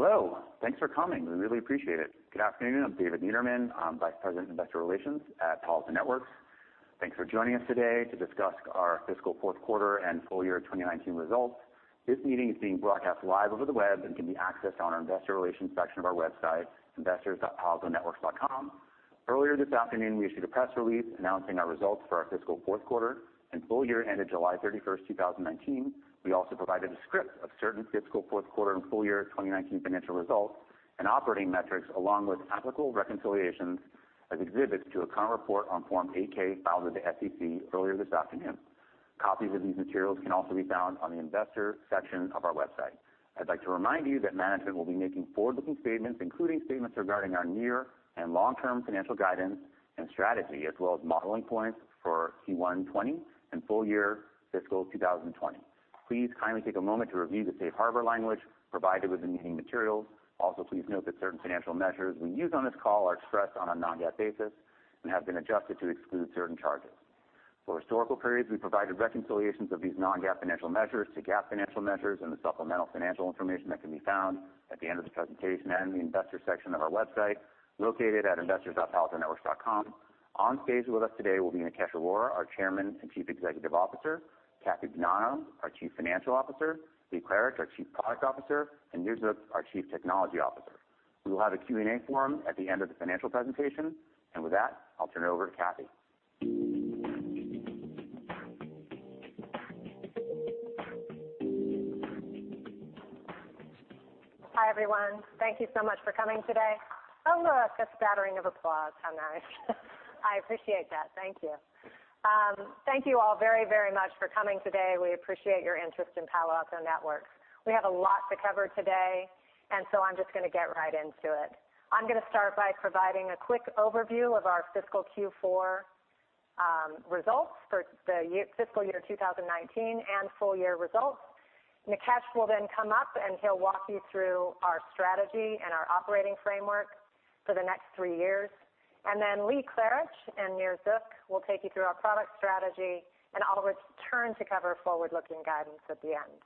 Hello. Thanks for coming. We really appreciate it. Good afternoon. I'm David Niederman. I'm Vice President of Investor Relations at Palo Alto Networks. Thanks for joining us today to discuss our fiscal fourth quarter and full year 2019 results. This meeting is being broadcast live over the web and can be accessed on our investor relations section of our website, investors.paloaltonetworks.com. Earlier this afternoon, we issued a press release announcing our results for our fiscal fourth quarter and full year ended July 31st, 2019. We also provided a script of certain fiscal fourth quarter and full year 2019 financial results and operating metrics, along with applicable reconciliations as exhibits to a current report on Form 8-K filed with the SEC earlier this afternoon. Copies of these materials can also be found on the investor section of our website. I'd like to remind you that management will be making forward-looking statements, including statements regarding our near and long-term financial guidance and strategy, as well as modeling points for Q1 2020 and full year fiscal 2020. Please kindly take a moment to review the safe harbor language provided with the meeting materials. Please note that certain financial measures we use on this call are expressed on a non-GAAP basis and have been adjusted to exclude certain charges. For historical periods, we provided reconciliations of these non-GAAP financial measures to GAAP financial measures and the supplemental financial information that can be found at the end of the presentation and in the investor section of our website, located at investors.paloaltonetworks.com. On stage with us today will be Nikesh Arora, our Chairman and Chief Executive Officer, Kathy Bonanno, our Chief Financial Officer, Lee Klarich, our Chief Product Officer, and Nir Zuk, our Chief Technology Officer. We will have a Q&A forum at the end of the financial presentation. With that, I'll turn it over to Kathy. Hi, everyone. Thank you so much for coming today. Oh, look, a scattering of applause. How nice. I appreciate that. Thank you. Thank you all very much for coming today. We appreciate your interest in Palo Alto Networks. We have a lot to cover today. I'm just going to get right into it. I'm going to start by providing a quick overview of our fiscal Q4 results for the fiscal year 2019 and full year results. Nikesh will then come up, and he'll walk you through our strategy and our operating framework for the next three years. Then Lee Klarich and Nir Zuk will take you through our product strategy, and I'll return to cover forward-looking guidance at the end.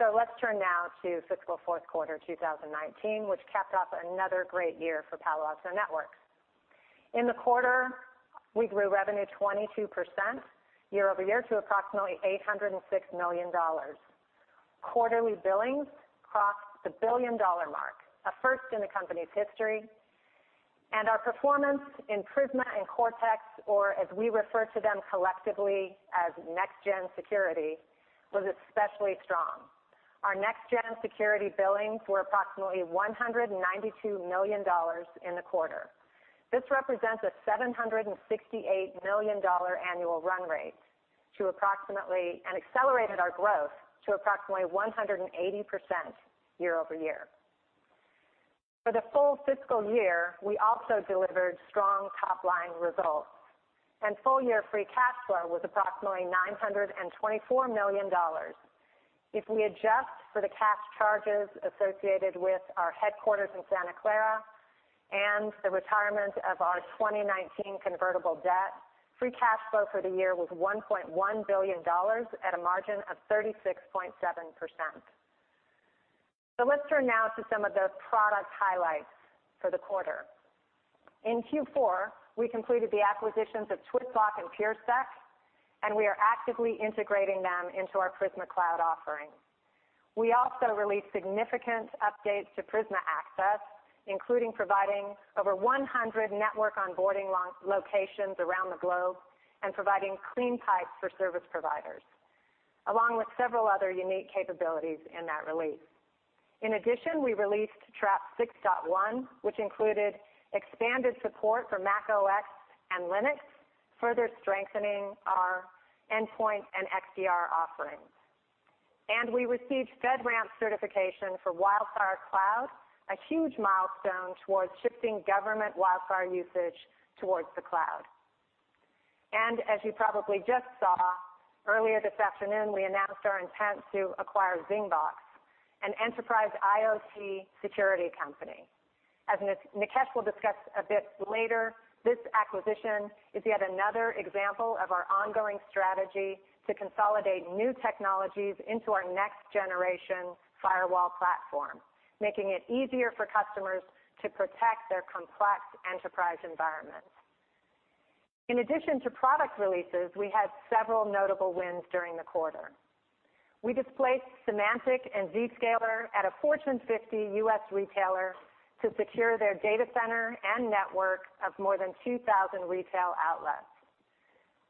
Let's turn now to fiscal fourth quarter 2019, which capped off another great year for Palo Alto Networks. In the quarter, we grew revenue 22% year-over-year to approximately $806 million. Quarterly billings crossed the billion-dollar mark, a first in the company's history, and our performance in Prisma and Cortex, or as we refer to them collectively as next-gen security, was especially strong. Our next-gen security billings were approximately $192 million in the quarter. This represents a $768 million annual run rate and accelerated our growth to approximately 180% year-over-year. For the full fiscal year, we also delivered strong top-line results, and full-year free cash flow was approximately $924 million. If we adjust for the cash charges associated with our headquarters in Santa Clara and the retirement of our 2019 convertible debt, free cash flow for the year was $1.1 billion at a margin of 36.7%. Let's turn now to some of the product highlights for the quarter. In Q4, we completed the acquisitions of Twistlock and PureSec, and we are actively integrating them into our Prisma Cloud offering. We also released significant updates to Prisma Access, including providing over 100 network onboarding locations around the globe and providing clean pipes for service providers, along with several other unique capabilities in that release. In addition, we released Traps 6.1, which included expanded support for macOS and Linux, further strengthening our endpoint and XDR offerings. We received FedRAMP certification for WildFire Cloud, a huge milestone towards shifting government WildFire usage towards the cloud. As you probably just saw, earlier this afternoon, we announced our intent to acquire Zingbox, an enterprise IoT security company. As Nikesh will discuss a bit later, this acquisition is yet another example of our ongoing strategy to consolidate new technologies into our next-generation firewall platform, making it easier for customers to protect their complex enterprise environments. In addition to product releases, we had several notable wins during the quarter. We displaced Symantec and Zscaler at a Fortune 50 U.S. retailer to secure their data center and network of more than 2,000 retail outlets.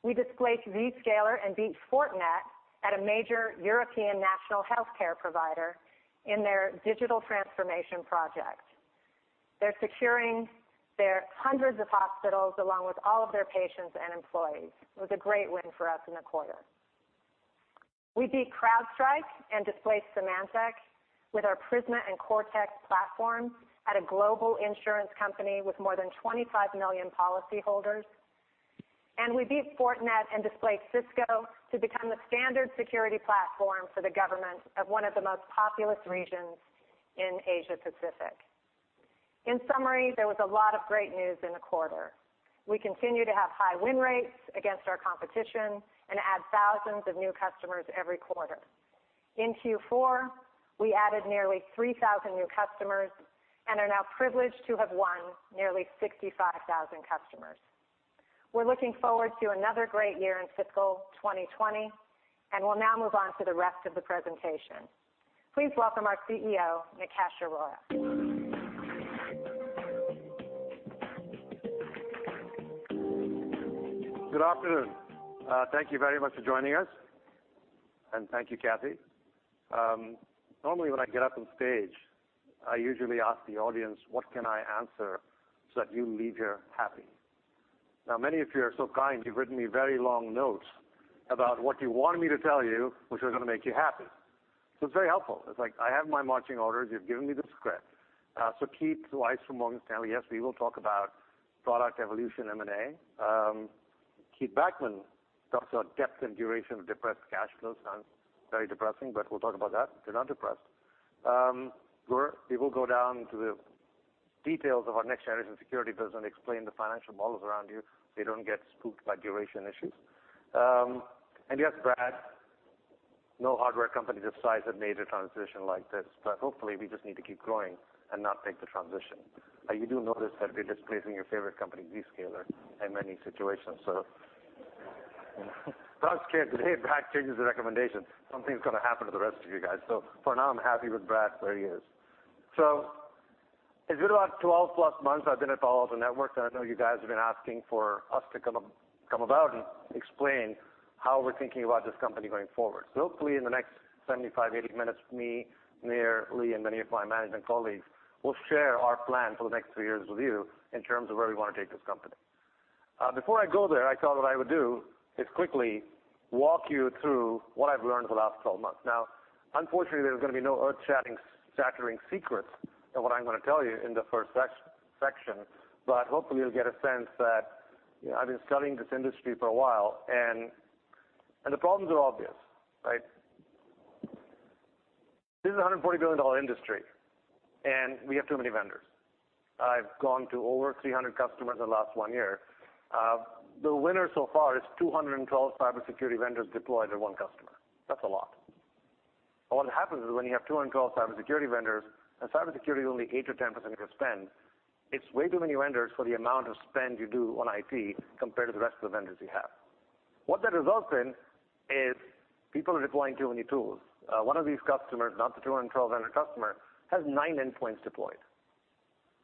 We displaced Zscaler and beat Fortinet at a major European national healthcare provider in their digital transformation project. They're securing their hundreds of hospitals along with all of their patients and employees. It was a great win for us in the quarter. We beat CrowdStrike and displaced Symantec with our Prisma and Cortex platforms at a global insurance company with more than 25 million policyholders. We beat Fortinet and displaced Cisco to become the standard security platform for the government of one of the most populous regions in Asia Pacific. In summary, there was a lot of great news in the quarter. We continue to have high win rates against our competition and add thousands of new customers every quarter. In Q4, we added nearly 3,000 new customers and are now privileged to have won nearly 65,000 customers. We're looking forward to another great year in fiscal 2020, and we'll now move on to the rest of the presentation. Please welcome our CEO, Nikesh Arora. Good afternoon. Thank you very much for joining us, and thank you, Kathy. Normally, when I get up on stage, I usually ask the audience, "What can I answer so that you leave here happy?" Many of you are so kind, you've written me very long notes about what you wanted me to tell you, which was going to make you happy. It's very helpful. It's like I have my marching orders. You've given me the script. Keith Weiss from Morgan Stanley, yes, we will talk about product evolution, M&A. Keith Bachman talks about depth and duration of depressed cash flows. Sounds very depressing, but we'll talk about that. They're not depressed. We will go down to the details of our next generation security business and explain the financial models around you, so you don't get spooked by duration issues. Yes, Brad, no hardware company this size has made a transition like this. Hopefully we just need to keep growing and not take the transition. You do notice that we're displacing your favorite company, Zscaler, in many situations. Brad changed his recommendation. Something's going to happen to the rest of you guys. For now, I'm happy with Brad where he is. It's been about 12-plus months I've been at Palo Alto Networks. I know you guys have been asking for us to come about and explain how we're thinking about this company going forward. Hopefully in the next 75, 80 minutes, me, Nir, Lee, and many of my management colleagues will share our plan for the next few years with you in terms of where we want to take this company. Before I go there, I thought what I would do is quickly walk you through what I've learned for the last 12 months. Now, unfortunately, there's going to be no earth-shattering secrets in what I'm going to tell you in the first section, but hopefully you'll get a sense that I've been studying this industry for a while, and the problems are obvious, right? This is a $140 billion industry, and we have too many vendors. I've gone to over 300 customers in the last one year. The winner so far is 212 cybersecurity vendors deployed to one customer. That's a lot. What happens is when you have 212 cybersecurity vendors and cybersecurity is only 8%-10% of your spend, it's way too many vendors for the amount of spend you do on IT compared to the rest of the vendors you have. What that results in is people are deploying too many tools. One of these customers, not the 212 vendor customer, has nine endpoints deployed.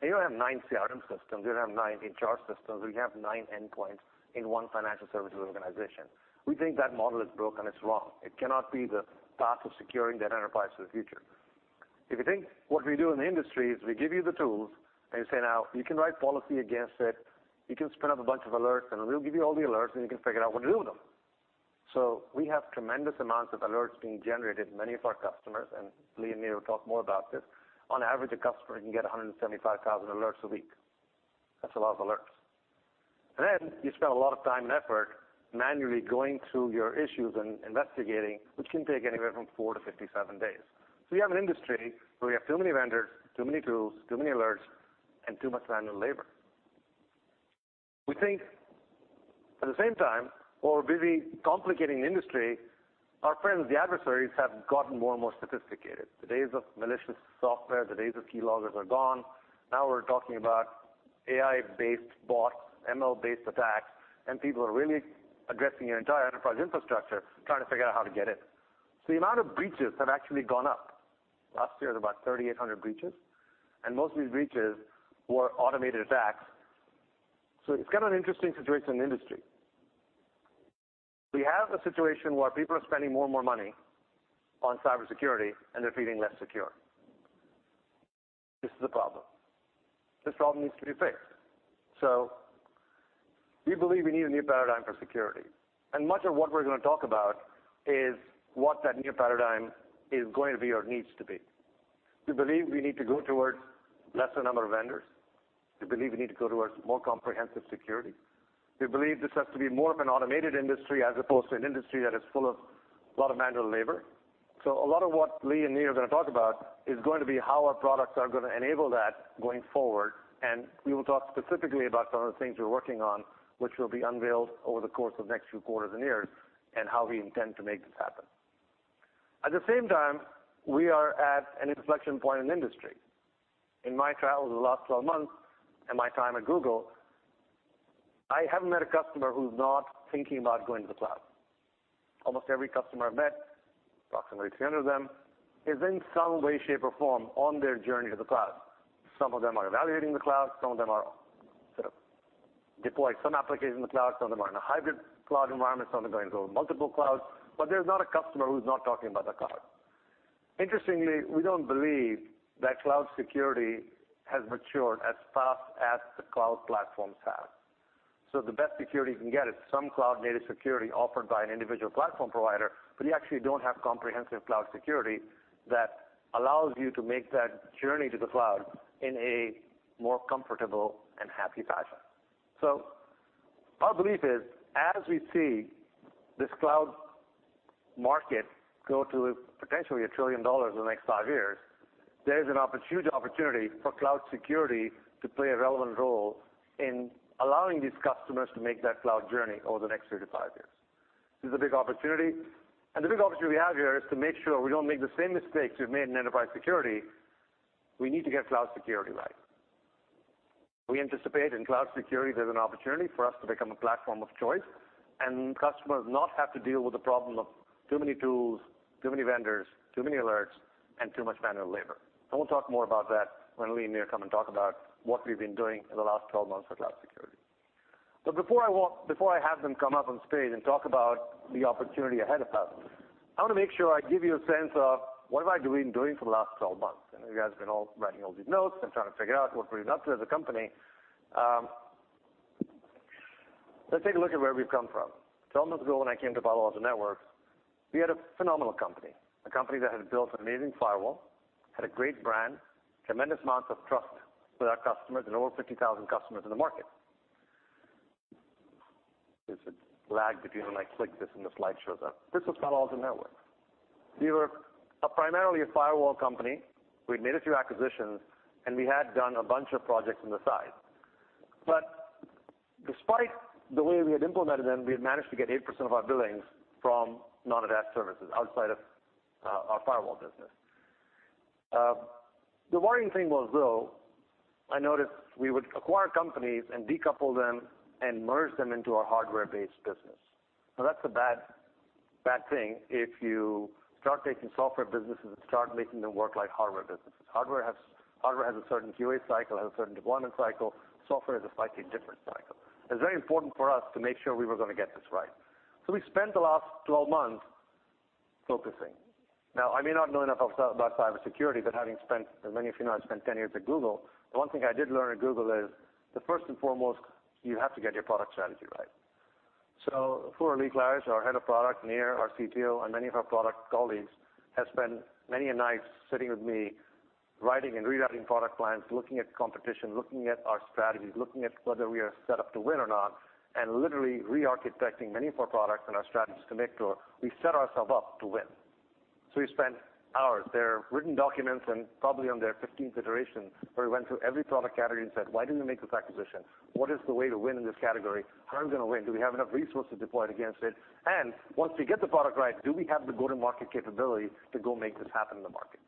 You don't have nine CRM systems, you don't have nine HR systems, but you have nine endpoints in one financial services organization. We think that model is broken. It's wrong. It cannot be the path of securing that enterprise for the future. If you think what we do in the industry is we give you the tools and we say, "Now, you can write policy against it, you can spin up a bunch of alerts, and we'll give you all the alerts, and you can figure out what to do with them." We have tremendous amounts of alerts being generated. Many of our customers, and Lee and Nir will talk more about this, on average, a customer can get 175,000 alerts a week. That's a lot of alerts. You spend a lot of time and effort manually going through your issues and investigating, which can take anywhere from 4-57 days. You have an industry where we have too many vendors, too many tools, too many alerts, and too much manual labor. We think at the same time, while we're busy complicating the industry, our friends, the adversaries, have gotten more and more sophisticated. The days of malicious software, the days of keyloggers are gone. Now we're talking about AI-based bots, ML-based attacks, and people are really addressing your entire enterprise infrastructure, trying to figure out how to get in. The amount of breaches have actually gone up. Last year there was about 3,800 breaches, and most of these breaches were automated attacks. It's kind of an interesting situation in the industry. We have a situation where people are spending more and more money on cybersecurity, and they're feeling less secure. This is a problem. This problem needs to be fixed. We believe we need a new paradigm for security, and much of what we're going to talk about is what that new paradigm is going to be or needs to be. We believe we need to go towards lesser number of vendors. We believe we need to go towards more comprehensive security. We believe this has to be more of an automated industry as opposed to an industry that is full of a lot of manual labor. A lot of what Lee and Nir are going to talk about is going to be how our products are going to enable that going forward. We will talk specifically about some of the things we're working on, which will be unveiled over the course of next few quarters and years, and how we intend to make this happen. At the same time, we are at an inflection point in the industry. In my travels in the last 12 months and my time at Google, I haven't met a customer who's not thinking about going to the cloud. Almost every customer I've met, approximately 300 of them, is in some way, shape, or form on their journey to the cloud. Some of them are evaluating the cloud, some of them are sort of deployed some applications in the cloud, some of them are in a hybrid cloud environment, some of them are going to go multiple clouds. There's not a customer who's not talking about the cloud. Interestingly, we don't believe that cloud security has matured as fast as the cloud platforms have. The best security you can get is some cloud-native security offered by an individual platform provider, but you actually don't have comprehensive cloud security that allows you to make that journey to the cloud in a more comfortable and happy fashion. Our belief is, as we see this cloud market go to potentially $1 trillion in the next 5 years, there's a huge opportunity for cloud security to play a relevant role in allowing these customers to make that cloud journey over the next 3-5 years. This is a big opportunity, and the big opportunity we have here is to make sure we don't make the same mistakes we've made in enterprise security. We need to get cloud security right. We anticipate in cloud security, there's an opportunity for us to become a platform of choice, and customers not have to deal with the problem of too many tools, too many vendors, too many alerts, and too much manual labor. We'll talk more about that when Lee and Nir come and talk about what we've been doing in the last 12 months with cloud security. Before I have them come up on stage and talk about the opportunity ahead of us, I want to make sure I give you a sense of what have I been doing for the last 12 months. You guys have been writing all these notes and trying to figure out what we're up to as a company. Let's take a look at where we've come from. 12 months ago, when I came to Palo Alto Networks, we had a phenomenal company. A company that had built an amazing firewall, had a great brand, tremendous amounts of trust with our customers, and over 50,000 customers in the market. There's a lag between when I click this and the slide shows up. This was Palo Alto Networks. We were primarily a firewall company. We'd made a few acquisitions, and we had done a bunch of projects on the side. Despite the way we had implemented them, we had managed to get 8% of our billings from non-GAAP services, outside of our firewall business. The worrying thing was, though, I noticed we would acquire companies and decouple them and merge them into our hardware-based business. That's a bad thing if you start taking software businesses and start making them work like hardware businesses. Hardware has a certain QA cycle, has a certain deployment cycle. Software is a slightly different cycle. It's very important for us to make sure we were going to get this right. We spent the last 12 months focusing. I may not know enough about cybersecurity, but having spent, as many of you know, I spent 10 years at Google, the one thing I did learn at Google is that first and foremost, you have to get your product strategy right. Lee Klarich, our head of product, Nir, our CTO, and many of our product colleagues have spent many a night sitting with me writing and rewriting product plans, looking at competition, looking at our strategies, looking at whether we are set up to win or not, and literally re-architecting many of our products and our strategies to make sure we set ourselves up to win. We spent hours. There are written documents and probably on their 15th iteration, where we went through every product category and said, "Why did we make this acquisition? What is the way to win in this category? How are we going to win? Do we have enough resources deployed against it? Once we get the product right, do we have the go-to-market capability to go make this happen in the market?"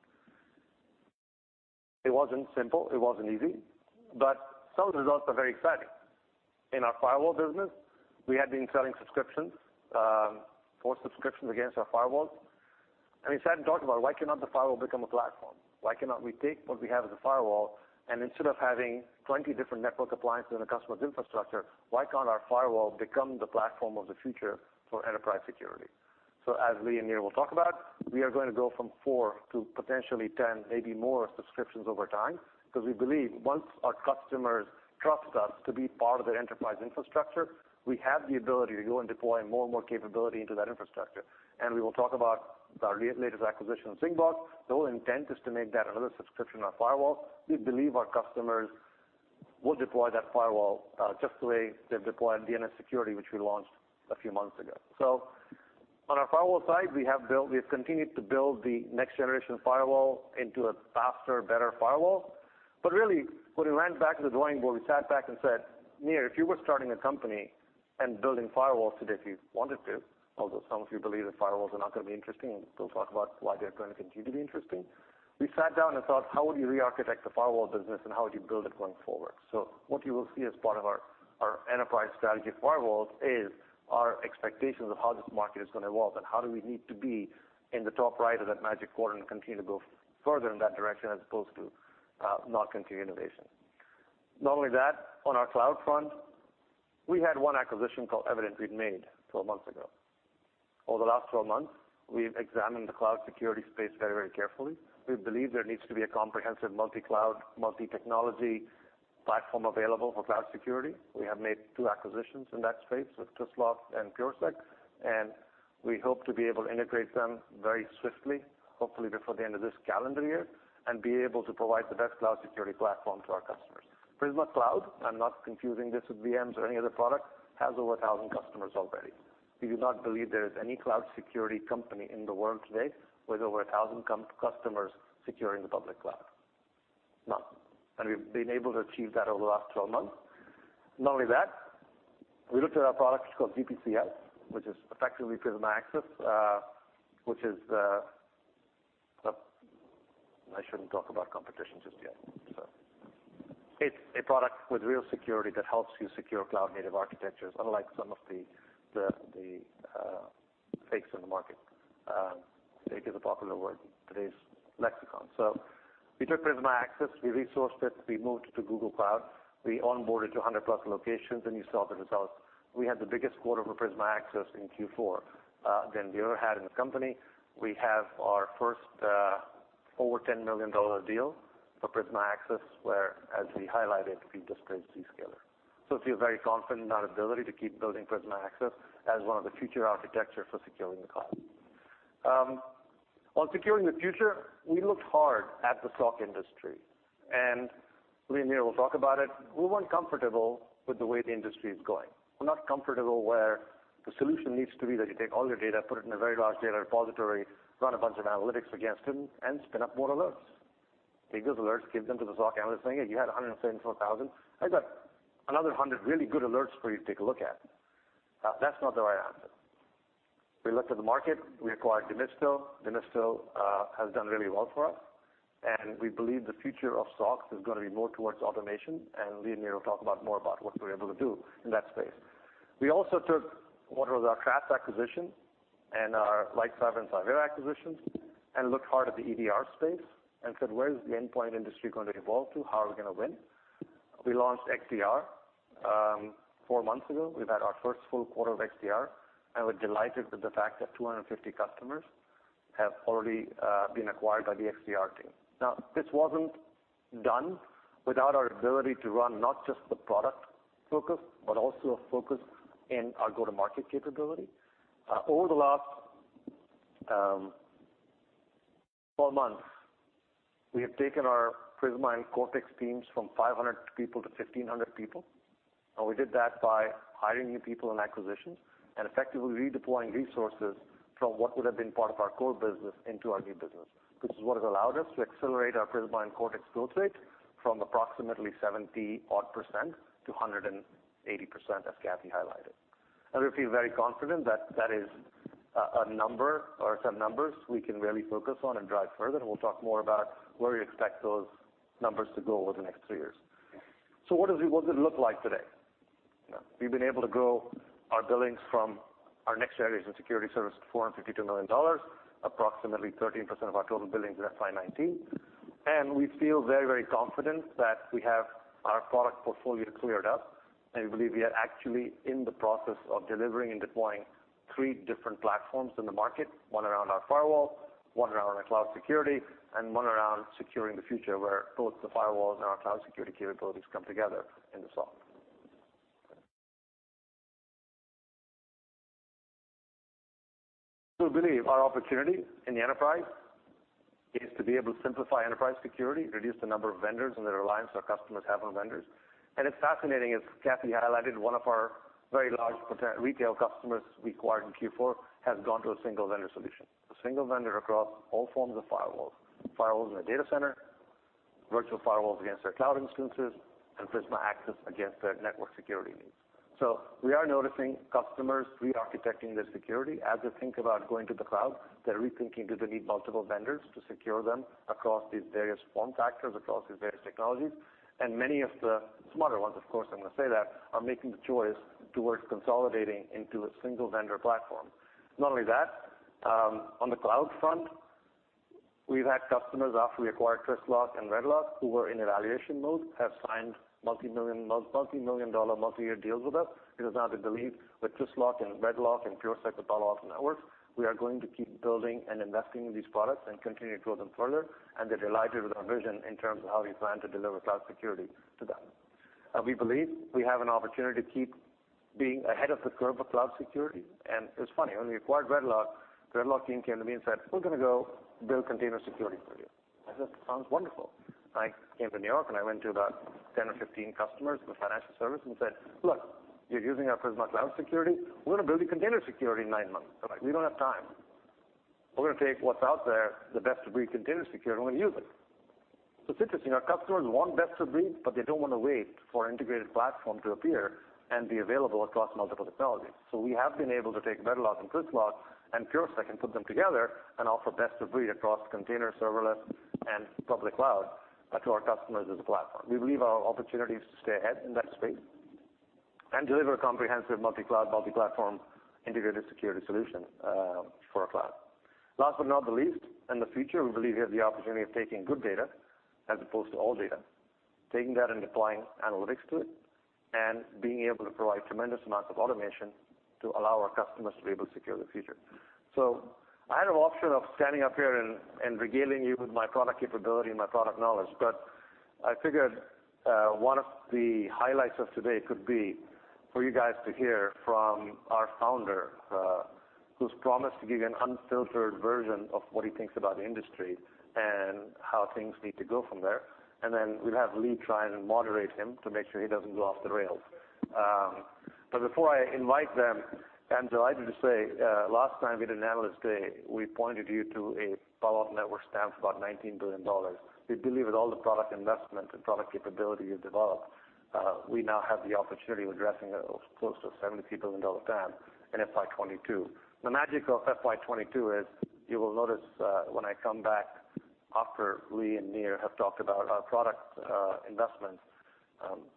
It wasn't simple, it wasn't easy, some of the results are very exciting. In our firewall business, we had been selling subscriptions, four subscriptions against our firewalls. We sat and talked about why cannot the firewall become a platform? Why cannot we take what we have as a firewall, and instead of having 20 different network appliances in a customer's infrastructure, why can't our firewall become the platform of the future for enterprise security? As Lee and Nir will talk about, we are going to go from four to potentially 10, maybe more subscriptions over time, because we believe once our customers trust us to be part of their enterprise infrastructure, we have the ability to go and deploy more and more capability into that infrastructure. We will talk about our latest acquisition of Zingbox. The whole intent is to make that another subscription on firewall. We believe our customers will deploy that firewall, just the way they've deployed DNS Security, which we launched a few months ago. On our firewall side, we've continued to build the next-generation firewall into a faster, better firewall. Really, when we went back to the drawing board, we sat back and said, "Nir, if you were starting a company and building firewalls today, if you wanted to," although some of you believe that firewalls are not going to be interesting, and we'll talk about why they're going to continue to be interesting. We sat down and thought, how would you re-architect the firewall business and how would you build it going forward? What you will see as part of our enterprise strategy for firewalls is our expectations of how this market is going to evolve and how do we need to be in the top right of that magic quadrant and continue to go further in that direction as opposed to not continue innovation. Not only that, on our cloud front, we had one acquisition called Evident we'd made 12 months ago. Over the last 12 months, we've examined the cloud security space very carefully. We believe there needs to be a comprehensive multi-cloud, multi-technology platform available for cloud security. We have made two acquisitions in that space with Twistlock and PureSec. We hope to be able to integrate them very swiftly, hopefully before the end of this calendar year, and be able to provide the best cloud security platform to our customers. Prisma Cloud, I'm not confusing this with VM-Series or any other product, has over 1,000 customers already. We do not believe there is any cloud security company in the world today with over 1,000 customers securing the public cloud. None. We've been able to achieve that over the last 12 months. Not only that, we looked at our product called GPCS, which is effectively Prisma Access. It's a product with real security that helps you secure cloud-native architectures, unlike some of the fakes in the market. Fake is a popular word in today's lexicon. We took Prisma Access, we resourced it, we moved it to Google Cloud, we onboarded to 100-plus locations, and you saw the results. We had the biggest quarter for Prisma Access in Q4, than we ever had in the company. We have our first over $10 million deal for Prisma Access, where, as we highlighted, we just placed Zscaler. We feel very confident in our ability to keep building Prisma Access as one of the future architecture for securing the cloud. On securing the future, we looked hard at the SOC industry, and Lee and Nir will talk about it. We weren't comfortable with the way the industry is going. We're not comfortable where the solution needs to be that you take all your data, put it in a very large data repository, run a bunch of analytics against it, spin up more alerts. Take those alerts, give them to the SOC analyst, saying, "Hey, you had 174,000. I got another 100 really good alerts for you to take a look at." That's not the right answer. We looked at the market, we acquired Demisto. Demisto has done really well for us, we believe the future of SOC is going to be more towards automation, Lee and Nir will talk about more about what we're able to do in that space. We also took what was our Craft acquisition and our LightCyber and Cyvera acquisitions and looked hard at the EDR space and said, "Where is the endpoint industry going to evolve to? How are we going to win?" We launched XDR four months ago. We've had our first full quarter of XDR, and we're delighted with the fact that 250 customers have already been acquired by the XDR team. This wasn't done without our ability to run not just the product focus, but also a focus in our go-to-market capability. Over the last 12 months, we have taken our Prisma and Cortex teams from 500 people to 1,500 people. We did that by hiring new people and acquisitions and effectively redeploying resources from what would've been part of our core business into our new business. This is what has allowed us to accelerate our Prisma and Cortex build rate from approximately 70-odd% to 180%, as Kathy highlighted. We feel very confident that that is a number or some numbers we can really focus on and drive further, and we'll talk more about where we expect those numbers to go over the next 3 years. What does it look like today? We've been able to grow our billings from our next-generation security service to $452 million, approximately 13% of our total billings in FY 2019. We feel very confident that we have our product portfolio cleared up, and we believe we are actually in the process of delivering and deploying 3 different platforms in the market, one around our firewall, one around our cloud security, and one around securing the future where both the firewalls and our cloud security capabilities come together in the SOC. We believe our opportunity in the enterprise is to be able to simplify enterprise security, reduce the number of vendors and the reliance our customers have on vendors. It's fascinating, as Kathy highlighted, one of our very large retail customers we acquired in Q4 has gone to a single-vendor solution. A single vendor across all forms of firewalls. Firewalls in a data center, virtual firewalls against their cloud instances, and Prisma Access against their network security needs. We are noticing customers re-architecting their security. As they think about going to the cloud, they're rethinking, do they need multiple vendors to secure them across these various form factors, across these various technologies? Many of the smarter ones, of course I'm going to say that, are making the choice towards consolidating into a single-vendor platform. Not only that, on the cloud front, we've had customers after we acquired Twistlock and RedLock, who were in evaluation mode, have signed multi-million dollar, multi-year deals with us, because now they believe with Twistlock and RedLock and PureSec with Palo Alto Networks, we are going to keep building and investing in these products and continue to grow them further. They're delighted with our vision in terms of how we plan to deliver cloud security to them. We believe we have an opportunity to keep being ahead of the curve of cloud security. It's funny, when we acquired RedLock team came to me and said, "We're going to go build container security for you." I said, "Sounds wonderful." I came to New York and I went to about 10 or 15 customers in the financial service and said, "Look, you're using our Prisma Cloud security. We're going to build a container security in nine months." They're like, "We don't have time. We're going to take what's out there, the best-of-breed container security, and we're going to use it." It's interesting, our customers want best of breed, but they don't want to wait for an integrated platform to appear and be available across multiple technologies. We have been able to take RedLock and Twistlock and PureSec and put them together and offer best of breed across container serverless and public cloud to our customers as a platform. We believe our opportunity is to stay ahead in that space and deliver a comprehensive multi-cloud, multi-platform integrated security solution for our cloud. Last but not the least, in the future, we believe we have the opportunity of taking good data as opposed to all data, taking that and deploying analytics to it, and being able to provide tremendous amounts of automation to allow our customers to be able to secure the future. I had an option of standing up here and regaling you with my product capability and my product knowledge. I figured one of the highlights of today could be for you guys to hear from our founder, who's promised to give you an unfiltered version of what he thinks about the industry and how things need to go from there. We'll have Lee try and moderate him to make sure he doesn't go off the rails. Before I invite them, I'm delighted to say, last time we did an analyst day, we pointed you to a Palo Alto Networks TAM of about $19 billion. We believe with all the product investment and product capability we've developed, we now have the opportunity of addressing a close to a $70 billion TAM in FY 2022. The magic of FY 2022 is you will notice when I come back after Lee and Nir have talked about our product investments,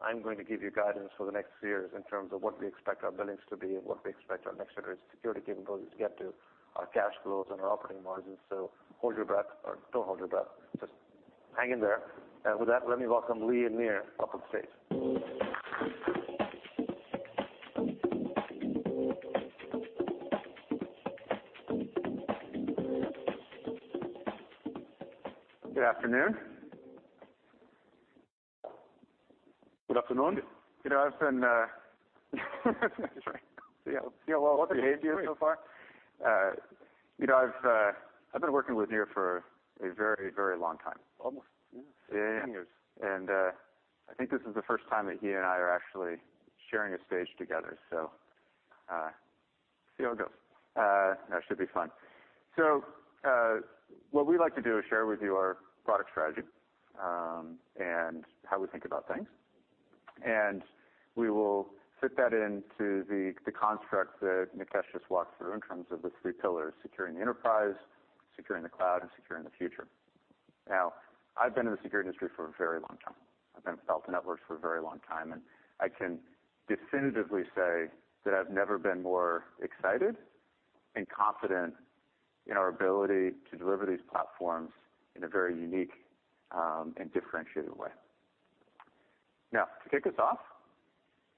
I'm going to give you guidance for the next few years in terms of what we expect our billings to be and what we expect our next-generation security capabilities to get to, our cash flows and our operating margins. Hold your breath, or don't hold your breath, just hang in there. With that, let me welcome Lee and Nir up on stage. Good afternoon. See how well we behave here so far. I've been working with Nir for a very long time. Almost, yeah. Yeah. I think this is the first time that he and I are actually sharing a stage together. We'll see how it goes. No, it should be fun. What we'd like to do is share with you our product strategy, and how we think about things. We will fit that into the construct that Nikesh just walked through in terms of the three pillars, securing the enterprise, securing the cloud, and securing the future. Now, I've been in the security industry for a very long time. I've been with Palo Alto Networks for a very long time, and I can definitively say that I've never been more excited and confident in our ability to deliver these platforms in a very unique, and differentiated way. Now, to kick us off,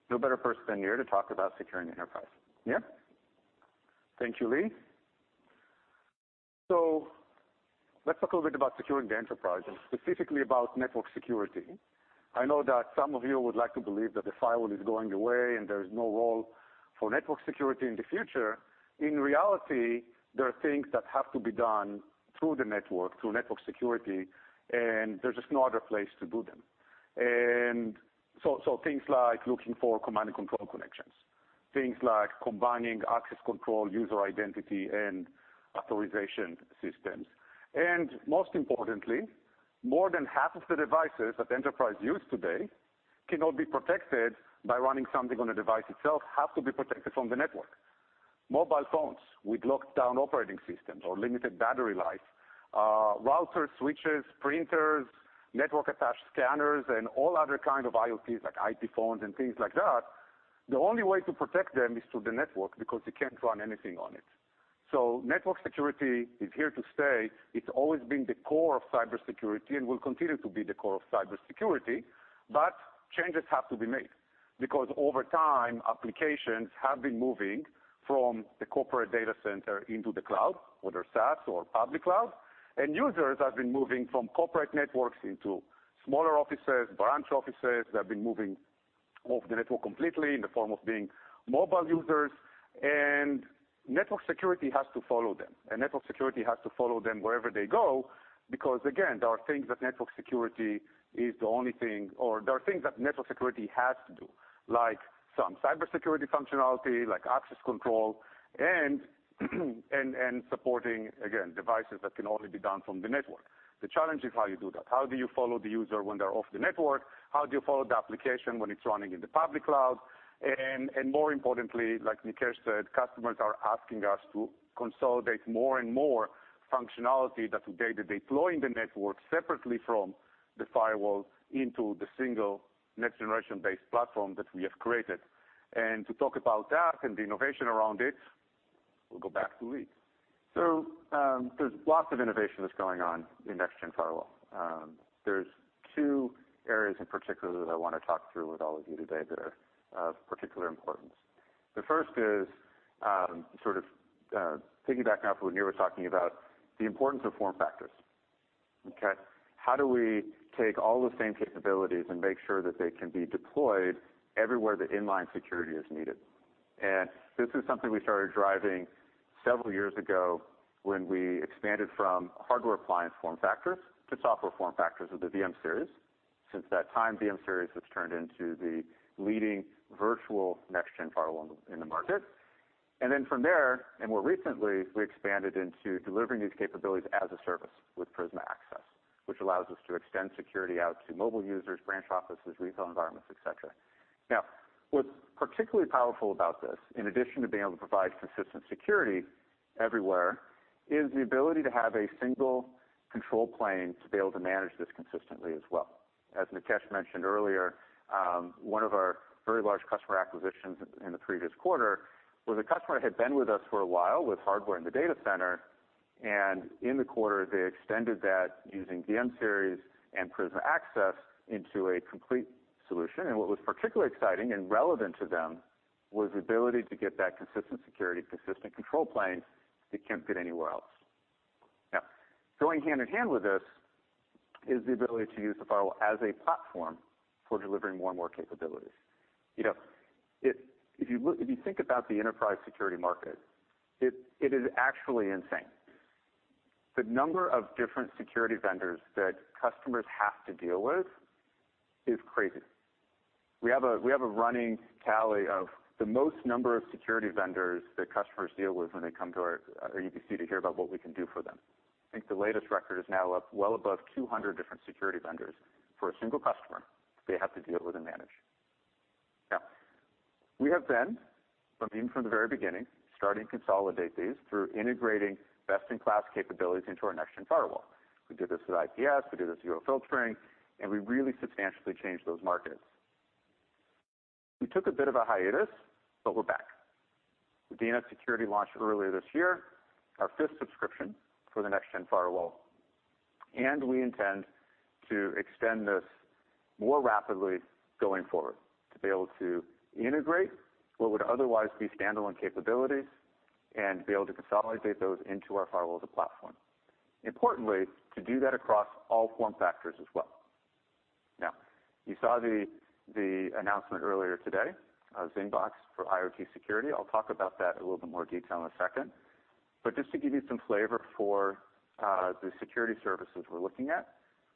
no better person than Nir to talk about securing the enterprise. Nir? Thank you, Lee. Let's talk a little bit about securing the enterprise and specifically about network security. I know that some of you would like to believe that the firewall is going away, and there's no role for network security in the future. In reality, there are things that have to be done through the network, through network security, and there's just no other place to do them. Things like looking for command and control connections, things like combining access control, user identity, and authorization systems. Most importantly, more than half of the devices that enterprise use today cannot be protected by running something on the device itself, have to be protected from the network. Mobile phones with locked-down operating systems or limited battery life, routers, switches, printers, network-attached scanners, and all other kind of IoTs like IP phones and things like that, the only way to protect them is through the network because you can't run anything on it. Network security is here to stay. It's always been the core of cybersecurity and will continue to be the core of cybersecurity, but changes have to be made. Over time, applications have been moving from the corporate data center into the cloud, whether SaaS or public cloud, and users have been moving from corporate networks into smaller offices, branch offices. They've been moving off the network completely in the form of being mobile users. Network security has to follow them, and network security has to follow them wherever they go because, again, there are things that network security has to do, like some cybersecurity functionality, like access control and supporting, again, devices that can only be done from the network. The challenge is how you do that. How do you follow the user when they're off the network? How do you follow the application when it's running in the public cloud? More importantly, like Nikesh said, customers are asking us to consolidate more and more functionality that today they deploy in the network separately from the firewall into the single next-generation based platform that we have created. To talk about that and the innovation around it, we'll go back to Lee. There's lots of innovation that's going on in next-gen firewall. There's two areas in particular that I want to talk through with all of you today that are of particular importance. The first is piggybacking off what Nir was talking about, the importance of form factors. Okay? How do we take all those same capabilities and make sure that they can be deployed everywhere that inline security is needed? This is something we started driving several years ago when we expanded from hardware appliance form factors to software form factors with the VM-Series. Since that time, VM-Series has turned into the leading virtual next-gen firewall in the market. From there, and more recently, we expanded into delivering these capabilities as a service with Prisma Access, which allows us to extend security out to mobile users, branch offices, retail environments, et cetera. Now, what's particularly powerful about this, in addition to being able to provide consistent security everywhere, is the ability to have a single control plane to be able to manage this consistently as well. As Nikesh mentioned earlier, one of our very large customer acquisitions in the previous quarter where the customer had been with us for a while with hardware in the data center, and in the quarter, they extended that using VM-Series and Prisma Access into a complete solution. What was particularly exciting and relevant to them was the ability to get that consistent security, consistent control plane they can't get anywhere else. Now, going hand in hand with this is the ability to use the firewall as a platform for delivering more and more capabilities. If you think about the enterprise security market, it is actually insane. The number of different security vendors that customers have to deal with is crazy. We have a running tally of the most number of security vendors that customers deal with when they come to our EBC to hear about what we can do for them. I think the latest record is now up well above 200 different security vendors for a single customer they have to deal with and manage. We have then, I mean from the very beginning, started to consolidate these through integrating best-in-class capabilities into our next-gen firewall. We did this with IPS, we did this with URL filtering, and we really substantially changed those markets. We took a bit of a hiatus, but we're back. The DNS Security launch earlier this year, our fifth subscription for the next-gen firewall. We intend to extend this more rapidly going forward to be able to integrate what would otherwise be standalone capabilities. Be able to consolidate those into our firewall as a platform. Importantly, to do that across all form factors as well. You saw the announcement earlier today, Zingbox for IoT security. I'll talk about that in a little bit more detail in a second. Just to give you some flavor for the security services we're looking at,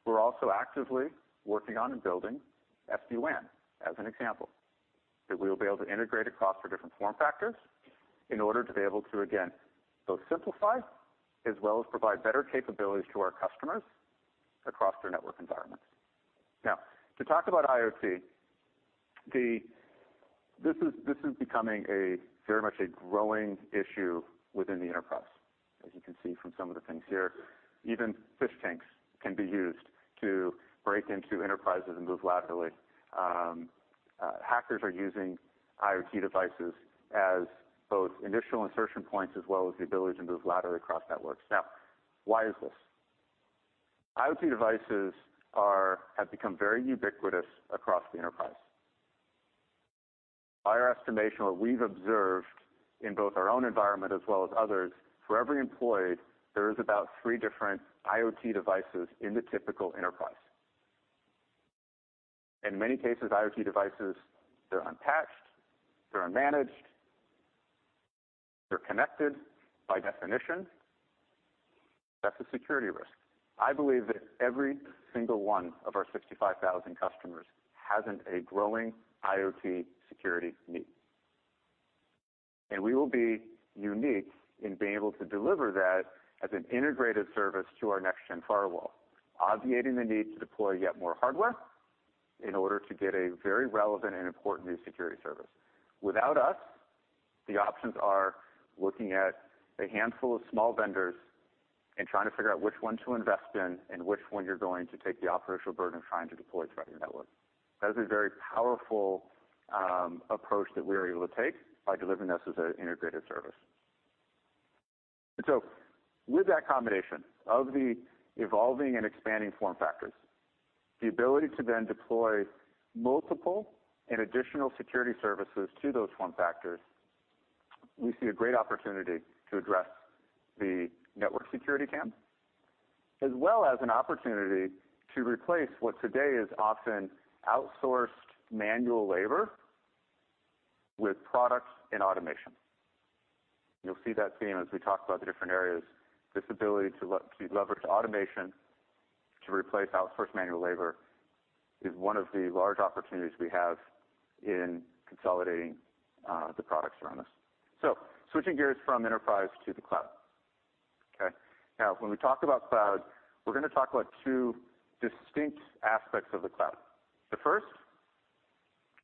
we're also actively working on and building SD-WAN, as an example, that we'll be able to integrate across our different form factors in order to be able to, again, both simplify as well as provide better capabilities to our customers across their network environments. To talk about IoT, this is becoming very much a growing issue within the enterprise, as you can see from some of the things here. Even fish tanks can be used to break into enterprises and move laterally. Hackers are using IoT devices as both initial insertion points, as well as the ability to move laterally across networks. Why is this? IoT devices have become very ubiquitous across the enterprise. By our estimation or we've observed in both our own environment as well as others, for every employee, there is about three different IoT devices in the typical enterprise. In many cases, IoT devices, they're unpatched, they're unmanaged, they're connected by definition. That's a security risk. I believe that every single one of our 65,000 customers has a growing IoT security need. We will be unique in being able to deliver that as an integrated service to our next-gen firewall, obviating the need to deploy yet more hardware in order to get a very relevant and important new security service. Without us, the options are looking at a handful of small vendors and trying to figure out which one to invest in and which one you're going to take the operational burden of trying to deploy throughout your network. That is a very powerful approach that we are able to take by delivering this as an integrated service. With that combination of the evolving and expanding form factors, the ability to then deploy multiple and additional security services to those form factors, we see a great opportunity to address the network security camp, as well as an opportunity to replace what today is often outsourced manual labor with products and automation. You'll see that theme as we talk about the different areas. This ability to leverage automation to replace outsourced manual labor is one of the large opportunities we have in consolidating the products around us. Switching gears from enterprise to the cloud. Okay. When we talk about cloud, we're going to talk about two distinct aspects of the cloud. The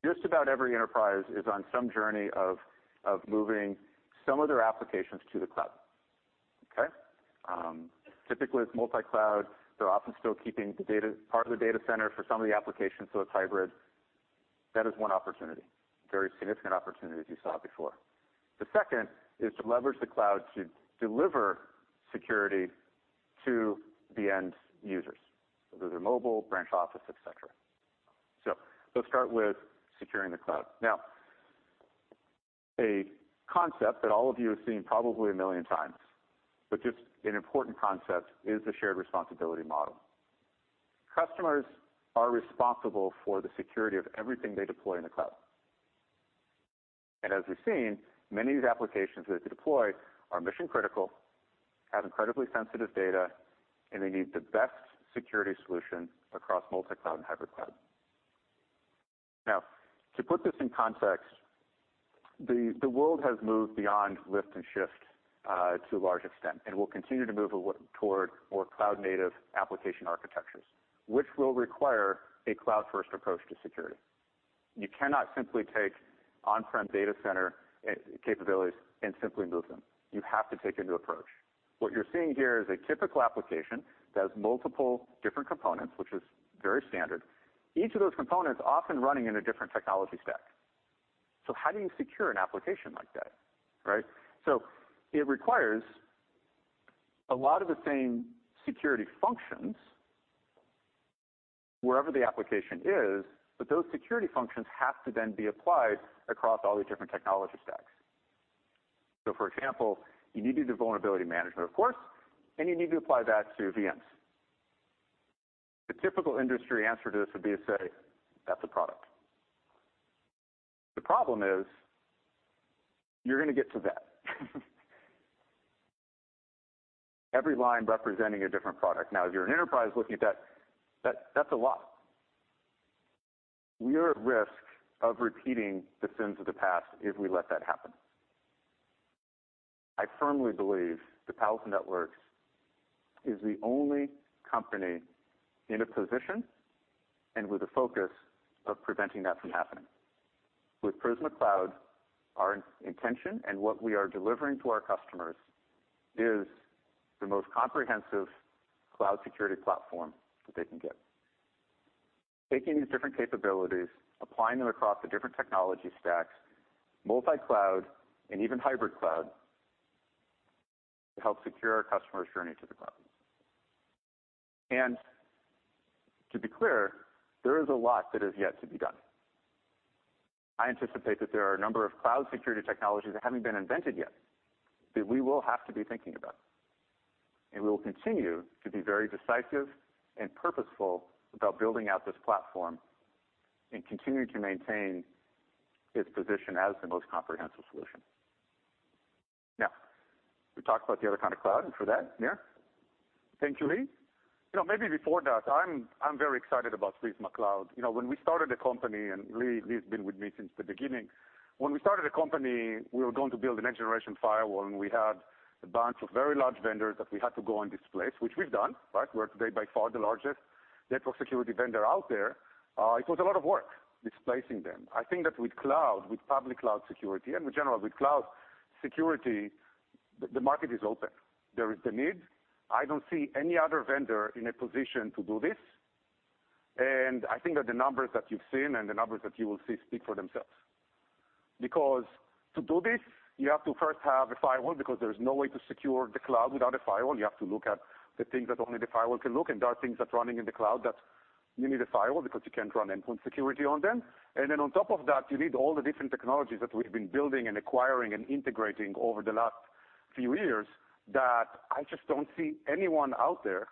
first, just about every enterprise is on some journey of moving some of their applications to the cloud. Okay? Typically, it's multi-cloud. They're often still keeping part of the data center for some of the applications, so it's hybrid. That is one opportunity, very significant opportunity, as you saw before. The second is to leverage the cloud to deliver security to the end users. Whether they're mobile, branch, office, et cetera. Let's start with securing the cloud. A concept that all of you have seen probably a million times, but just an important concept is the shared responsibility model. Customers are responsible for the security of everything they deploy in the cloud. As we've seen, many of these applications that they deploy are mission-critical, have incredibly sensitive data, and they need the best security solution across multi-cloud and hybrid cloud. To put this in context, the world has moved beyond lift and shift to a large extent and will continue to move toward more cloud-native application architectures, which will require a cloud-first approach to security. You cannot simply take on-prem data center capabilities and simply move them. You have to take a new approach. What you're seeing here is a typical application that has multiple different components, which is very standard. Each of those components often running in a different technology stack. How do you secure an application like that, right? It requires a lot of the same security functions wherever the application is, but those security functions have to then be applied across all the different technology stacks. For example, you need to do vulnerability management, of course, and you need to apply that to VMs. The typical industry answer to this would be to say, "That's a product." The problem is you're going to get to that. Every line representing a different product. If you're an enterprise looking at that's a lot. We are at risk of repeating the sins of the past if we let that happen. I firmly believe that Palo Alto Networks is the only company in a position and with a focus of preventing that from happening. With Prisma Cloud, our intention and what we are delivering to our customers is the most comprehensive cloud security platform that they can get. Taking these different capabilities, applying them across the different technology stacks, multi-cloud and even hybrid cloud, to help secure our customers' journey to the cloud. To be clear, there is a lot that is yet to be done. I anticipate that there are a number of cloud security technologies that haven't been invented yet that we will have to be thinking about, and we will continue to be very decisive and purposeful about building out this platform and continue to maintain its position as the most comprehensive solution. We talked about the other kind of cloud. For that, Nir. Thank you, Lee. Maybe before that, I'm very excited about Prisma Cloud. When we started the company, and Lee's been with me since the beginning, when we started the company, we were going to build a next-generation firewall, and we had a bunch of very large vendors that we had to go and displace, which we've done. We're today by far the largest network security vendor out there. It was a lot of work displacing them. I think that with cloud, with public cloud security, and in general, with cloud security, the market is open. There is the need. I don't see any other vendor in a position to do this, and I think that the numbers that you've seen and the numbers that you will see speak for themselves. To do this, you have to first have a firewall, there's no way to secure the cloud without a firewall. You have to look at the things that only the firewall can look, and there are things that running in the cloud that you need a firewall because you can't run endpoint security on them. Then on top of that, you need all the different technologies that we've been building and acquiring and integrating over the last few years that I just don't see anyone out there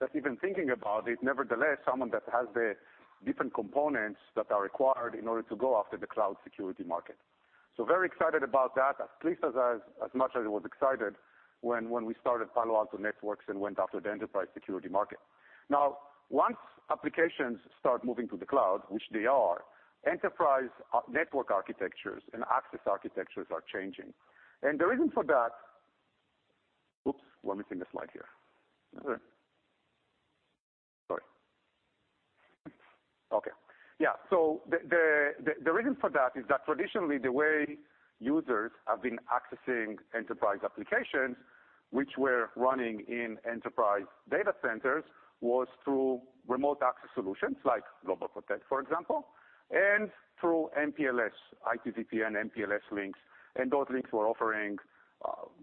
that's even thinking about it, nevertheless, someone that has the different components that are required in order to go after the cloud security market. Very excited about that, at least as much as I was excited when we started Palo Alto Networks and went after the enterprise security market. Now, once applications start moving to the cloud, which they are, enterprise network architectures and access architectures are changing. The reason for that Oops, we're missing a slide here. Sorry. Okay. Yeah. The reason for that is that traditionally the way users have been accessing enterprise applications, which were running in enterprise data centers, was through remote access solutions like GlobalProtect, for example, and through MPLS, IPVPN, MPLS links. Those links were offering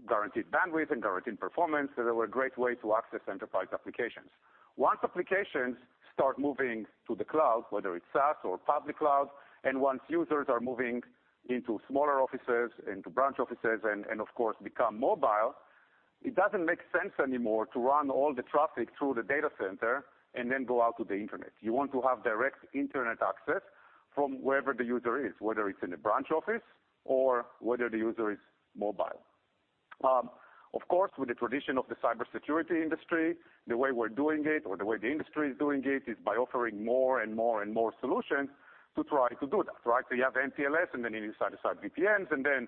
guaranteed bandwidth and guaranteed performance. They were a great way to access enterprise applications. Once applications start moving to the cloud, whether it's SaaS or public cloud, and once users are moving into smaller offices, into branch offices, and of course, become mobile, it doesn't make sense anymore to run all the traffic through the data center and then go out to the internet. You want to have direct internet access from wherever the user is, whether it's in a branch office or whether the user is mobile. Of course, with the tradition of the cybersecurity industry, the way we're doing it or the way the industry is doing it is by offering more and more and more solutions to try to do that. You have MPLS, and then you need site-to-site VPNs, and then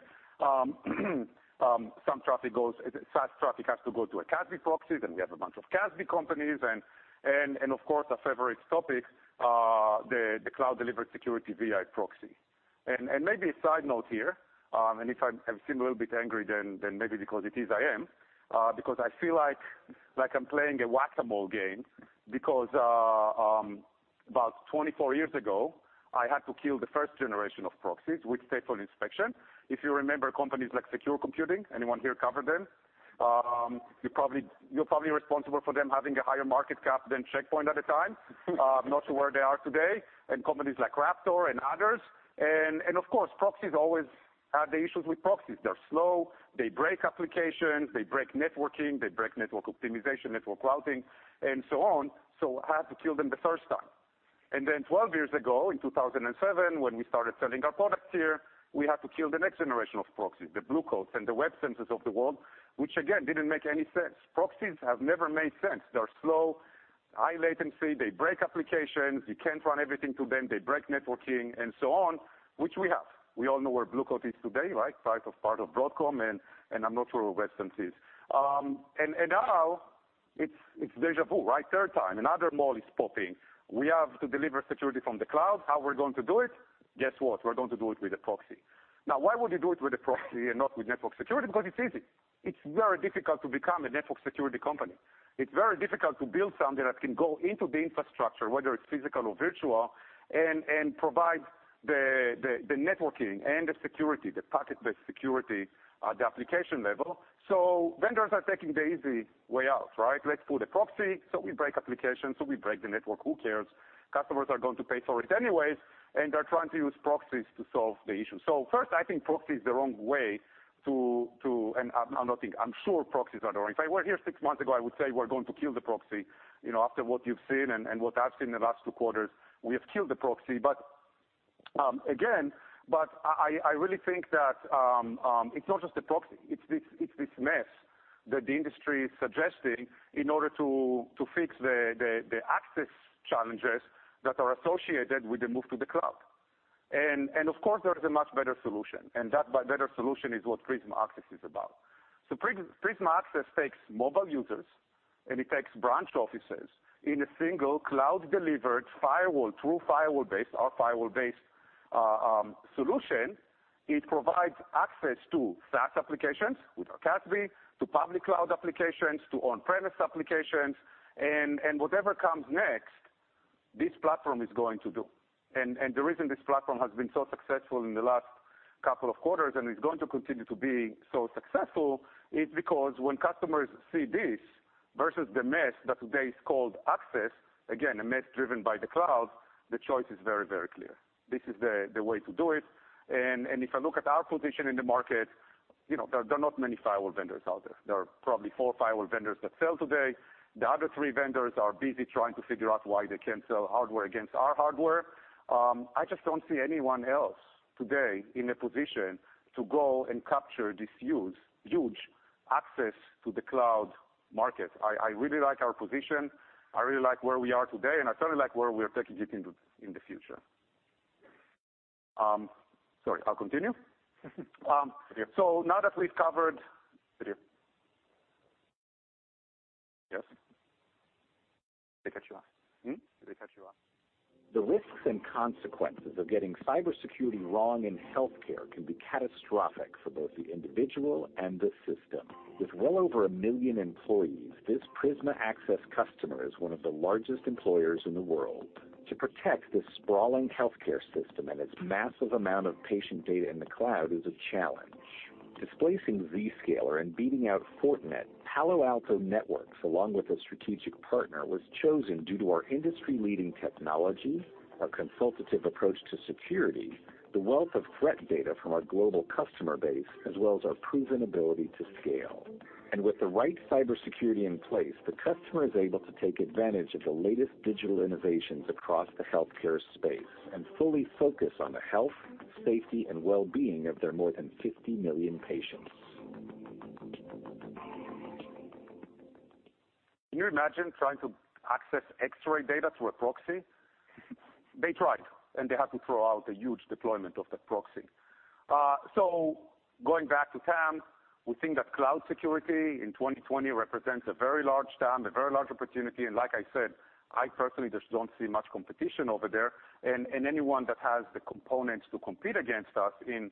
some traffic goes, SaaS traffic has to go to a CASB proxy, then we have a bunch of CASB companies, and of course, our favorite topic, the cloud delivered security VPN proxy. Maybe a side note here, and if I seem a little bit angry, then maybe because it is I am, because I feel like I'm playing a whack-a-mole game because about 24 years ago, I had to kill the first generation of proxies with stateful inspection. If you remember companies like Secure Computing, anyone here cover them? You're probably responsible for them having a higher market cap than Check Point at the time. I'm not sure where they are today. Companies like Raptor and others. Of course, proxies always have the issues with proxies. They're slow, they break applications, they break networking, they break network optimization, network routing, and so on. I had to kill them the first time. 12 years ago, in 2007, when we started selling our products here, we had to kill the next generation of proxies, the Blue Coat and the Websense of the world, which again, didn't make any sense. Proxies have never made sense. They're slow, high latency, they break applications, you can't run everything to them, they break networking, and so on, which we have. We all know where Blue Coat is today, right? Part of Broadcom, and I'm not sure where Websense is. Now it's deja vu, right? Third time. Another mole is popping. We have to deliver security from the cloud. How we're going to do it, guess what? We're going to do it with a proxy. Why would you do it with a proxy and not with network security? Because it's easy. It's very difficult to become a network security company. It's very difficult to build something that can go into the infrastructure, whether it's physical or virtual, and provide the networking and the security, the packet-based security at the application level. Vendors are taking the easy way out, right? Let's put a proxy, so we break applications, so we break the network. Who cares? Customers are going to pay for it anyways, and they're trying to use proxies to solve the issue. First, I think proxy is the wrong way to. I'm sure proxies are the wrong. If I were here six months ago, I would say we're going to kill the proxy. After what you've seen and what I've seen in the last two quarters, we have killed the proxy. Again, I really think that it's not just the proxy, it's this mess that the industry is suggesting in order to fix the access challenges that are associated with the move to the cloud. Of course, there is a much better solution, and that better solution is what Prisma Access is about. Prisma Access takes mobile users, and it takes branch offices in a single cloud delivered firewall, true firewall-based, our firewall-based solution. It provides access to SaaS applications with our CASB, to public cloud applications, to on-premise applications, and whatever comes next, this platform is going to do. The reason this platform has been so successful in the last couple of quarters and is going to continue to be so successful is because when customers see this versus the mess that today is called access, again, a mess driven by the cloud, the choice is very, very clear. This is the way to do it. If I look at our position in the market, there are not many firewall vendors out there. There are probably four firewall vendors that sell today. The other three vendors are busy trying to figure out why they can't sell hardware against our hardware. I just don't see anyone else today in a position to go and capture this huge access to the cloud market. I really like our position. I really like where we are today, and I certainly like where we're taking it in the future. Sorry, I'll continue. Yes. now that we've covered- Yes. Yes. They cut you off. Did they cut you off? The risks and consequences of getting cybersecurity wrong in healthcare can be catastrophic for both the individual and the system. With well over 1 million employees, this Prisma Access customer is one of the largest employers in the world. To protect this sprawling healthcare system and its massive amount of patient data in the cloud is a challenge. Displacing Zscaler and beating out Fortinet, Palo Alto Networks, along with a strategic partner, was chosen due to our industry-leading technology, our consultative approach to security, the wealth of threat data from our global customer base, as well as our proven ability to scale. With the right cybersecurity in place, the customer is able to take advantage of the latest digital innovations across the healthcare space and fully focus on the health, safety, and well-being of their more than 50 million patients. Can you imagine trying to access X-ray data through a proxy? They tried, they had to throw out a huge deployment of that proxy. Going back to TAM, we think that cloud security in 2020 represents a very large TAM, a very large opportunity, and like I said, I personally just don't see much competition over there. Anyone that has the components to compete against us in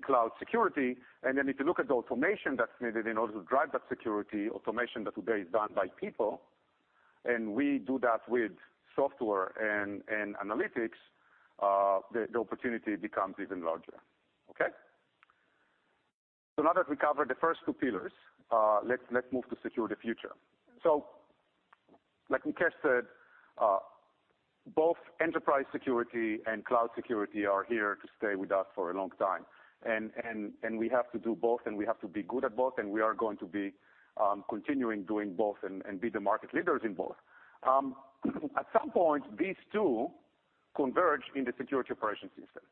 cloud security, if you look at the automation that's needed in order to drive that security, automation that today is done by people, we do that with software and analytics, the opportunity becomes even larger. Okay? Now that we covered the first two pillars, let's move to secure the future. Like Nikesh said, both enterprise security and cloud security are here to stay with us for a long time. We have to do both, and we have to be good at both, and we are going to be continuing doing both and be the market leaders in both. At some point, these two converge in the security operation system,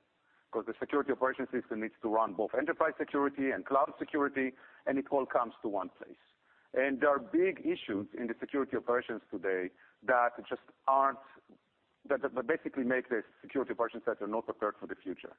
because the security operation system needs to run both enterprise security and cloud security, and it all comes to one place. There are big issues in the security operations today that basically make the security operations center not prepared for the future.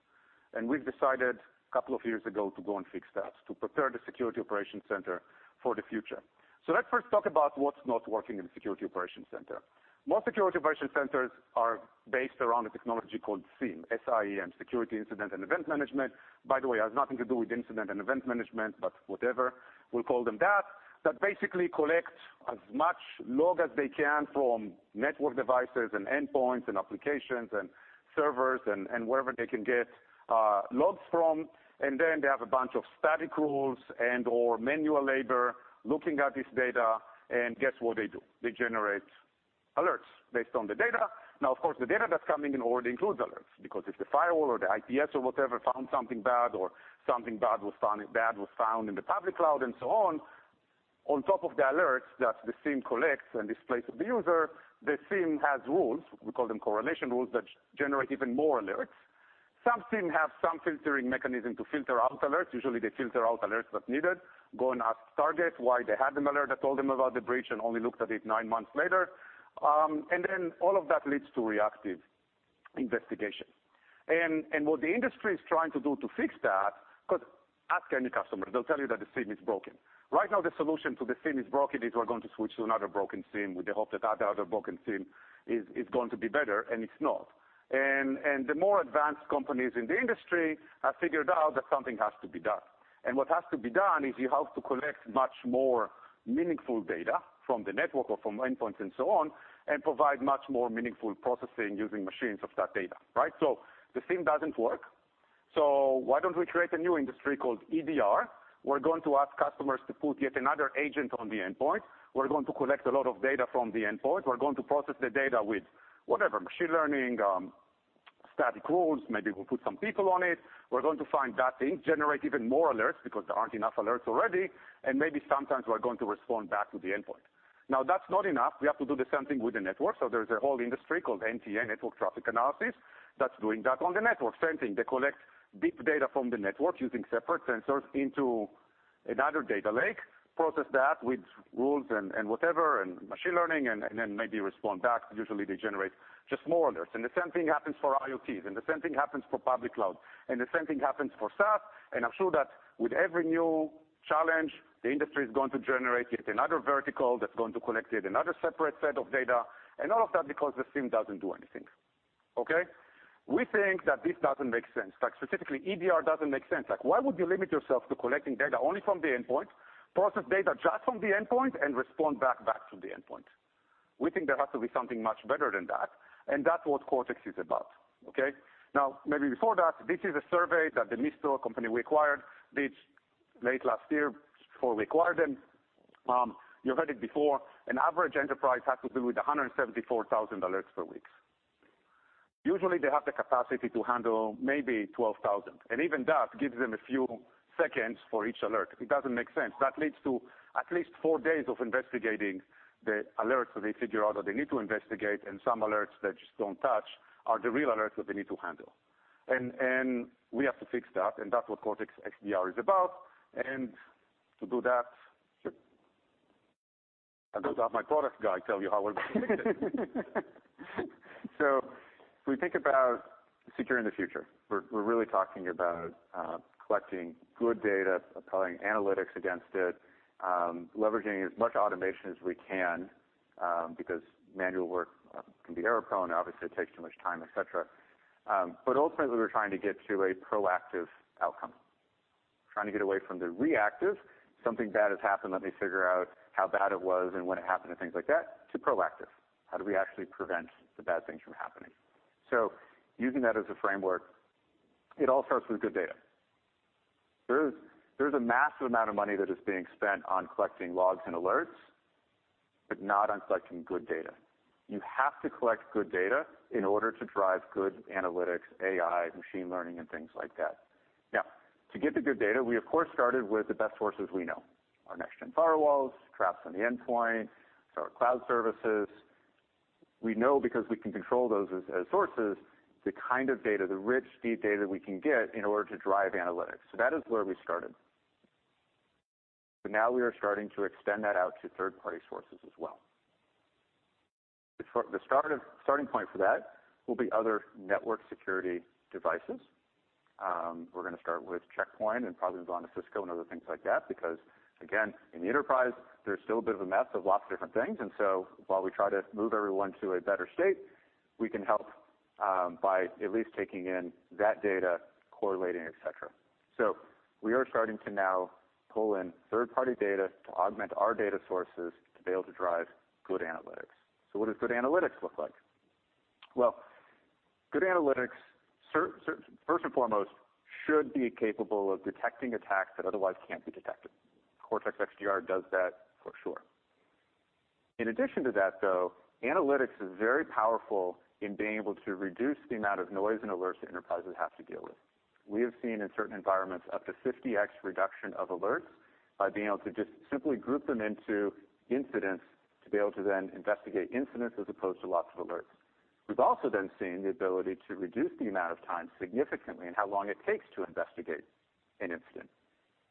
We've decided a couple of years ago to go and fix that, to prepare the security operations center for the future. Let's first talk about what's not working in the security operations center. Most security operations centers are based around a technology called SIEM, S-I-E-M, Security Information and Event Management. By the way, it has nothing to do with incident and event management, but whatever, we'll call them that. That basically collect as much log as they can from network devices and endpoints and applications and servers and wherever they can get logs from. Then they have a bunch of static rules and/or manual labor looking at this data, and guess what they do. They generate alerts based on the data. Of course, the data that's coming in already includes alerts, because if the firewall or the IPS or whatever found something bad or something bad was found in the public cloud and so on. On top of the alerts that the SIEM collects and displays to the user, the SIEM has rules, we call them correlation rules, that generate even more alerts. Some SIEM have some filtering mechanism to filter out alerts. Usually, they filter out alerts that's needed. Go and ask Target why they had an alert that told them about the breach and only looked at it nine months later. All of that leads to reactive investigation. What the industry is trying to do to fix that, because ask any customer, they'll tell you that the SIEM is broken. Right now, the solution to the SIEM is broken is we're going to switch to another broken SIEM with the hope that the other broken SIEM is going to be better, and it's not. The more advanced companies in the industry have figured out that something has to be done. What has to be done is you have to collect much more meaningful data from the network or from endpoints and so on, and provide much more meaningful processing using machines of that data, right? The SIEM doesn't work, so why don't we create a new industry called EDR? We're going to ask customers to put yet another agent on the endpoint. We're going to collect a lot of data from the endpoint. We're going to process the data with whatever, machine learning, static rules, maybe we'll put some people on it. We're going to find that thing, generate even more alerts because there aren't enough alerts already, and maybe sometimes we're going to respond back to the endpoint. Now, that's not enough. We have to do the same thing with the network. There's a whole industry called NTA, network traffic analysis, that's doing that on the network. Same thing, they collect big data from the network using separate sensors into another data lake, process that with rules and whatever, and machine learning, and then maybe respond back. Usually, they generate just more alerts. The same thing happens for IoT, the same thing happens for public cloud, the same thing happens for SaaS. I'm sure that with every new challenge, the industry is going to generate yet another vertical that's going to collect yet another separate set of data, and all of that because the SIEM doesn't do anything. Okay. We think that this doesn't make sense. Specifically, EDR doesn't make sense. Why would you limit yourself to collecting data only from the endpoint, process data just from the endpoint, and respond back to the endpoint? We think there has to be something much better than that, and that's what Cortex is about. Okay. Maybe before that, this is a survey that the Demisto company we acquired this late last year, before we acquired them. You heard it before, an average enterprise has to deal with 174,000 alerts per week. Usually, they have the capacity to handle maybe 12,000, and even that gives them a few seconds for each alert. It doesn't make sense. That leads to at least four days of investigating the alerts that they figure out that they need to investigate and some alerts they just don't touch are the real alerts that they need to handle. We have to fix that, and that's what Cortex XDR is about. To do that, I'll let my product guy tell you how we're going to fix it. When we think about securing the future, we're really talking about collecting good data, applying analytics against it, leveraging as much automation as we can because manual work can be error-prone. Obviously, it takes too much time, et cetera. Ultimately, we're trying to get to a proactive outcome. Trying to get away from the reactive, something bad has happened, let me figure out how bad it was and when it happened and things like that, to proactive. How do we actually prevent the bad things from happening? Using that as a framework, it all starts with good data. There's a massive amount of money that is being spent on collecting logs and alerts, but not on collecting good data. You have to collect good data in order to drive good analytics, AI, machine learning, and things like that. Now, to get the good data, we of course, started with the best sources we know. Our next-gen firewalls, Traps on the endpoint, our cloud services. We know because we can control those as sources, the kind of data, the rich, deep data we can get in order to drive analytics. That is where we started. Now we are starting to extend that out to third-party sources as well. The starting point for that will be other network security devices. We're going to start with Check Point and probably move on to Cisco and other things like that, because, again, in the enterprise, there's still a bit of a mess of lots of different things. While we try to move everyone to a better state, we can help by at least taking in that data, correlating, et cetera. We are starting to now pull in third-party data to augment our data sources to be able to drive good analytics. What does good analytics look like? Good analytics, first and foremost, should be capable of detecting attacks that otherwise can't be detected. Cortex XDR does that for sure. In addition to that, though, analytics is very powerful in being able to reduce the amount of noise and alerts that enterprises have to deal with. We have seen in certain environments up to 50x reduction of alerts by being able to just simply group them into incidents to be able to then investigate incidents as opposed to lots of alerts. We've also then seen the ability to reduce the amount of time significantly and how long it takes to investigate an incident.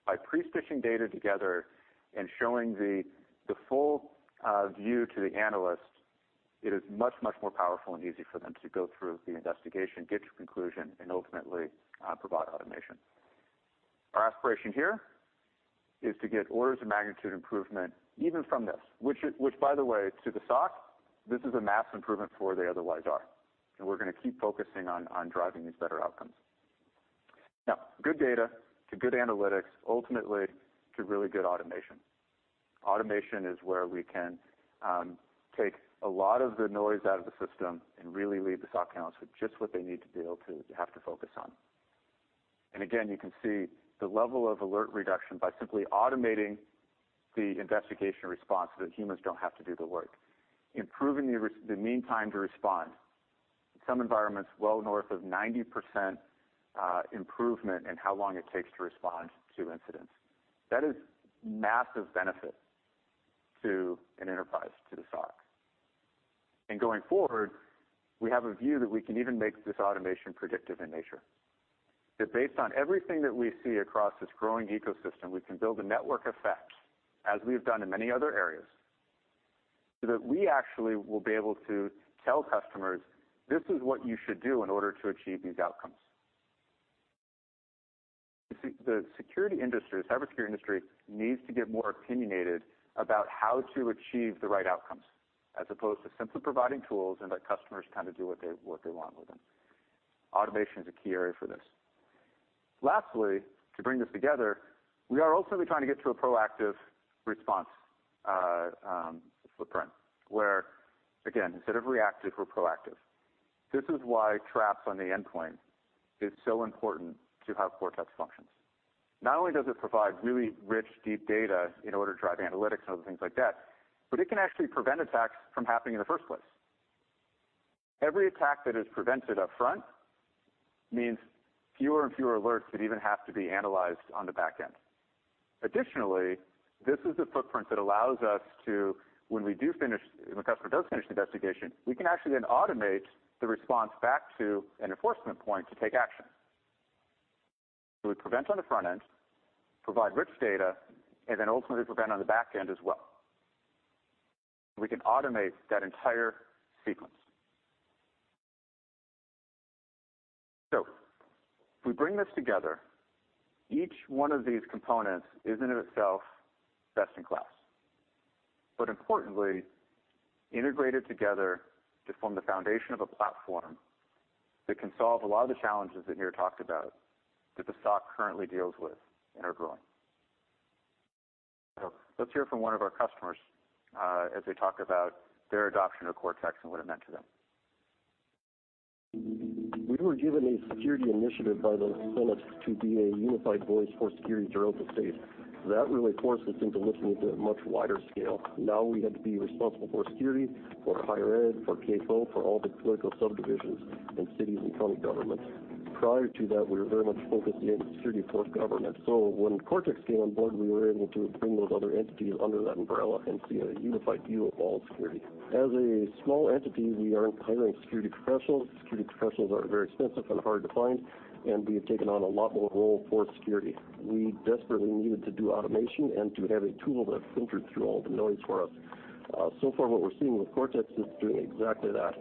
By pre-stitching data together and showing the full view to the analyst, it is much, much more powerful and easy for them to go through the investigation, get to a conclusion, and ultimately provide automation. Our aspiration here is to get orders of magnitude improvement even from this. Which, by the way, to the SOC, this is a mass improvement for where they otherwise are. We're going to keep focusing on driving these better outcomes. Good data to good analytics, ultimately, to really good automation. Automation is where we can take a lot of the noise out of the system and really leave the SOC analysts with just what they need to be able to have to focus on. Again, you can see the level of alert reduction by simply automating the investigation response so that humans don't have to do the work. Improving the mean time to respond. In some environments, well north of 90% improvement in how long it takes to respond to incidents. That is massive benefit to an enterprise, to the SOC. Going forward, we have a view that we can even make this automation predictive in nature. Based on everything that we see across this growing ecosystem, we can build a network effect, as we've done in many other areas, so that we actually will be able to tell customers, "This is what you should do in order to achieve these outcomes." The security industry, cybersecurity industry, needs to get more opinionated about how to achieve the right outcomes, as opposed to simply providing tools and let customers do what they want with them. Automation is a key area for this. To bring this together, we are ultimately trying to get to a proactive response footprint, where, again, instead of reactive, we're proactive. This is why Traps on the endpoint is so important to how Cortex functions. Not only does it provide really rich, deep data in order to drive analytics and other things like that, it can actually prevent attacks from happening in the first place. Every attack that is prevented upfront means fewer and fewer alerts that even have to be analyzed on the back end. This is a footprint that allows us to, when the customer does finish the investigation, we can actually then automate the response back to an enforcement point to take action. We prevent on the front end, provide rich data, and then ultimately prevent on the back end as well. We can automate that entire sequence. If we bring this together, each one of these components is in of itself best in class, but importantly integrated together to form the foundation of a platform that can solve a lot of the challenges that Nir talked about that the SOC currently deals with in our growing. Let's hear from one of our customers as they talk about their adoption of Cortex and what it meant to them. We were given a security initiative by the Senate to be a unified voice for security throughout the state. That really forced us into looking at a much wider scale. We had to be responsible for security for higher ed, for K12, for all the political subdivisions in cities and county governments. Prior to that, we were very much focused in security for governance. When Cortex came on board, we were able to bring those other entities under that umbrella and see a unified view of all security. As a small entity, we aren't hiring security professionals. Security professionals are very expensive and hard to find, and we have taken on a lot more role for security. We desperately needed to do automation and to have a tool that filtered through all the noise for us. So far, what we're seeing with Cortex is doing exactly that.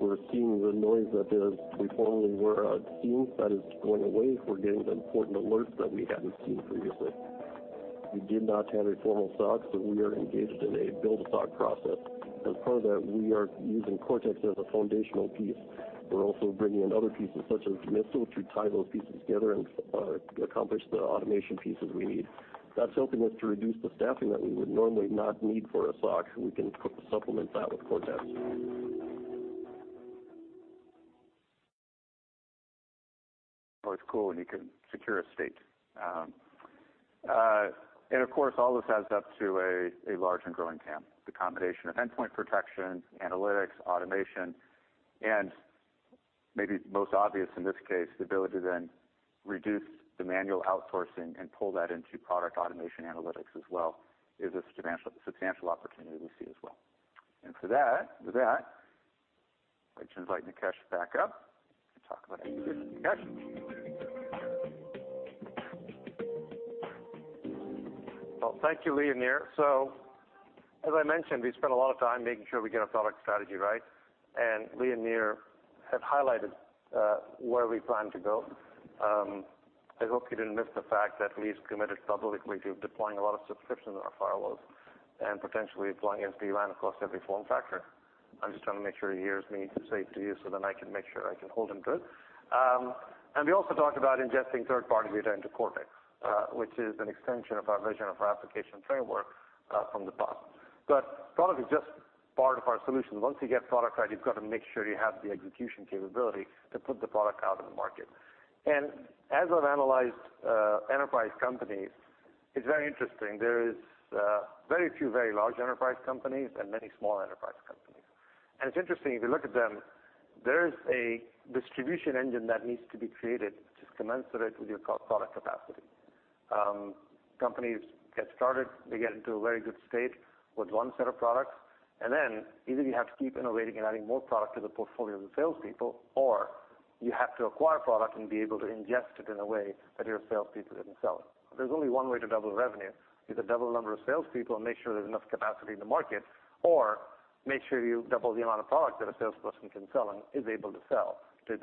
We're seeing the noise that there was before we were seeing that is going away. We're getting the important alerts that we hadn't seen previously. We did not have a formal SOC, so we are engaged in a build-a-SOC process. As part of that, we are using Cortex as a foundational piece. We're also bringing in other pieces such as Demisto to tie those pieces together and accomplish the automation pieces we need. That's helping us to reduce the staffing that we would normally not need for a SOC. We can supplement that with Cortex. It's cool when you can secure a state. Of course, all this adds up to a large and growing TAM. The combination of endpoint protection, analytics, automation, and maybe most obvious in this case, the ability to then reduce the manual outsourcing and pull that into product automation analytics as well is a substantial opportunity we see as well. For that, I'd like to invite Nikesh back up to talk about execution. Nikesh. Thank you, Lee and Nir. As I mentioned, we spent a lot of time making sure we get our product strategy right, and Lee and Nir have highlighted where we plan to go. I hope you didn't miss the fact that Lee's committed publicly to deploying a lot of subscriptions on our firewalls and potentially deploying SD-WAN across every form factor. I'm just trying to make sure he hears me say it to you so then I can make sure I can hold him to it. We also talked about ingesting third-party data into Cortex, which is an extension of our vision of our application framework from the past. Product is just part of our solution. Once you get product right, you've got to make sure you have the execution capability to put the product out in the market. As I've analyzed enterprise companies, it's very interesting. There is very few very large enterprise companies and many small enterprise companies. It's interesting, if you look at them, there's a distribution engine that needs to be created to commensurate with your product capacity. Companies get started, they get into a very good state with one set of products, and then either you have to keep innovating and adding more product to the portfolio of the salespeople, or you have to acquire product and be able to ingest it in a way that your salespeople can sell it. There's only one way to double revenue is to double the number of salespeople and make sure there's enough capacity in the market or make sure you double the amount of product that a salesperson can sell and is able to sell to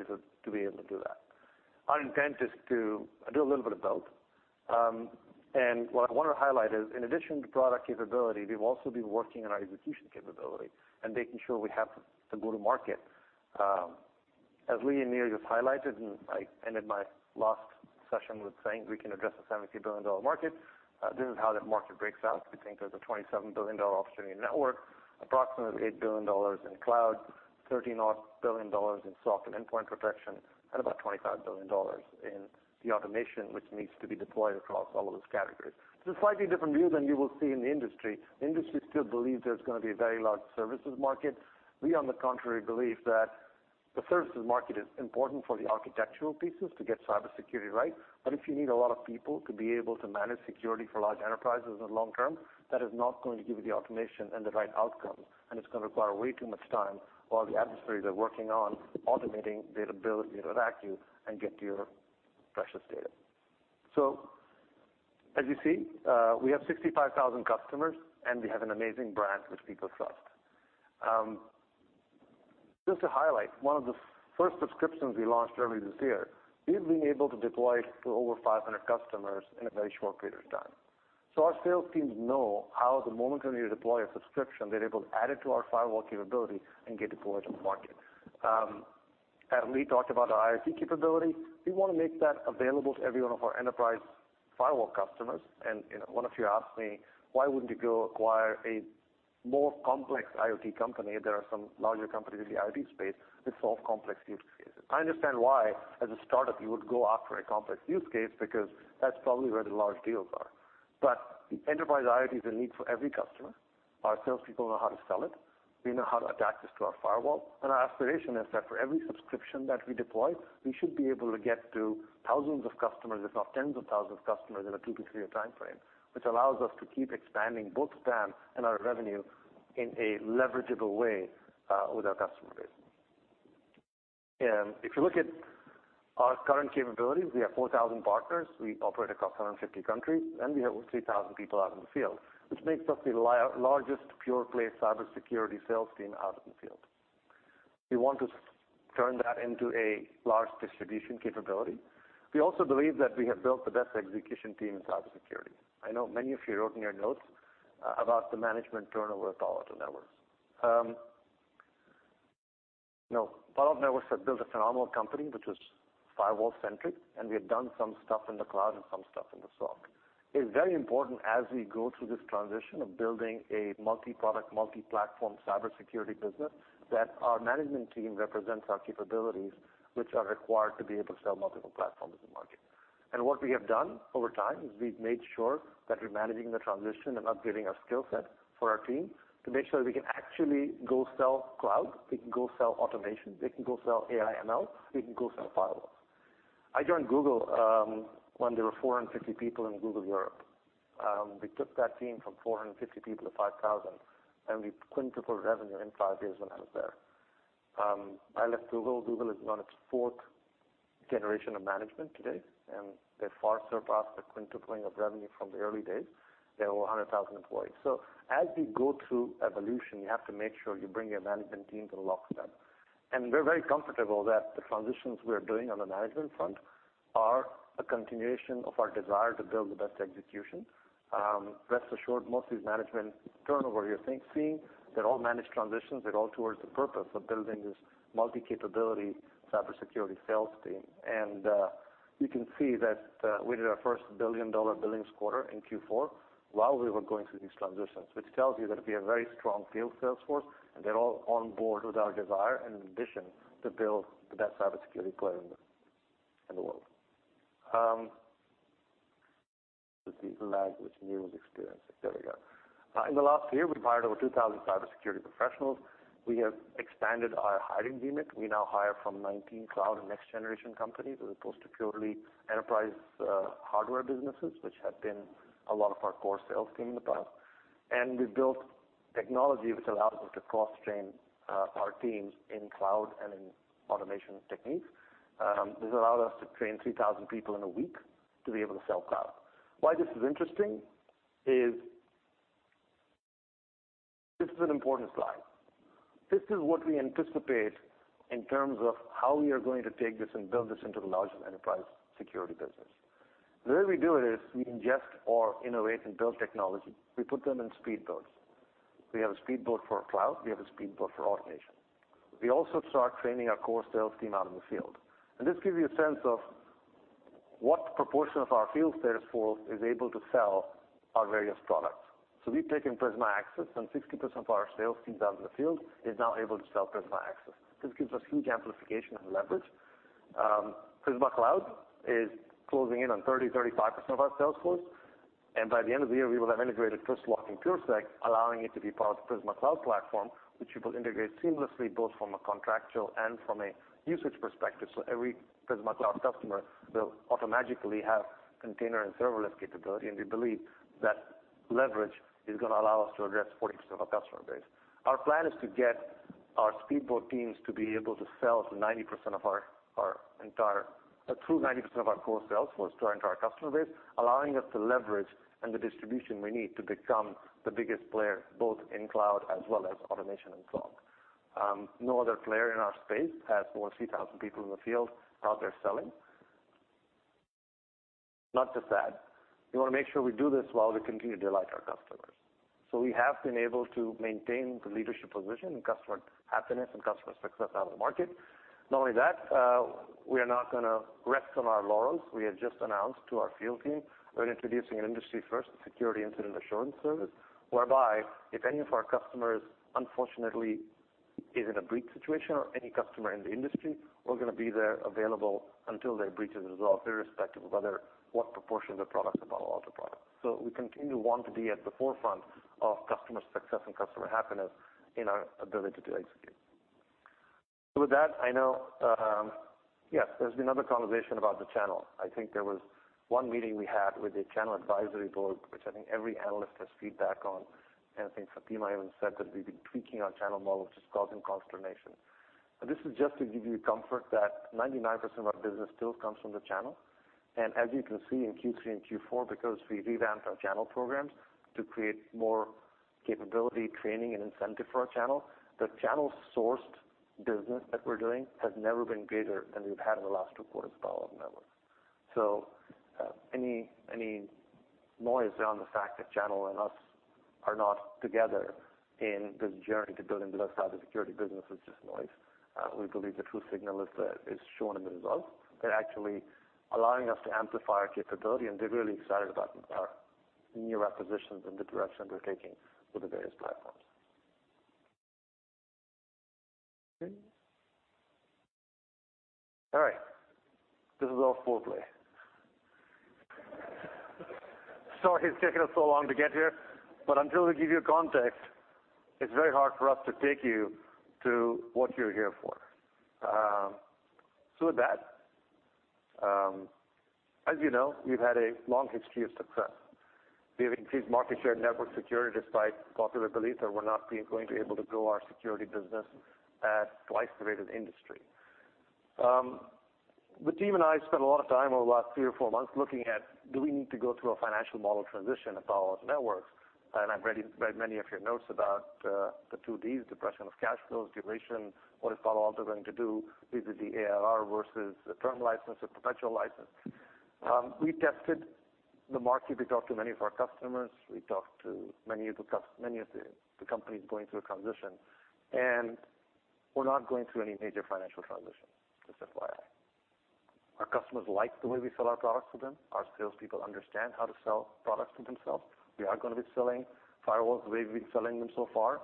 be able to do that. Our intent is to do a little bit of both. What I want to highlight is, in addition to product capability, we've also been working on our execution capability and making sure we have to go to market. As Lee and Nir just highlighted, and I ended my last session with saying we can address a $17 billion market, this is how that market breaks out. We think there's a $27 billion opportunity in network, approximately $8 billion in cloud, $13-odd billion in SOC and endpoint protection, and about $25 billion in the automation which needs to be deployed across all of those categories. It's a slightly different view than you will see in the industry. Industry still believes there's going to be a very large services market. We, on the contrary, believe that the services market is important for the architectural pieces to get cybersecurity right. If you need a lot of people to be able to manage security for large enterprises in the long term, that is not going to give you the automation and the right outcome, and it's going to require way too much time while the adversaries are working on automating their ability to attack you and get to your precious data. As you see, we have 65,000 customers, and we have an amazing brand which people trust. Just to highlight, one of the first subscriptions we launched early this year, we've been able to deploy to over 500 customers in a very short period of time. Our sales teams know how the moment when we deploy a subscription, they're able to add it to our firewall capability and get deployed in the market. As Lee talked about our IoT capability, we want to make that available to every one of our enterprise firewall customers. One of you asked me, "Why wouldn't you go acquire a more complex IoT company? There are some larger companies in the IoT space that solve complex use cases." I understand why as a startup you would go after a complex use case because that's probably where the large deals are. Enterprise IoT is a need for every customer. Our salespeople know how to sell it. We know how to attach this to our firewall. Our aspiration is that for every subscription that we deploy, we should be able to get to thousands of customers, if not tens of thousands of customers, in a two to three-year timeframe, which allows us to keep expanding both TAM and our revenue in a leverageable way with our customer base. If you look at our current capabilities, we have 4,000 partners. We operate across 150 countries, and we have over 3,000 people out in the field, which makes us the largest pure-play cybersecurity sales team out in the field. We want to turn that into a large distribution capability. We also believe that we have built the best execution team in cybersecurity. I know many of you wrote in your notes about the management turnover at Palo Alto Networks. Palo Alto Networks had built a phenomenal company, which was firewall-centric, and we had done some stuff in the cloud and some stuff in the SOC. It is very important as we go through this transition of building a multi-product, multi-platform cybersecurity business, that our management team represents our capabilities which are required to be able to sell multiple platforms in the market. What we have done over time is we've made sure that we're managing the transition and upgrading our skill set for our team to make sure that we can actually go sell cloud, we can go sell automation, we can go sell AI/ML, we can go sell firewalls. I joined Google when there were 450 people in Google Europe. We took that team from 450 people to 5,000, and we quintupled revenue in five years when I was there. I left Google. Google is on its fourth generation of management today, and they've far surpassed the quintupling of revenue from the early days. They have over 100,000 employees. As we go through evolution, you have to make sure you bring your management team to lockstep. We're very comfortable that the transitions we are doing on the management front are a continuation of our desire to build the best execution. Rest assured, most of these management turnover you're seeing, they're all managed transitions. They're all towards the purpose of building this multi-capability cybersecurity sales team. You can see that we did our first billion-dollar billings quarter in Q4 while we were going through these transitions, which tells you that we have a very strong field sales force, and they're all on board with our desire and ambition to build the best cybersecurity player in the world. There's a lag which you are experiencing. There we go. In the last year, we've hired over 2,000 cybersecurity professionals. We have expanded our hiring gimmick. We now hire from 19 cloud and next-generation companies as opposed to purely enterprise hardware businesses, which have been a lot of our core sales team in the past. We've built technology which allows us to cross-train our teams in cloud and in automation techniques. This allowed us to train 3,000 people in a week to be able to sell cloud. Why this is interesting. This is an important slide. This is what we anticipate in terms of how we are going to take this and build this into the largest enterprise security business. The way we do it is we ingest or innovate and build technology. We put them in speed boats. We have a speedboat for cloud. We have a speedboat for automation. We also start training our core sales team out in the field. This gives you a sense of what proportion of our field sales force is able to sell our various products. We've taken Prisma Access, 60% of our sales team down in the field is now able to sell Prisma Access. This gives us huge amplification and leverage. Prisma Cloud is closing in on 30%, 35% of our sales force, and by the end of the year, we will have integrated Twistlock and PureSec, allowing it to be part of the Prisma Cloud platform, which we will integrate seamlessly, both from a contractual and from a usage perspective. Every Prisma Cloud customer will automatically have container and serverless capability, and we believe that leverage is going to allow us to address 40% of our customer base. Our plan is to get our speedboat teams to be able to sell through 90% of our core sales force to our entire customer base, allowing us the leverage and the distribution we need to become the biggest player, both in cloud as well as automation and cloud. No other player in our space has more than 3,000 people in the field out there selling. Not just that, we want to make sure we do this while we continue to delight our customers. We have been able to maintain the leadership position in customer happiness and customer success out in the market. Not only that, we are not going to rest on our laurels. We have just announced to our field team, we're introducing an industry first, a security incident assurance service, whereby if any of our customers, unfortunately, is in a breach situation or any customer in the industry, we're going to be there available until their breach is resolved, irrespective of what proportion of the product of our product. We continue to want to be at the forefront of customer success and customer happiness in our ability to execute. There's been another conversation about the channel. I think there was one meeting we had with the channel advisory board, which I think every analyst has feedback on, and I think Fatima even said that we've been tweaking our channel model, which is causing consternation. This is just to give you comfort that 99% of our business still comes from the channel. As you can see in Q3 and Q4, because we revamped our channel programs to create more capability, training, and incentive for our channel, the channel-sourced business that we're doing has never been greater than we've had in the last two quarters of Palo Alto Networks. Any noise around the fact that channel and us are not together in this journey to building the best cybersecurity business is just noise. We believe the true signal is shown in the results. They're actually allowing us to amplify our capability, and they're really excited about our newer acquisitions and the direction we're taking with the various platforms. Okay. All right. This is our fourth play. Sorry it's taken us so long to get here, but until we give you context, it's very hard for us to take you to what you're here for. With that, as you know, we've had a long history of success. We have increased market share in network security, despite popular belief that we're not going to be able to grow our security business at twice the rate of the industry. The team and I spent a lot of time over the last three or four months looking at do we need to go through a financial model transition at Palo Alto Networks? I've read many of your notes about the two Ds, depression of cash flows, duration, what is Palo Alto going to do? Is it the ARR versus the term license or perpetual license? We tested the market. We talked to many of our customers, we talked to many of the companies going through a transition, and we're not going through any major financial transition, just FYI. Our customers like the way we sell our products to them. Our salespeople understand how to sell products to themselves. We are going to be selling firewalls the way we've been selling them so far.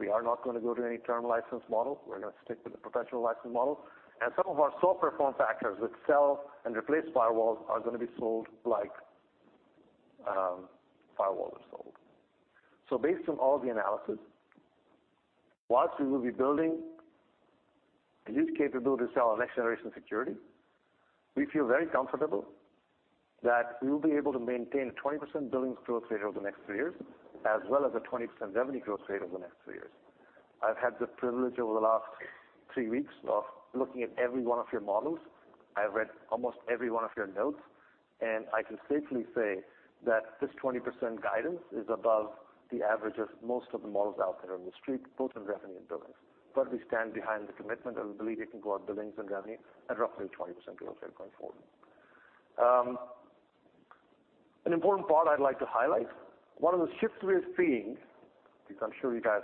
We are not going to go to any term license model. We're going to stick with the perpetual license model. Some of our software form factors, which sell and replace firewalls, are going to be sold like firewalls are sold. Based on all the analysis, whilst we will be building a huge capability to sell our next generation security, we feel very comfortable that we will be able to maintain a 20% billings growth rate over the next three years, as well as a 20% revenue growth rate over the next three years. I've had the privilege over the last three weeks of looking at every one of your models. I've read almost every one of your notes, I can safely say that this 20% guidance is above the average of most of the models out there on the Street, both in revenue and billings. We stand behind the commitment and believe we can grow our billings and revenue at roughly 20% growth rate going forward. An important part I'd like to highlight, one of the shifts we're seeing, because I'm sure you guys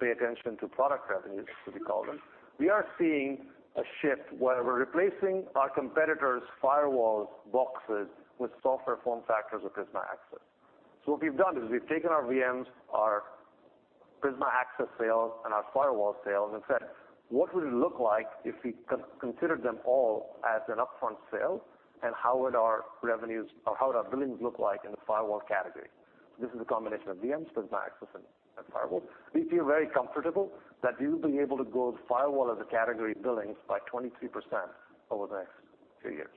pay attention to product revenues, as we call them. We are seeing a shift where we're replacing our competitors' firewalls boxes with software form factors with Prisma Access. What we've done is we've taken our VMs, our Prisma Access sales, and our firewall sales and said, "What would it look like if we considered them all as an upfront sale? How would our billings look like in the firewall category? This is a combination of VMs, Prisma Access, and firewall. We feel very comfortable that we will be able to grow the firewall as a category billings by 23% over the next three years,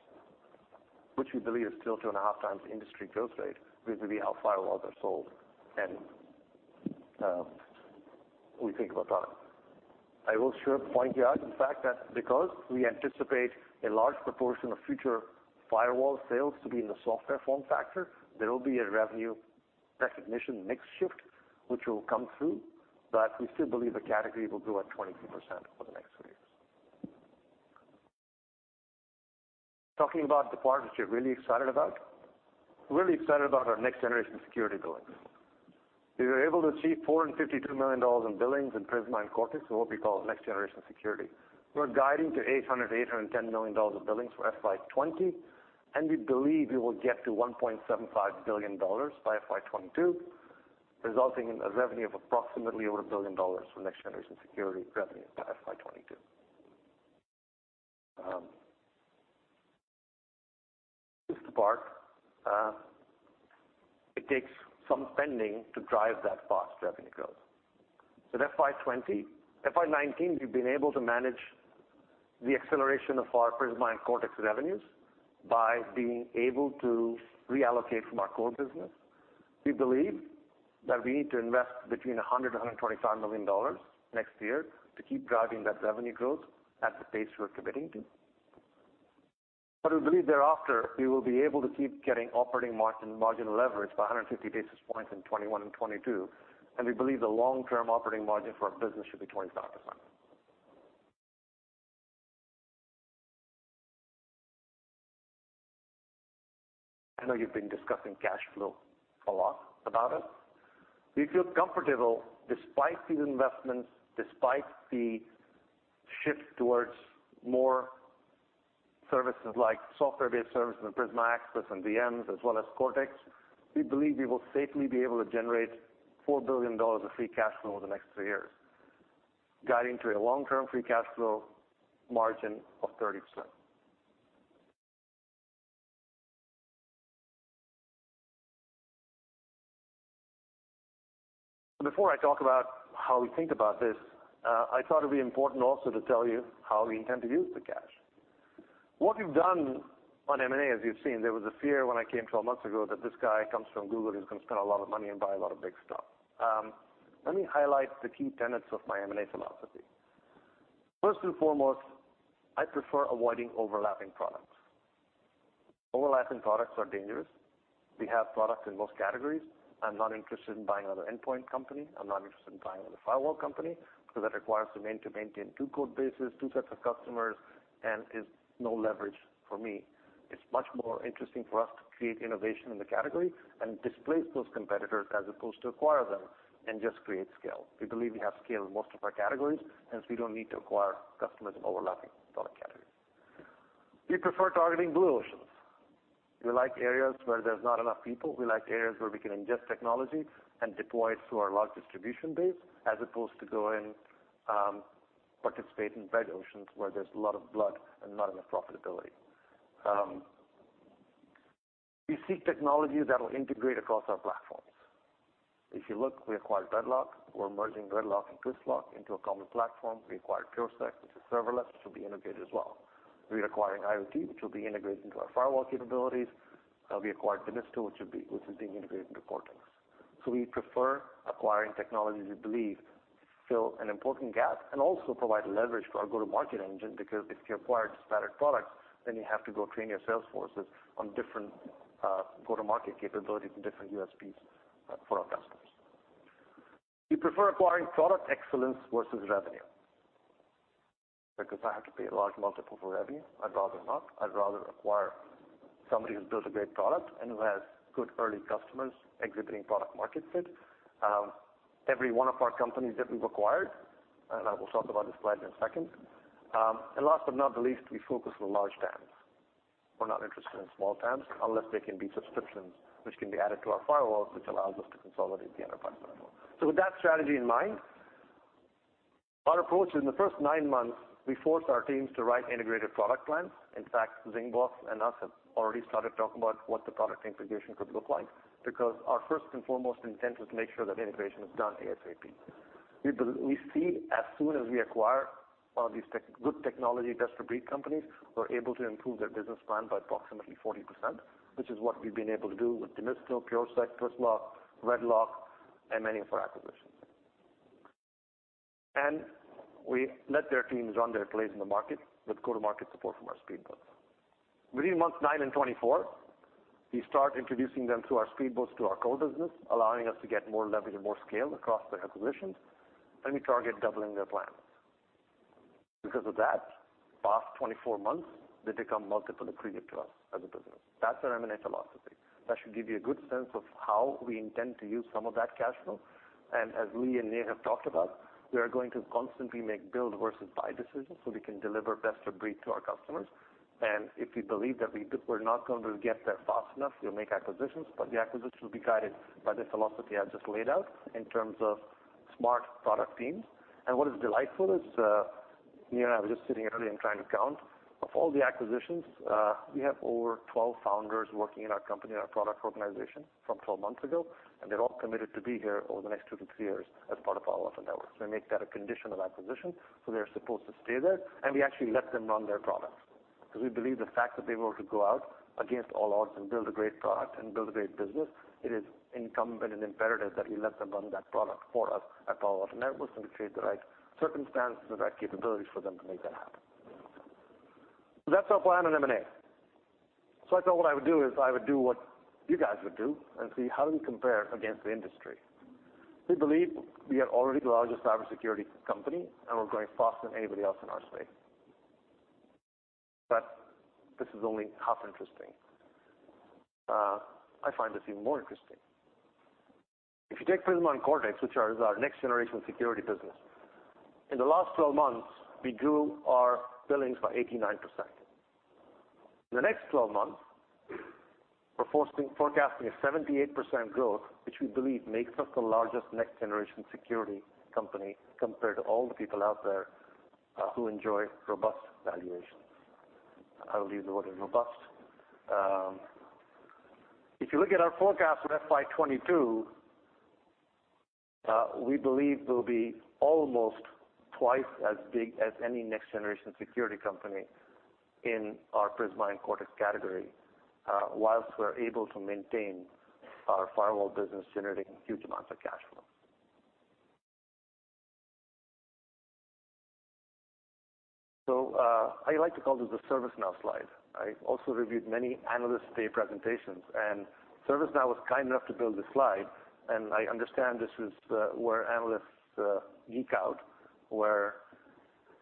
which we believe is still two and a half times the industry growth rate vis-à-vis how firewalls are sold and we think about product. I will sure point you out, in fact, that because we anticipate a large proportion of future firewall sales to be in the software form factor, there will be a revenue recognition mix shift which will come through. We still believe the category will grow at 23% over the next three years. Talking about the part which we're really excited about, we're really excited about our next generation security billings. We were able to achieve $452 million in billings in Prisma and Cortex, or what we call next generation security. We're guiding to $800 million-$810 million of billings for FY 2020, we believe we will get to $1.75 billion by FY 2022, resulting in a revenue of approximately over $1 billion for next generation security revenue by FY 2022. Twist apart, it takes some spending to drive that fast revenue growth. In FY 2019, we've been able to manage the acceleration of our Prisma and Cortex revenues by being able to reallocate from our core business. We believe that we need to invest between $100 million-$125 million next year to keep driving that revenue growth at the pace we're committing to. We believe thereafter, we will be able to keep getting operating margin leverage by 150 basis points in 2021 and 2022, and we believe the long-term operating margin for our business should be 25%. I know you've been discussing cash flow a lot about it. We feel comfortable despite these investments, despite the shift towards more services like software-based services and Prisma Access and VMs as well as Cortex. We believe we will safely be able to generate $4 billion of free cash flow over the next three years, guiding to a long-term free cash flow margin of 30%. Before I talk about how we think about this, I thought it'd be important also to tell you how we intend to use the cash. What we've done on M&A, as you've seen, there was a fear when I came 12 months ago that this guy comes from Google, he's going to spend a lot of money and buy a lot of big stuff. Let me highlight the key tenets of my M&A philosophy. First and foremost, I prefer avoiding overlapping products. Overlapping products are dangerous. We have products in most categories. I'm not interested in buying another endpoint company. I'm not interested in buying another firewall company because that requires me to maintain two code bases, two sets of customers, and is no leverage for me. It's much more interesting for us to create innovation in the category and displace those competitors as opposed to acquire them and just create scale. We believe we have scale in most of our categories, hence we don't need to acquire customers in overlapping product categories. We prefer targeting blue oceans. We like areas where there's not enough people. We like areas where we can ingest technology and deploy it through our large distribution base as opposed to go and participate in red oceans where there's a lot of blood and not enough profitability. We seek technology that'll integrate across our platforms. If you look, we acquired RedLock. We're merging RedLock and Twistlock into a common platform. We acquired PureSec, which is serverless, which will be integrated as well. We're acquiring Zingbox, which will be integrated into our firewall capabilities. We acquired Demisto, which is being integrated into Cortex. We prefer acquiring technology we believe fill an important gap and also provide leverage to our go-to-market engine, because if you acquire disparate products, then you have to go train your sales forces on different go-to-market capabilities and different USPs for our customers. We prefer acquiring product excellence versus revenue, because I have to pay a large multiple for revenue. I'd rather not. I'd rather acquire somebody who builds a great product and who has good early customers exhibiting product market fit. Every one of our companies that we've acquired. I will talk about the slide in a second. Last but not least, we focus on large TAMs. We're not interested in small TAMs unless they can be subscriptions which can be added to our firewalls, which allows us to consolidate the enterprise level. With that strategy in mind, our approach in the first nine months, we forced our teams to write integrated product plans. In fact, Zingbox and us have already started talking about what the product integration could look like, because our first and foremost intent was to make sure that integration is done ASAP. We see as soon as we acquire one of these good technology best-of-breed companies, we're able to improve their business plan by approximately 40%, which is what we've been able to do with Demisto, PureSec, Twistlock, RedLock, and many of our acquisitions. And we let their teams run their plays in the market with go-to-market support from our speed boats. Within months nine and 24, we start introducing them to our speed boats, to our core business, allowing us to get more leverage and more scale across the acquisitions, and we target doubling their plans. Because of that, past 24 months, they become multiple accretive to us as a business. That's our M&A philosophy. That should give you a good sense of how we intend to use some of that cash flow. As Lee and Nir have talked about, we are going to constantly make build versus buy decisions so we can deliver best-of-breed to our customers. If we believe that we're not going to get there fast enough, we'll make acquisitions, but the acquisitions will be guided by the philosophy I just laid out in terms of smart product teams. What is delightful is, Nir and I were just sitting earlier and trying to count. Of all the acquisitions, we have over 12 founders working in our company, in our product organization from 12 months ago, and they're all committed to be here over the next two to three years as part of Palo Alto Networks. We make that a condition of acquisition, so they're supposed to stay there, and we actually let them run their products. Because we believe the fact that they were able to go out against all odds and build a great product and build a great business, it is incumbent and imperative that we let them run that product for us at Palo Alto Networks and create the right circumstances, the right capabilities for them to make that happen. That's our plan on M&A. I thought what I would do is I would do what you guys would do and see how we compare against the industry. We believe we are already the largest cybersecurity company, and we're growing faster than anybody else in our space. This is only half interesting. I find this even more interesting. If you take Prisma and Cortex, which are our next-generation security business, in the last 12 months, we grew our billings by 89%. In the next 12 months, we're forecasting a 78% growth, which we believe makes us the largest next-generation security company compared to all the people out there who enjoy robust valuations. I will use the word robust. If you look at our forecast for FY 2022, we believe we'll be almost twice as big as any next-generation security company in our Prisma and Cortex category, whilst we're able to maintain our firewall business generating huge amounts of cash flow. I like to call this the ServiceNow slide. I also reviewed many analyst day presentations, and ServiceNow was kind enough to build this slide, and I understand this is where analysts geek out, where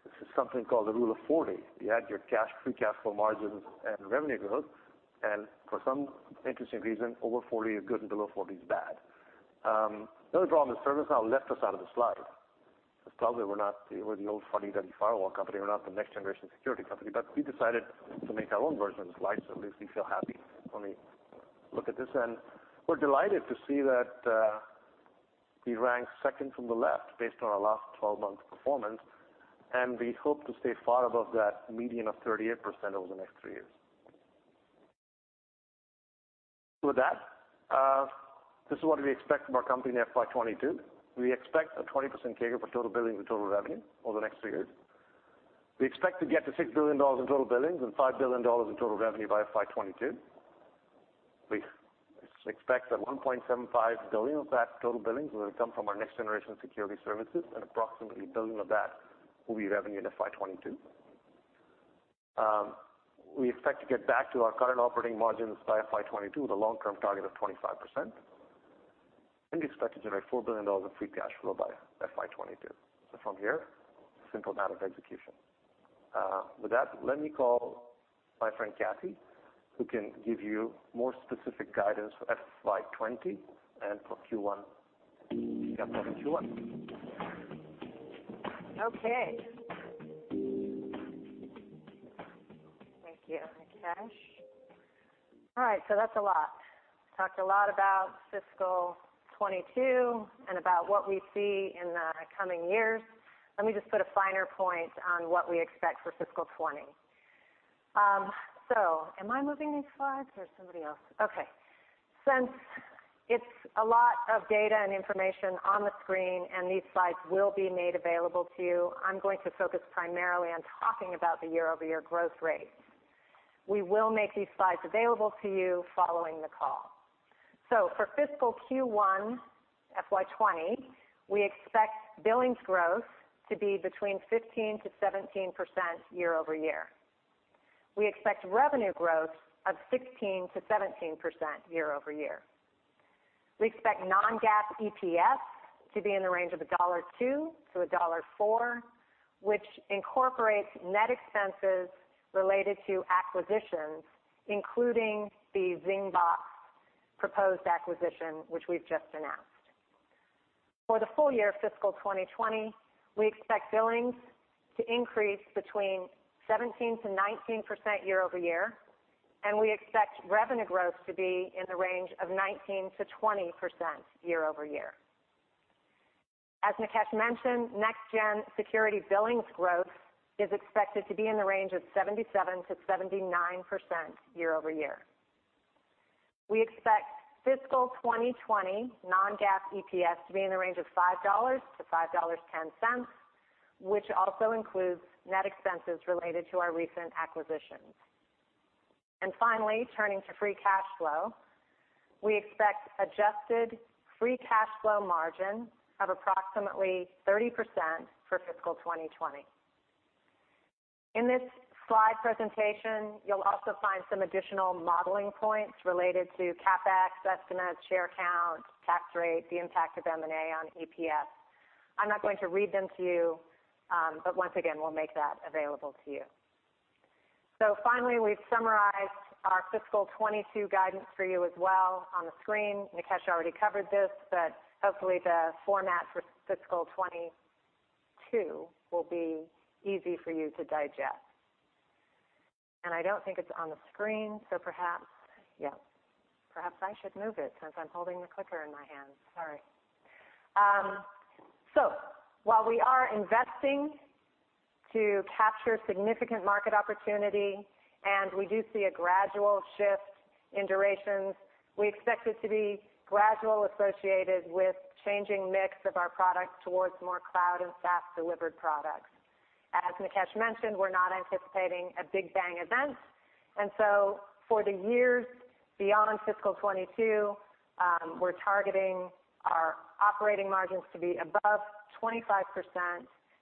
this is something called the rule of 40. You add your cash, free cash flow margins, and revenue growth, and for some interesting reason, over 40 is good and below 40 is bad. The only problem is ServiceNow left us out of the slide. Probably we're the old, funny, deadly firewall company. We're not the next-generation security company. We decided to make our own version of the slide, so at least we feel happy when we look at this. We're delighted to see that we rank second from the left based on our last 12 months' performance, and we hope to stay far above that median of 38% over the next three years. With that, this is what we expect from our company in FY 2022. We expect a 20% CAGR for total billings and total revenue over the next three years. We expect to get to $6 billion in total billings and $5 billion in total revenue by FY 2022. We expect that $1.75 billion of that total billings will come from our next-generation security services, and approximately $1 billion of that will be revenue in FY 2022. We expect to get back to our current operating margins by FY 2022 with a long-term target of 25%, and we expect to generate $4 billion in free cash flow by FY 2022. From here, simple matter of execution. With that, let me call my friend Kathy, who can give you more specific guidance for FY 2020 and for Q1. Kathy, Q1. Okay. Thank you, Nikesh. All right, that's a lot. Talked a lot about fiscal 2022 and about what we see in the coming years. Let me just put a finer point on what we expect for fiscal 2020. Am I moving these slides or somebody else? Okay. Since it's a lot of data and information on the screen, and these slides will be made available to you, I'm going to focus primarily on talking about the year-over-year growth rates. We will make these slides available to you following the call. For fiscal Q1 FY 2020, we expect billings growth to be between 15%-17% year-over-year. We expect revenue growth of 16%-17% year-over-year. We expect non-GAAP EPS to be in the range of $1.02-$1.04, which incorporates net expenses related to acquisitions, including the Zingbox proposed acquisition, which we've just announced. For the full year fiscal 2020, we expect billings to increase between 17%-19% year-over-year, and we expect revenue growth to be in the range of 19%-20% year-over-year. As Nikesh mentioned, next-gen security billings growth is expected to be in the range of 77%-79% year-over-year. We expect fiscal 2020 non-GAAP EPS to be in the range of $5-$5.10, which also includes net expenses related to our recent acquisitions. Finally, turning to free cash flow, we expect adjusted free cash flow margin of approximately 30% for fiscal 2020. In this slide presentation, you'll also find some additional modeling points related to CapEx estimates, share count, tax rate, the impact of M&A on EPS. I'm not going to read them to you, but once again, we'll make that available to you. Finally, we've summarized our fiscal 2022 guidance for you as well on the screen. Nikesh already covered this, but hopefully the format for fiscal 2022 will be easy for you to digest. I don't think it's on the screen, so perhaps I should move it since I'm holding the clicker in my hand. Sorry. While we are investing to capture significant market opportunity and we do see a gradual shift in durations, we expect it to be gradual associated with changing mix of our products towards more cloud and SaaS delivered products. As Nikesh mentioned, we're not anticipating a big bang event, for the years beyond fiscal 2022, we're targeting our operating margins to be above 25%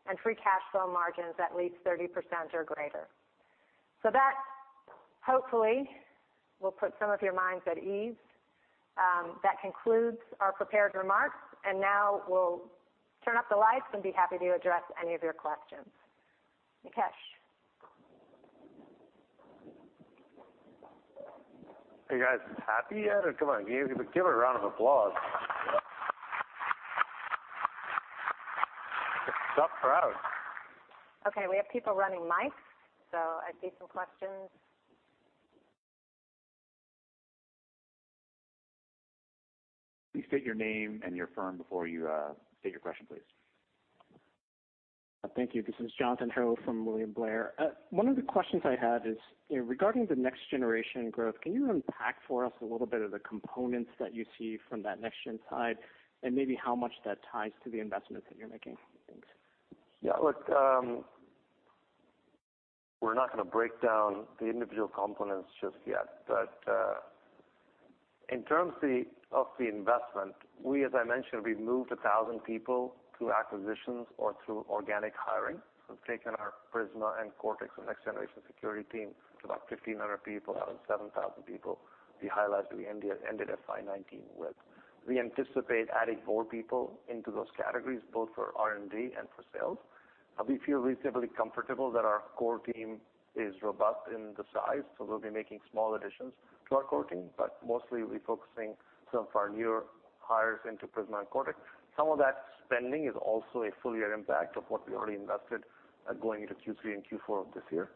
and free cash flow margins at least 30% or greater. That hopefully will put some of your minds at ease. That concludes our prepared remarks, and now we'll turn up the lights and be happy to address any of your questions. Nikesh. Are you guys happy yet? Come on, give a round of applause. It's a tough crowd. Okay, we have people running mics, so I see some questions. Please state your name and your firm before you state your question, please. Thank you. This is Jonathan Ho from William Blair. One of the questions I have is regarding the next generation growth, can you unpack for us a little bit of the components that you see from that next-gen side and maybe how much that ties to the investments that you're making? Thanks. Yeah, look, we're not going to break down the individual components just yet. In terms of the investment, we, as I mentioned, we've moved 1,000 people through acquisitions or through organic hiring. We've taken our Prisma and Cortex and next generation security team to about 1,500 people out of 7,000 people, we highlighted we ended FY 2019 with. We anticipate adding more people into those categories, both for R&D and for sales. We feel reasonably comfortable that our core team is robust in the size, so we'll be making small additions to our core team, but mostly we'll be focusing some of our newer hires into Prisma and Cortex. Some of that spending is also a full year impact of what we already invested going into Q3 and Q4 of this year.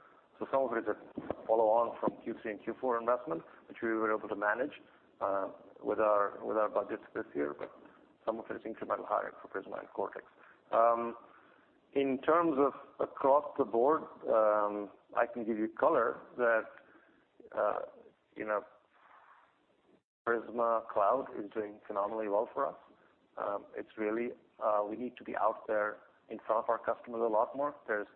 Some of it is a follow on from Q3 and Q4 investment, which we were able to manage with our budgets this year. Some of it is incremental hire for Prisma and Cortex. In terms of across the board, I can give you color that Prisma Cloud is doing phenomenally well for us. We need to be out there in front of our customers a lot more. There's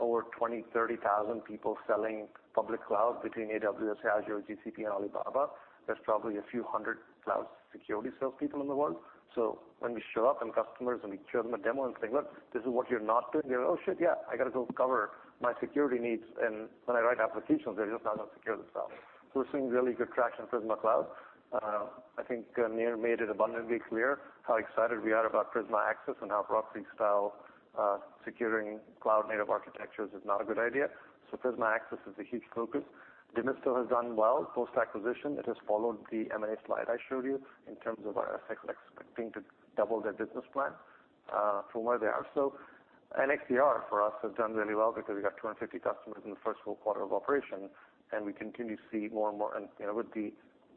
over 20,000, 30,000 people selling public cloud between AWS, Azure, GCP, and Alibaba. There's probably a few hundred cloud security salespeople in the world. When we show up and customers and we show them a demo and say, "Look, this is what you're not doing." They're like, "Oh, shit, yeah, I got to go cover my security needs." When I write applications, they're just not that secure themselves. We're seeing really good traction in Prisma Cloud. I think Amit made it abundantly clear how excited we are about Prisma Access and how proxy style securing cloud native architectures is not a good idea. Prisma Access is a huge focus. Demisto has done well post-acquisition. It has followed the M&A slide I showed you in terms of our expecting to double their business plan, from where they are. XDR for us has done really well because we got 250 customers in the first full quarter of operation, and we continue to see more and more. With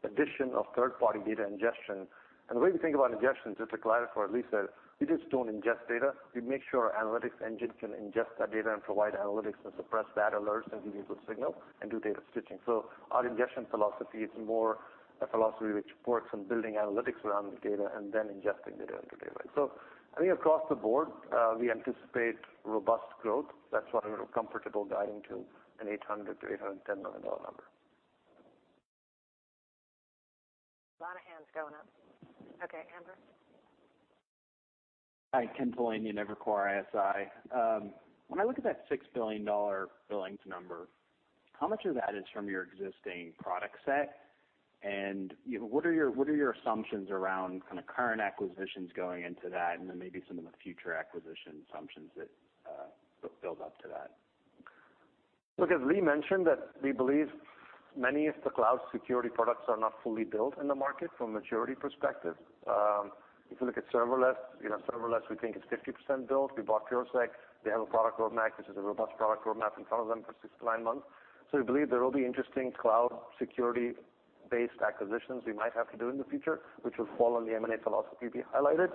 the addition of third party data ingestion, and the way we think about ingestion, just to clarify, Lisa, we just don't ingest data. We make sure our analytics engine can ingest that data and provide analytics and suppress bad alerts and give you good signal and do data stitching. Our ingestion philosophy is more a philosophy which works on building analytics around the data and then ingesting data into database. I think across the board, we anticipate robust growth. That's why we're comfortable guiding to an $800-$810 million number. A lot of hands going up. Okay, Amber? Hi, Ken Talanian, Evercore ISI. When I look at that $6 billion billings number, how much of that is from your existing product set? What are your assumptions around current acquisitions going into that, and then maybe some of the future acquisition assumptions that build up to that? As Lee mentioned, we believe many of the cloud security products are not fully built in the market from a maturity perspective. If you look at serverless we think is 50% built. We bought PureSec. They have a product roadmap, which is a robust product roadmap in front of them for six to nine months. We believe there will be interesting cloud security-based acquisitions we might have to do in the future, which will follow the M&A philosophy we highlighted.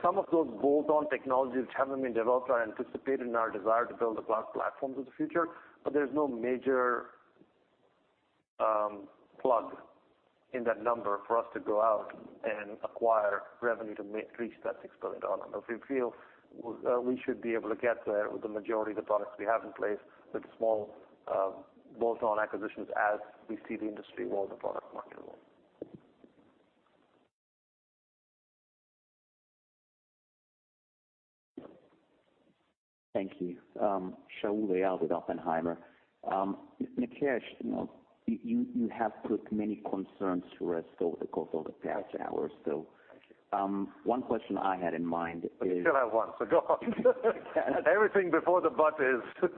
Some of those bolt-on technologies which haven't been developed are anticipated in our desire to build the cloud platforms of the future. There's no major plug in that number for us to go out and acquire revenue to reach that $6 billion. We feel we should be able to get there with the majority of the products we have in place with small bolt-on acquisitions as we see the industry roll the product market. Thank you. Shaul Eyal with Oppenheimer & Co.. Nikesh, you have put many concerns to rest over the course of the past hour or so. One question I had in mind is. We still have one, so go on. Everything before the but is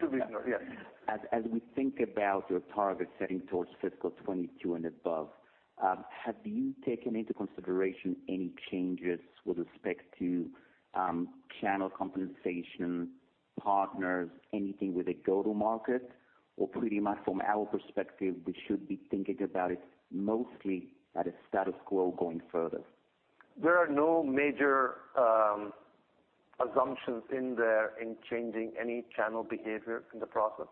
to be ignored. Yeah. As we think about your target setting towards fiscal 2022 and above, have you taken into consideration any changes with respect to channel compensation, partners, anything with a go-to-market? Pretty much from our perspective, we should be thinking about it mostly at a status quo going further. There are no major assumptions in there in changing any channel behavior in the process.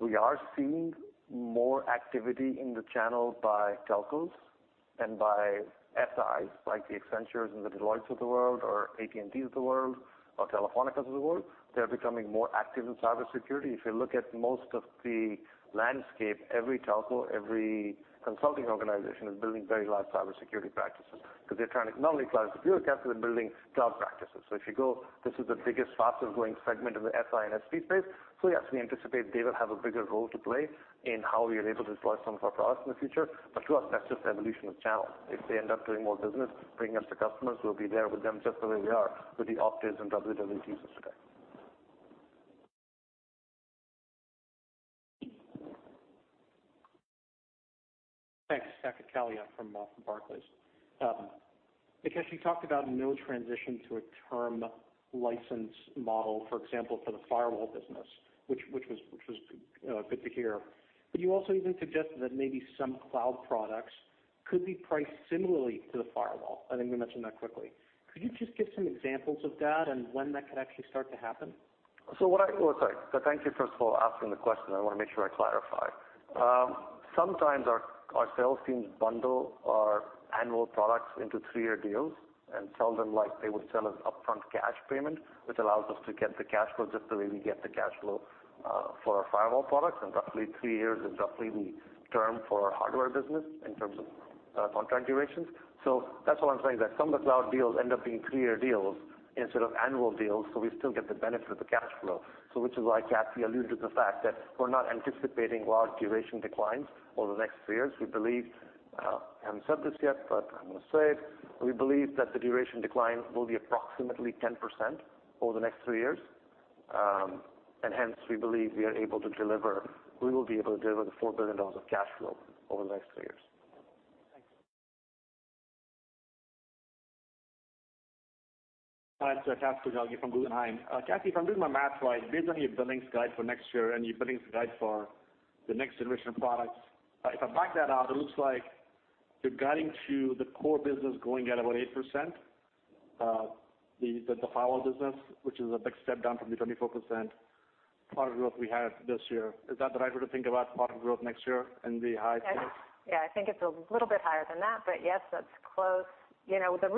We are seeing more activity in the channel by telcos and by FIs, like the Accenture and the Deloitte of the world, or AT&T of the world or Telefónica of the world. They're becoming more active in cybersecurity. If you look at most of the landscape, every telco, every consulting organization is building very large cybersecurity practices because they're trying to not only cloud security, Kathy, they're building cloud practices. If you go, this is the biggest, fastest-growing segment of the SI and SP space. Yes, we anticipate they will have a bigger role to play in how we are able to deploy some of our products in the future. To us, that's just evolution of channels. If they end up doing more business, bringing us the customers, we'll be there with them just the way we are with the Optiv and WWT of today. Thanks. Saket Kalia from Barclays. Nikesh, you talked about no transition to a term license model, for example, for the firewall business, which was good to hear. You also even suggested that maybe some cloud products could be priced similarly to the firewall. I think we mentioned that quickly. Could you just give some examples of that and when that could actually start to happen? Oh, sorry. Thank you, first of all, asking the question. I want to make sure I clarify. Sometimes our sales teams bundle our annual products into 3-year deals and sell them like they would sell an upfront cash payment, which allows us to get the cash flow just the way we get the cash flow for our firewall products. Roughly 3 years is roughly the term for our hardware business in terms of contract durations. That's why I'm saying that some of the cloud deals end up being 3-year deals instead of annual deals, so we still get the benefit of the cash flow. Which is why Kathy alluded to the fact that we're not anticipating large duration declines over the next 3 years. We believe, I haven't said this yet, but I'm going to say it, we believe that the duration decline will be approximately 10% over the next three years. Hence, we believe we will be able to deliver the $4 billion of cash flow over the next three years. Thanks. Hi, Tushar Goculdas from Guggenheim. Kathy, if I'm doing my math right, based on your billings guide for next year and your billings guide for the next generation of products, if I back that out, it looks like you're guiding to the core business growing at about 8%, the firewall business, which is a big step down from the 24% product growth we had this year. Is that the right way to think about product growth next year in the high teens? Yeah, I think it's a little bit higher than that. Yes, that's close. The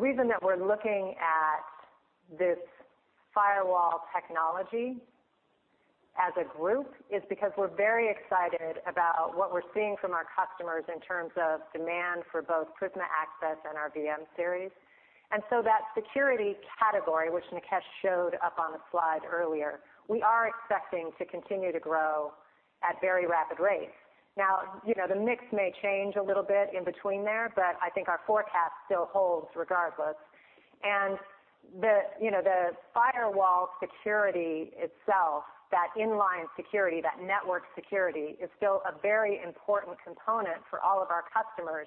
reason that we're looking at this firewall technology as a group is because we're very excited about what we're seeing from our customers in terms of demand for both Prisma Access and our VM-Series. That security category, which Nikesh showed up on the slide earlier, we are expecting to continue to grow at very rapid rates. Now, the mix may change a little bit in between there. I think our forecast still holds regardless. The firewall security itself, that inline security, that network security, is still a very important component for all of our customers.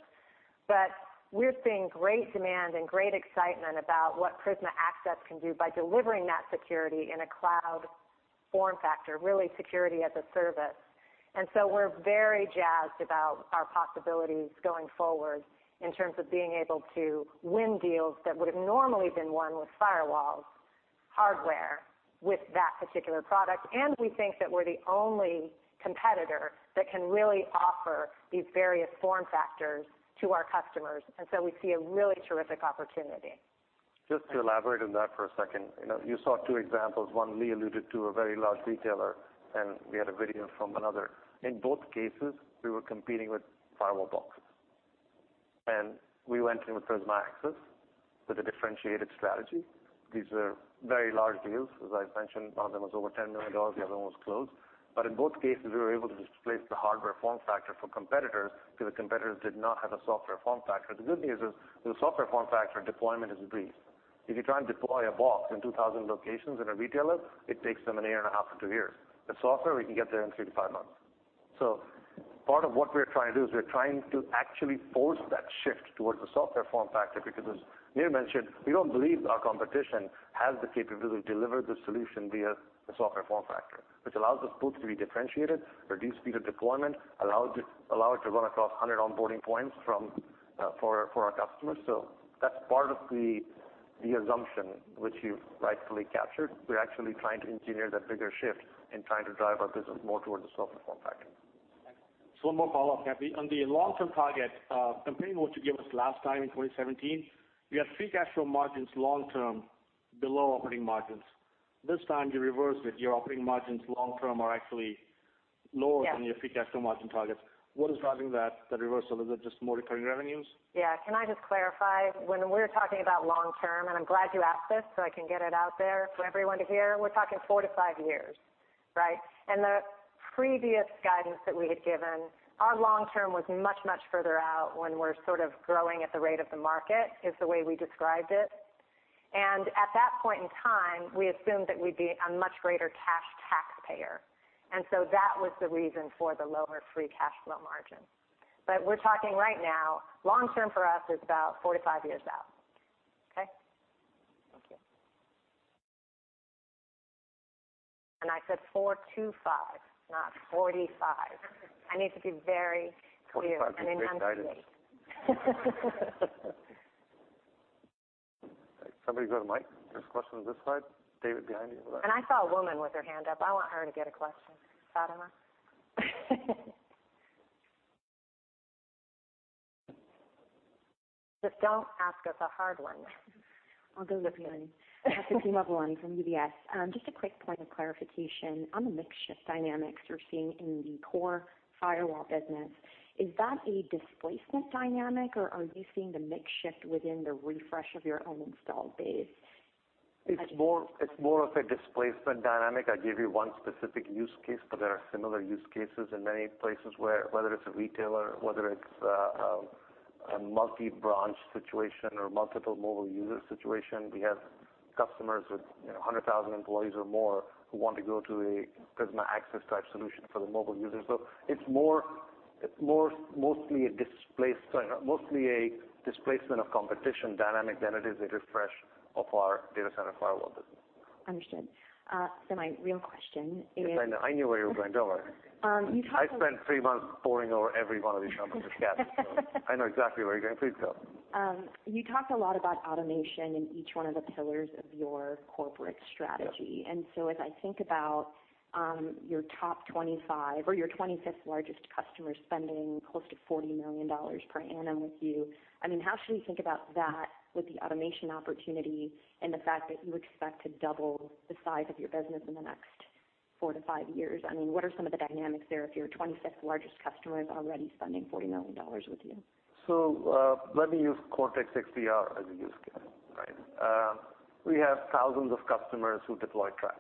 We're seeing great demand and great excitement about what Prisma Access can do by delivering that security in a cloud form factor, really security as a service. We're very jazzed about our possibilities going forward in terms of being able to win deals that would've normally been won with firewall hardware with that particular product. We think that we're the only competitor that can really offer these various form factors to our customers. We see a really terrific opportunity. Just to elaborate on that for a second. You saw two examples. One, Lee alluded to a very large retailer, and we had a video from another. In both cases, we were competing with firewall boxes. We went in with Prisma Access with a differentiated strategy. These were very large deals. As I've mentioned, one of them was over $10 million, the other one was close. In both cases, we were able to displace the hardware form factor for competitors because the competitors did not have a software form factor. The good news is, with a software form factor, deployment is a breeze. If you try and deploy a box in 2,000 locations in a retailer, it takes them a year and a half to two years. The software, we can get there in three to five months. Part of what we're trying to do is we're trying to actually force that shift towards the software form factor, because as Lee mentioned, we don't believe our competition has the capability to deliver the solution via the software form factor. Allows us both to be differentiated, reduce speed of deployment, allow it to run across 100 onboarding points for our customers. That's part of the assumption which you rightfully captured. We're actually trying to engineer that bigger shift and trying to drive our business more towards the software form factor. Thanks. Just one more follow-up, Kathy. On the long-term target, comparing what you gave us last time in 2017, you had free cash flow margins long term below operating margins. This time, you reverse it. Your operating margins long term are actually lower. Yes than your free cash flow margin targets. What is driving that reversal? Is it just more recurring revenues? Yeah. Can I just clarify? When we're talking about long term, and I'm glad you asked this, so I can get it out there for everyone to hear, we're talking four to five years. Right? The previous guidance that we had given, our long term was much, much further out when we're sort of growing at the rate of the market, is the way we described it. At that point in time, we assumed that we'd be a much greater cash taxpayer. That was the reason for the lower free cash flow margin. We're talking right now, long term for us is about four to five years out. Okay? Thank you. I said four to five, not 45. I need to be very clear and enunciate. 45 would be great guidance. Somebody got a mic? There's a question on this side. David, behind you over there. I saw a woman with her hand up. I want her to get a question. Fatima? Just don't ask us a hard one. I'll go with an easy one. Fatima Boolani from UBS. Just a quick point of clarification. On the mix shift dynamics you're seeing in the core firewall business, is that a displacement dynamic, or are you seeing the mix shift within the refresh of your own installed base? It's more of a displacement dynamic. I gave you one specific use case, but there are similar use cases in many places, whether it's a retailer, whether it's a multi-branch situation or multiple mobile user situation. We have customers with 100,000 employees or more who want to go to a Prisma Access-type solution for the mobile users. It's mostly a displacement of competition dynamic than it is a refresh of our data center firewall business. Understood. My real question is. Yes, I know. I knew where you were going. Don't worry. You talked. I spent three months poring over every one of these numbers with Kathy, so I know exactly where you're going. Please go. You talked a lot about automation in each one of the pillars of your corporate strategy. Yeah. As I think about your top 25 or your 25th largest customer spending close to $40 million per annum with you, how should we think about that with the automation opportunity and the fact that you expect to double the size of your business in the next four to five years? What are some of the dynamics there if your 25th largest customer is already spending $40 million with you? Let me use Cortex XDR as a use case. We have thousands of customers who deploy Traps.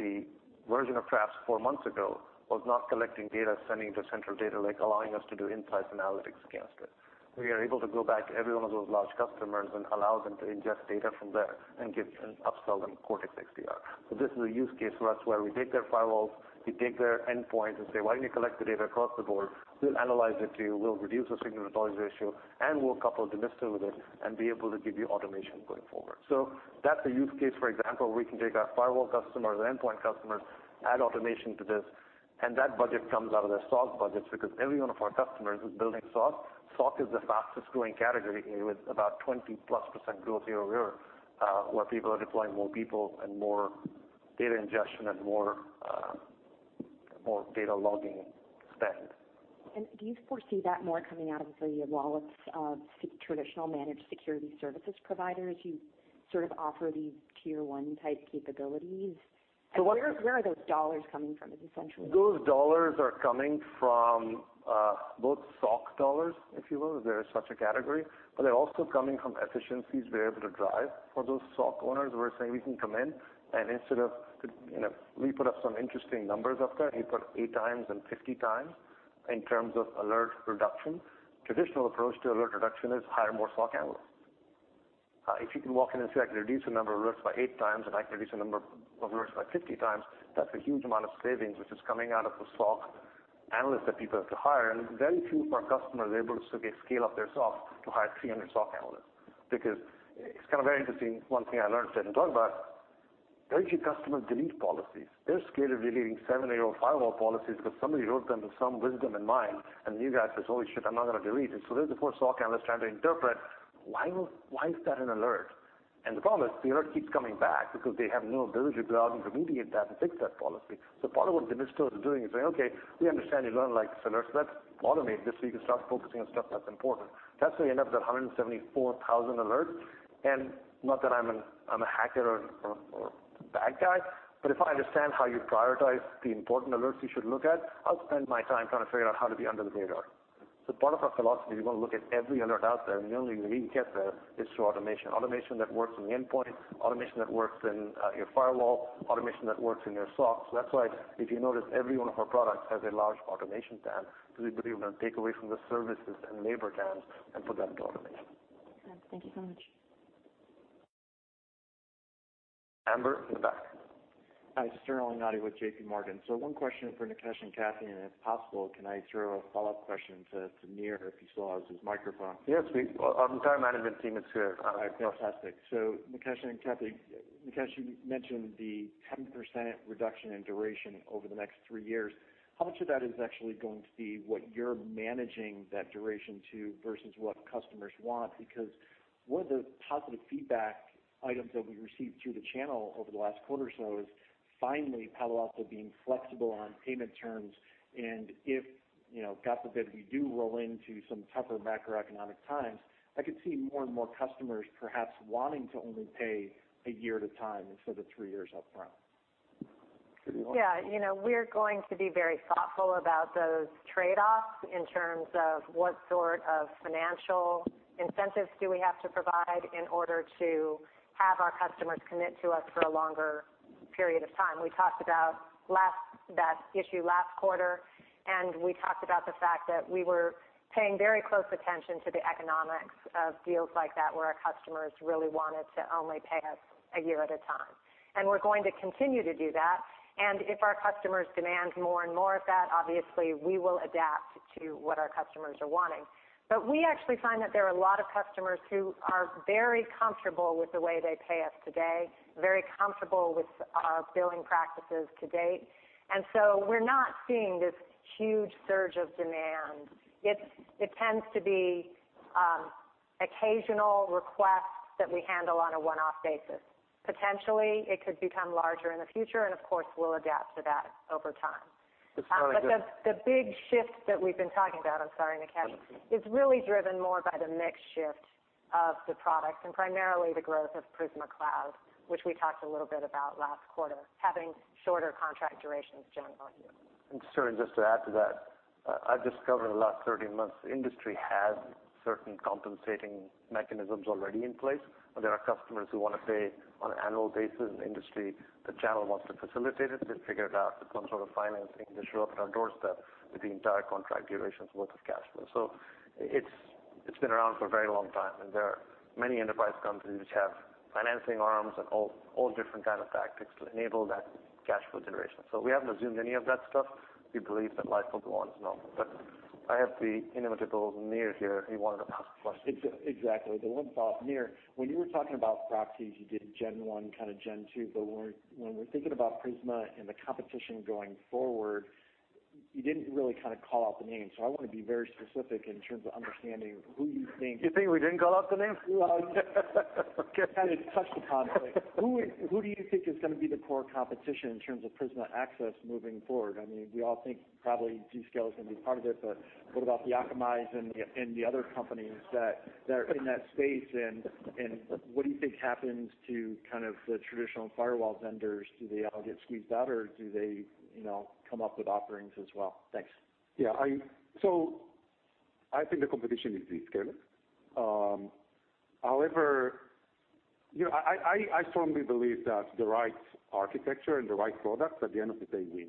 The version of Traps four months ago was not collecting data, sending it to central data lake, allowing us to do insights and analytics against it. We are able to go back to every one of those large customers and allow them to ingest data from there and upsell them Cortex XDR. This is a use case for us where we take their firewalls, we take their endpoints and say, "Why don't you collect the data across the board? We'll analyze it for you, we'll reduce the signal-to-noise ratio, and we'll couple the Demisto tool with it and be able to give you automation going forward. That's a use case, for example, where we can take our firewall customers, endpoint customers, add automation to this, and that budget comes out of their SOC budgets because every one of our customers is building SOC. SOC is the fastest growing category with about 20-plus% growth year-over-year, where people are deploying more people and more data ingestion and more data logging spend. Do you foresee that more coming out of the wallets of traditional managed security services providers? You sort of offer these tier 1 type capabilities. So what- Where are those dollars coming from, is essentially the question. Those dollars are coming from both SOC dollars, if you will, if there is such a category, but they're also coming from efficiencies we're able to drive for those SOC owners. We're saying we can come in and instead of. We put up some interesting numbers up there. We put eight times and 50 times in terms of alert reduction. Traditional approach to alert reduction is hire more SOC analysts. If you can walk in and say, "I can reduce the number of alerts by eight times, and I can reduce the number of alerts by 50 times," that's a huge amount of savings which is coming out of the SOC analysts that people have to hire. Very few of our customers are able to scale up their SOC to hire 300 SOC analysts. It's kind of very interesting, one thing I learned sitting and talking about, very few customers delete policies. They're scared of deleting seven-year-old firewall policies because somebody wrote them with some wisdom in mind, and the new guy says, "Holy shit, I'm not going to delete it." There's the poor SOC analyst trying to interpret, why is that an alert? The problem is the alert keeps coming back because they have no ability to be able to remediate that and fix that policy. Part of what the industry is doing is saying, "Okay, we understand you don't like alerts. Let's automate this so you can start focusing on stuff that's important." That's how you end up with 174,000 alerts. Not that I'm a hacker or bad guy, but if I understand how you prioritize the important alerts you should look at, I'll spend my time trying to figure out how to be under the radar. Part of our philosophy is we want to look at every alert out there, and the only way we can get there is through automation. Automation that works in the endpoint, automation that works in your firewall, automation that works in your SOC. That's why, if you notice, every one of our products has a large automation tab because we believe we're going to take away from the services and labor tabs and put them to automation. Thank you so much. Amber in the back. Hi, it's Sterling Auty with JPMorgan. One question for Nikesh and Kathy, and if possible, can I throw a follow-up question to Nir if he still has his microphone? Yes, our entire management team is here. Fantastic. Nikesh and Kathy, Nikesh, you mentioned the 10% reduction in duration over the next three years. How much of that is actually going to be what you're managing that duration to versus what customers want? One of the positive feedback items that we received through the channel over the last quarter or so is finally Palo Alto being flexible on payment terms. If, God forbid, we do roll into some tougher macroeconomic times, I could see more and more customers perhaps wanting to only pay a year at a time instead of three years up front. Kathy? Yeah. We're going to be very thoughtful about those trade-offs in terms of what sort of financial incentives do we have to provide in order to have our customers commit to us for a longer period of time. We talked about that issue last quarter, and we talked about the fact that we were paying very close attention to the economics of deals like that, where our customers really wanted to only pay us a year at a time. We're going to continue to do that, and if our customers demand more and more of that, obviously, we will adapt to what our customers are wanting. We actually find that there are a lot of customers who are very comfortable with the way they pay us today, very comfortable with our billing practices to date. We're not seeing this huge surge of demand. It tends to be occasional requests that we handle on a one-off basis. Potentially, it could become larger in the future, and of course, we'll adapt to that over time. It's kind of like. The big shift that we've been talking about, I'm sorry, Nikesh, is really driven more by the mix shift of the products and primarily the growth of Prisma Cloud, which we talked a little bit about last quarter, having shorter contract durations generally. Stern, just to add to that, I've discovered in the last 13 months, the industry has certain compensating mechanisms already in place. There are customers who want to pay on an annual basis in the industry. The channel wants to facilitate it. They figure it out. Some sort of financing that shows up on our doorstep with the entire contract duration's worth of cash flow. It's been around for a very long time, and there are many enterprise companies which have financing arms and all different kind of tactics to enable that cash flow generation. We haven't assumed any of that stuff. We believe that life will go on as normal. I have the inimitable Nir here. He wanted to ask a question. Exactly. The one thought, Nir, when you were talking about proxies, you did Gen 1, kind of Gen 2, when we're thinking about Prisma and the competition going forward, you didn't really call out the names. I want to be very specific in terms of understanding who you think. You think we didn't call out the names? Well, you kind of touched upon it. Who do you think is going to be the core competition in terms of Prisma Access moving forward? We all think probably Zscaler is going to be part of it, but what about the Akamai and the other companies that are in that space? What do you think happens to the traditional firewall vendors? Do they all get squeezed out, or do they come up with offerings as well? Thanks. Yeah. I think the competition is Zscaler. However, I strongly believe that the right architecture and the right product at the end of the day win.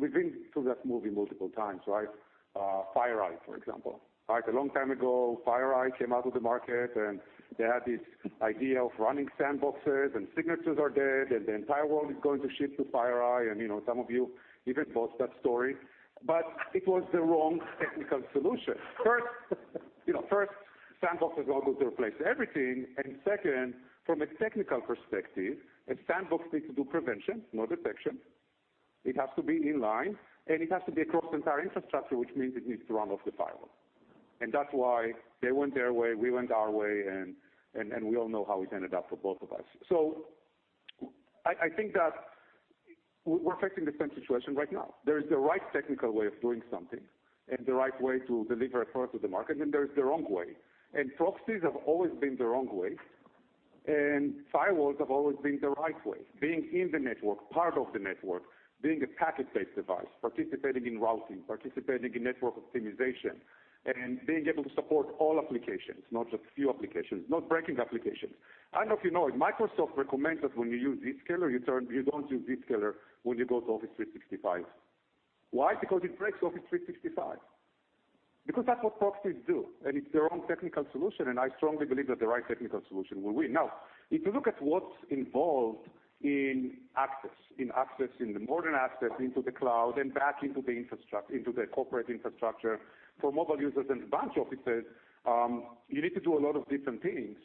We've been through that movie multiple times, right? FireEye, for example. A long time ago, FireEye came out to the market, and they had this idea of running sandboxes and signatures are dead, and the entire world is going to shift to FireEye. Some of you even bought that story. It was the wrong technical solution. First, sandboxes are all going to replace everything, and second, from a technical perspective, a sandbox needs to do prevention, not detection. It has to be in line, and it has to be across the entire infrastructure, which means it needs to run off the firewall. That's why they went their way, we went our way, and we all know how it ended up for both of us. I think that we're affecting the same situation right now. There is the right technical way of doing something and the right way to deliver a product to the market, and then there's the wrong way. Proxies have always been the wrong way, and firewalls have always been the right way. Being in the network, part of the network, being a packet-based device, participating in routing, participating in network optimization, and being able to support all applications, not just a few applications, not breaking applications. I don't know if you know it, Microsoft recommends that when you use Zscaler, you don't use Zscaler when you go to Office 365. Why? Because it breaks Office 365. That's what proxies do, it's the wrong technical solution, I strongly believe that the right technical solution will win. If you look at what's involved in access, in the modern access into the cloud and back into the corporate infrastructure for mobile users and branch offices, you need to do a lot of different things.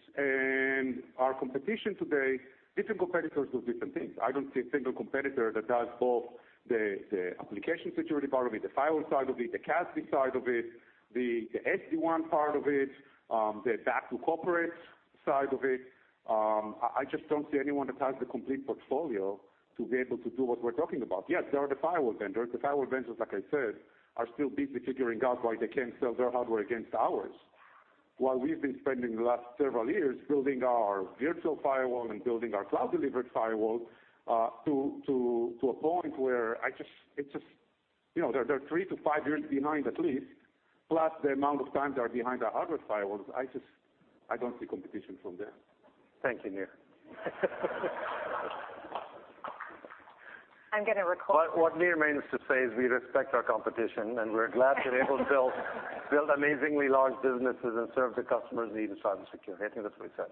Our competition today, different competitors do different things. I don't see a single competitor that does both the application security part of it, the firewall side of it, the CASB side of it, the SD-WAN part of it, the back to corporate side of it. I just don't see anyone that has the complete portfolio to be able to do what we're talking about. Yes, there are the firewall vendors. The firewall vendors, like I said, are still busy figuring out why they can't sell their hardware against ours. While we've been spending the last several years building our virtual firewall and building our cloud-delivered firewall to a point where they're three to five years behind, at least, plus the amount of times they are behind our hardware firewalls, I don't see competition from them. Thank you, Nir. I'm going to record- What Nir means to say is we respect our competition, and we're glad they're able to build amazingly large businesses and serve the customers' needs in cybersecurity. I think that's what he said.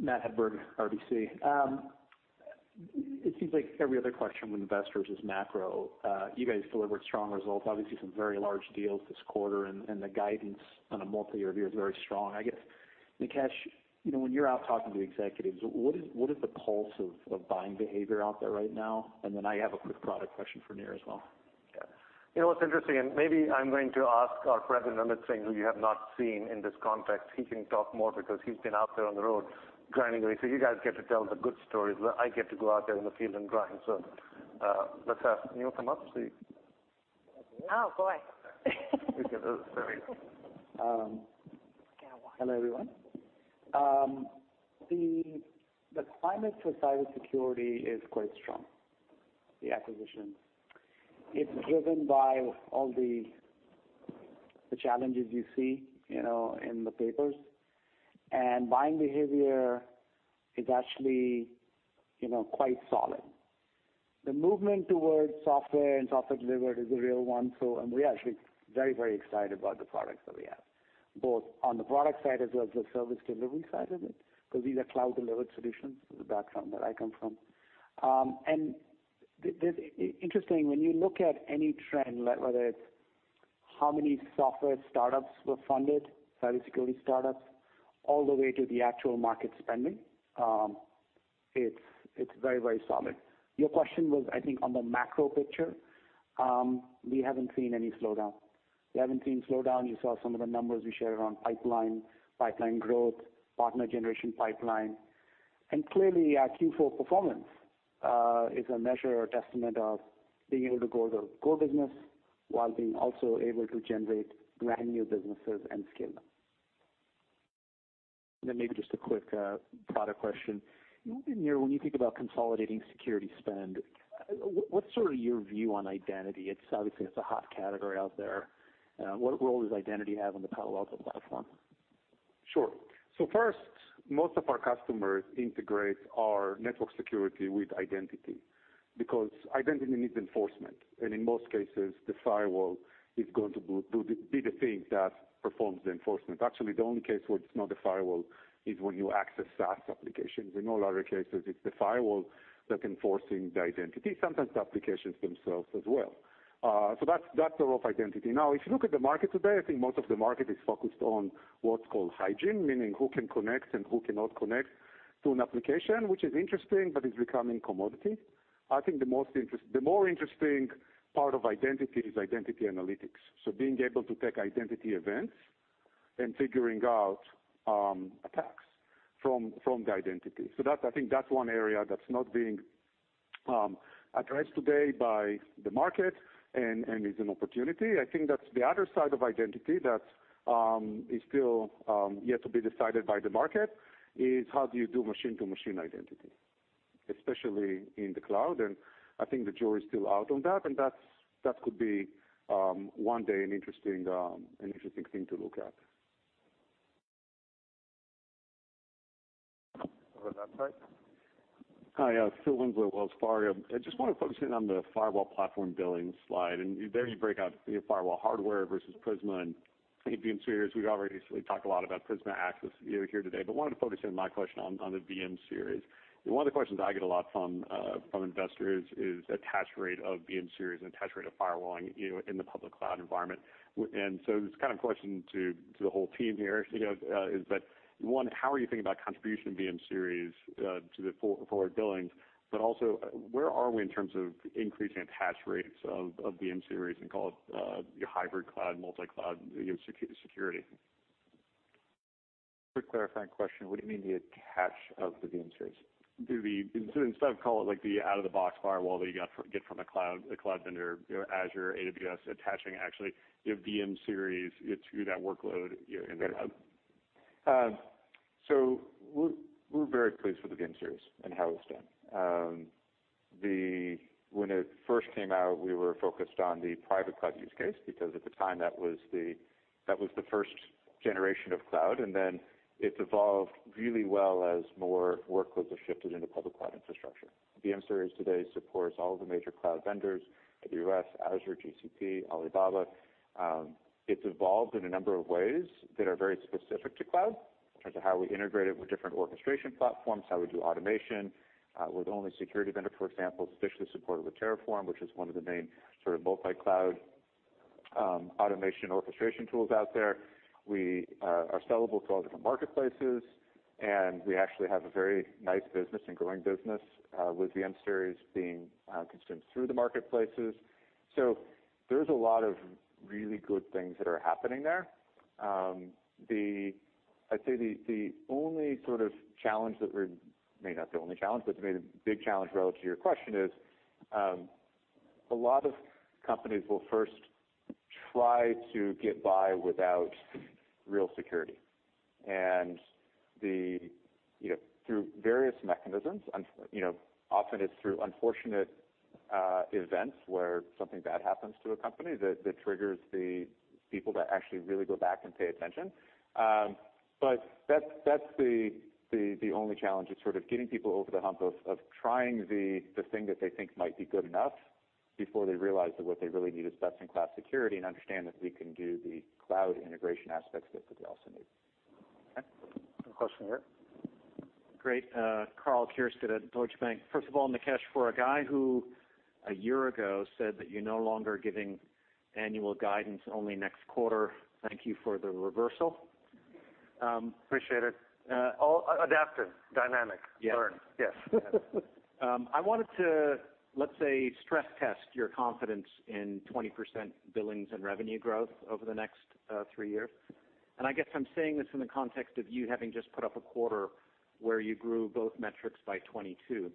Matthew Hedberg, RBC. It seems like every other question with investors is macro. You guys delivered strong results, obviously some very large deals this quarter, and the guidance on a multi-year view is very strong. I guess, Nikesh, when you're out talking to executives, what is the pulse of buying behavior out there right now? I have a quick product question for Nir as well. Yeah. Maybe I'm going to ask our President, Amit Singh, who you have not seen in this context. He can talk more because he's been out there on the road grinding away. You guys get to tell the good stories, but I get to go out there in the field and grind. Let's have Nir come up, please. Oh, boy. There we go. Hello, everyone. The climate for cybersecurity is quite strong, the acquisition. It's driven by all the challenges you see in the papers, and buying behavior is actually quite solid. The movement towards software and software delivered is a real one, and we're actually very excited about the products that we have, both on the product side as well as the service delivery side of it, because these are cloud delivered solutions. This is the background that I come from. It's interesting, when you look at any trend, whether it's how many software startups were funded, cybersecurity startups, all the way to the actual market spending, it's very solid. Your question was, I think, on the macro picture. We haven't seen any slowdown. We haven't seen slowdown. You saw some of the numbers we shared around pipeline growth, partner generation pipeline. Clearly, our Q4 performance is a measure or testament of being able to grow the core business while being also able to generate brand new businesses and scale them. Maybe just a quick product question. Nir, when you think about consolidating security spend, what's sort of your view on identity? Obviously, it's a hot category out there. What role does identity have on the Palo Alto platform? Sure. First, most of our customers integrate our network security with identity because identity needs enforcement, and in most cases, the firewall is going to be the thing that performs the enforcement. Actually, the only case where it's not the firewall is when you access SaaS applications. In all other cases, it's the firewall that's enforcing the identity, sometimes the applications themselves as well. That's the role of identity. If you look at the market today, I think most of the market is focused on what's called hygiene, meaning who can connect and who cannot connect to an application, which is interesting, but is becoming commodity. I think the more interesting part of identity is identity analytics, being able to take identity events and figuring out attacks from the identity. I think that's one area that's not being addressed today by the market and is an opportunity. I think that's the other side of identity that is still yet to be decided by the market, is how do you do machine-to-machine identity, especially in the cloud, and I think the jury is still out on that, and that could be one day an interesting thing to look at. Over that side. Hi, Philip Winslow, Wells Fargo. I just want to focus in on the firewall platform billing slide, and there you break out your firewall hardware versus Prisma and VM-series. We've already talked a lot about Prisma Access here today, but wanted to focus in my question on the VM-series. It's kind of a question to the whole team here, is that, one, how are you thinking about contribution of VM-series to the forward billings, but also, where are we in terms of increasing attach rates of VM-series and call it your hybrid cloud, multi-cloud security? Quick clarifying question. What do you mean the attach of the VM-Series? Instead of call it like the out-of-the-box firewall that you get from a cloud vendor, Azure, AWS, attaching actually your VM-Series to that workload in the cloud. We're very pleased with the VM-Series and how it's done. When it first came out, we were focused on the private cloud use case, because at the time, that was the first generation of cloud, and then it's evolved really well as more workloads have shifted into public cloud infrastructure. VM-Series today supports all of the major cloud vendors, AWS, Azure, GCP, Alibaba. It's evolved in a number of ways that are very specific to cloud in terms of how we integrate it with different orchestration platforms, how we do automation. We're the only security vendor, for example, officially supported with Terraform, which is one of the main sort of multi-cloud automation orchestration tools out there. We are sellable to all different marketplaces, and we actually have a very nice business and growing business with VM-Series being consumed through the marketplaces. There's a lot of really good things that are happening there. I'd say the only sort of challenge that we're maybe not the only challenge, but maybe the big challenge relevant to your question is, a lot of companies will first try to get by without real security. Through various mechanisms, often it's through unfortunate events where something bad happens to a company that triggers the people to actually really go back and pay attention. That's the only challenge is sort of getting people over the hump of trying the thing that they think might be good enough before they realize that what they really need is best-in-class security and understand that we can do the cloud integration aspects that they also need. Okay, got a question here. Great. Karl Keirstead at Deutsche Bank. First of all, Nikesh, for a guy who a year ago said that you're no longer giving annual guidance, only next quarter, thank you for the reversal. Appreciate it. Adaptive, dynamic. Yes. Learn. Yes. I wanted to, let's say, stress test your confidence in 20% billings and revenue growth over the next three years. I guess I'm saying this in the context of you having just put up a quarter where you grew both metrics by 22%.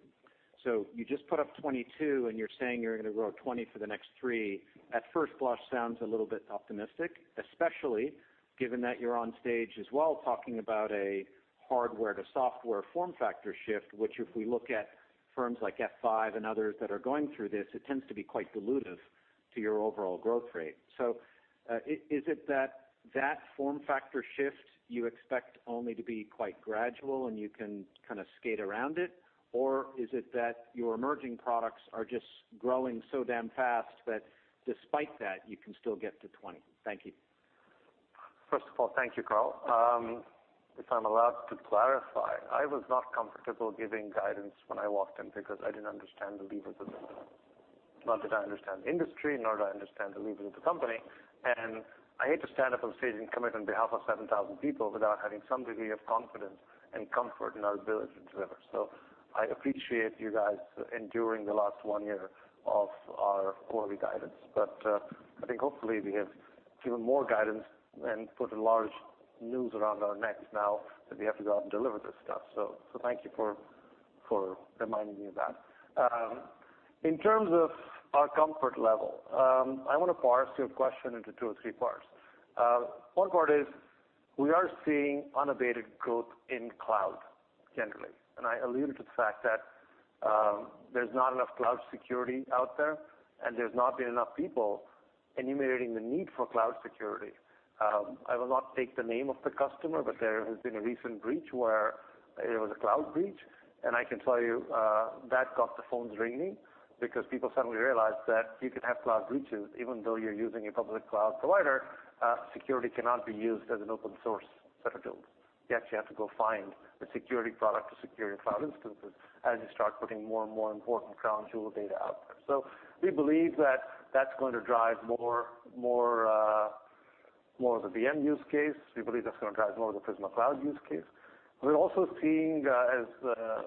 You just put up 22%, and you're saying you're going to grow 20% for the next three. At first blush, sounds a little bit optimistic, especially given that you're on stage as well talking about a hardware to software form factor shift, which if we look at firms like F5 and others that are going through this, it tends to be quite dilutive to your overall growth rate. Is it that that form factor shift you expect only to be quite gradual and you can kind of skate around it? Is it that your emerging products are just growing so damn fast that despite that, you can still get to 20%? Thank you. First of all, thank you, Karl. If I'm allowed to clarify, I was not comfortable giving guidance when I walked in because I didn't understand the levers of the business. Nor did I understand the industry, nor did I understand the levers of the company. I hate to stand up on stage and commit on behalf of 7,000 people without having some degree of confidence and comfort in our ability to deliver. I appreciate you guys enduring the last one year of our quarterly guidance. I think hopefully we have given more guidance and put a large noose around our necks now that we have to go out and deliver this stuff. Thank you for reminding me of that. In terms of our comfort level, I want to parse your question into two or three parts. One part is we are seeing unabated growth in cloud generally, I alluded to the fact that there's not enough cloud security out there's not been enough people enumerating the need for cloud security. I will not take the name of the customer, but there has been a recent breach where it was a cloud breach, I can tell you that got the phones ringing because people suddenly realized that you can have cloud breaches even though you're using a public cloud provider. Security cannot be used as an open source set of tools. Yes, you have to go find a security product to secure your cloud instances as you start putting more and more important crown jewel data out there. We believe that that's going to drive more of the VM use case. We believe that's going to drive more of the Prisma Cloud use case. We're also seeing, as the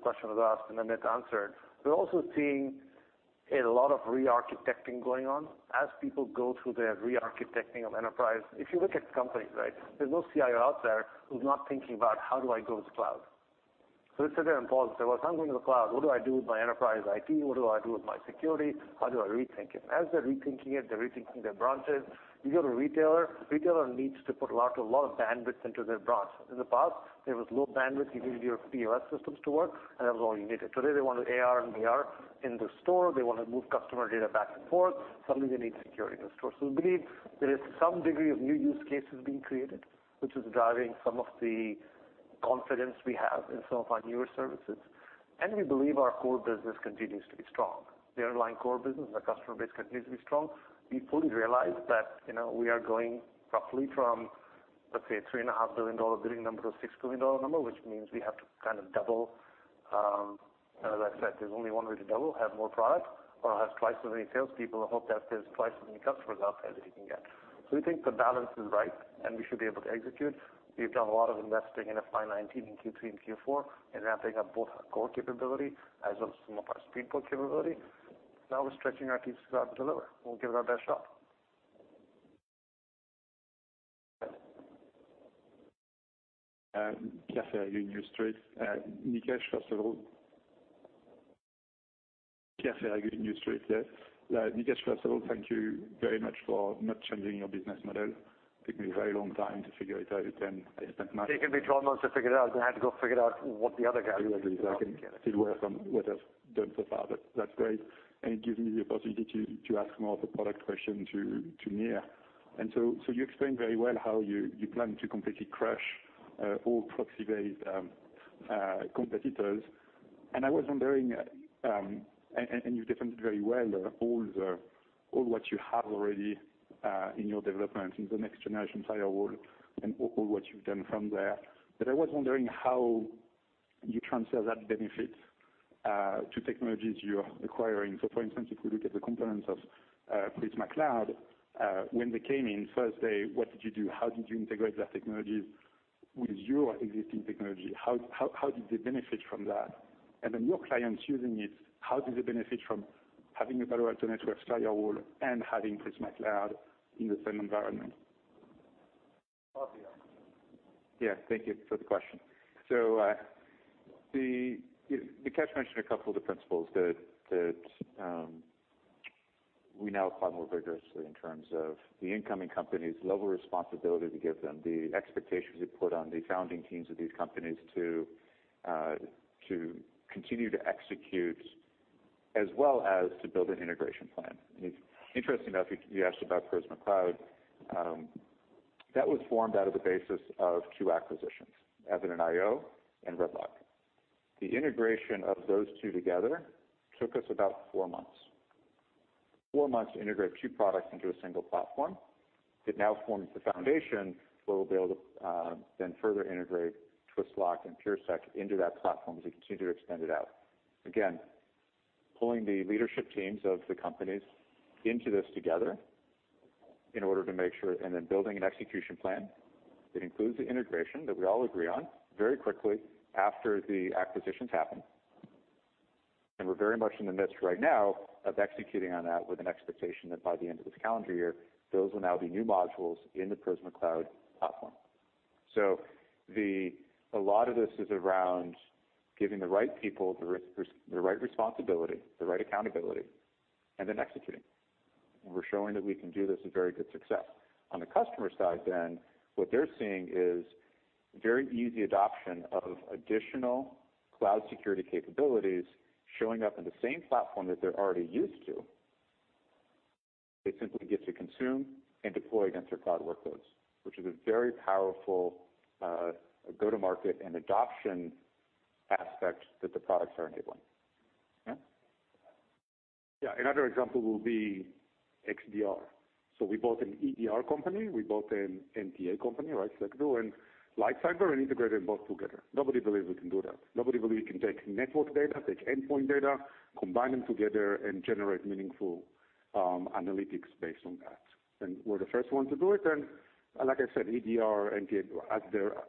question was asked and then it answered, we're also seeing a lot of re-architecting going on as people go through their re-architecting of enterprise. If you look at companies, right? There's no CIO out there who's not thinking about how do I go to the cloud. They sit there and pause and say, "Well, if I'm going to the cloud, what do I do with my enterprise IT? What do I do with my security? How do I rethink it?" As they're rethinking it, they're rethinking their branches. You go to retailer needs to put a lot of bandwidth into their branch. In the past, there was low bandwidth. You needed your POS systems to work, and that was all you needed. They want AR and VR in the store. They want to move customer data back and forth. They need security in the store. We believe there is some degree of new use cases being created, which is driving some of the confidence we have in some of our newer services. We believe our core business continues to be strong. The underlying core business and the customer base continues to be strong. We fully realize that we are going roughly from, let's say, a $3.5 billion billing number to a $6 billion number, which means we have to kind of double. As I said, there's only one way to double, have more product or have twice as many salespeople and hope that there's twice as many customers out there that you can get. We think the balance is right, and we should be able to execute. We've done a lot of investing in FY 2019, in Q3 and Q4, in ramping up both our core capability as well as some of our speed boat capability. Now we're stretching our pieces out to deliver. We'll give it our best shot. Pierre Ferragu, New Street Research. Nikesh, first of all, thank you very much for not changing your business model. Took me a very long time to figure it out, and I spent money. It can be 12 months to figure it out, then I have to go figure out what the other guy did. I can still work on what I've done so far, that's great, it gives me the opportunity to ask more of a product question to Nir. You explained very well how you plan to completely crush all proxy-based competitors. I was wondering, you've defended very well all what you have already in your development in the next generation firewall and all what you've done from there. I was wondering how you transfer that benefit to technologies you're acquiring. For instance, if we look at the components of Prisma Cloud, when they came in first day, what did you do? How did you integrate that technology with your existing technology? How did they benefit from that? Your clients using it, how do they benefit from Having a Palo Alto Networks firewall and having Prisma Cloud in the same environment. Thank you for the question. Nikesh mentioned a couple of the principles that we now apply more vigorously in terms of the incoming companies, level of responsibility to give them, the expectations we put on the founding teams of these companies to continue to execute as well as to build an integration plan. It's interesting, you asked about Prisma Cloud. That was formed out of the basis of two acquisitions, Evident.io and RedLock. The integration of those two together took us about four months. Four months to integrate two products into a single platform. It now forms the foundation where we'll be able to then further integrate Twistlock and PureSec into that platform as we continue to extend it out. Again, pulling the leadership teams of the companies into this together in order to make sure, then building an execution plan that includes the integration that we all agree on very quickly after the acquisitions happen. We're very much in the midst right now of executing on that with an expectation that by the end of this calendar year, those will now be new modules in the Prisma Cloud platform. A lot of this is around giving the right people the right responsibility, the right accountability, and then executing. We're showing that we can do this with very good success. On the customer side then, what they're seeing is very easy adoption of additional cloud security capabilities showing up in the same platform that they're already used to. They simply get to consume and deploy against their cloud workloads, which is a very powerful go-to-market and adoption aspect that the products are enabling. Yeah? Yeah. Another example will be XDR. We bought an EDR company. We bought an NTA company, Secdo and LightCyber, and integrated them both together. Nobody believed we can do that. Nobody believed we can take network data, take endpoint data, combine them together and generate meaningful analytics based on that. We're the first ones to do it. Like I said, EDR, NTA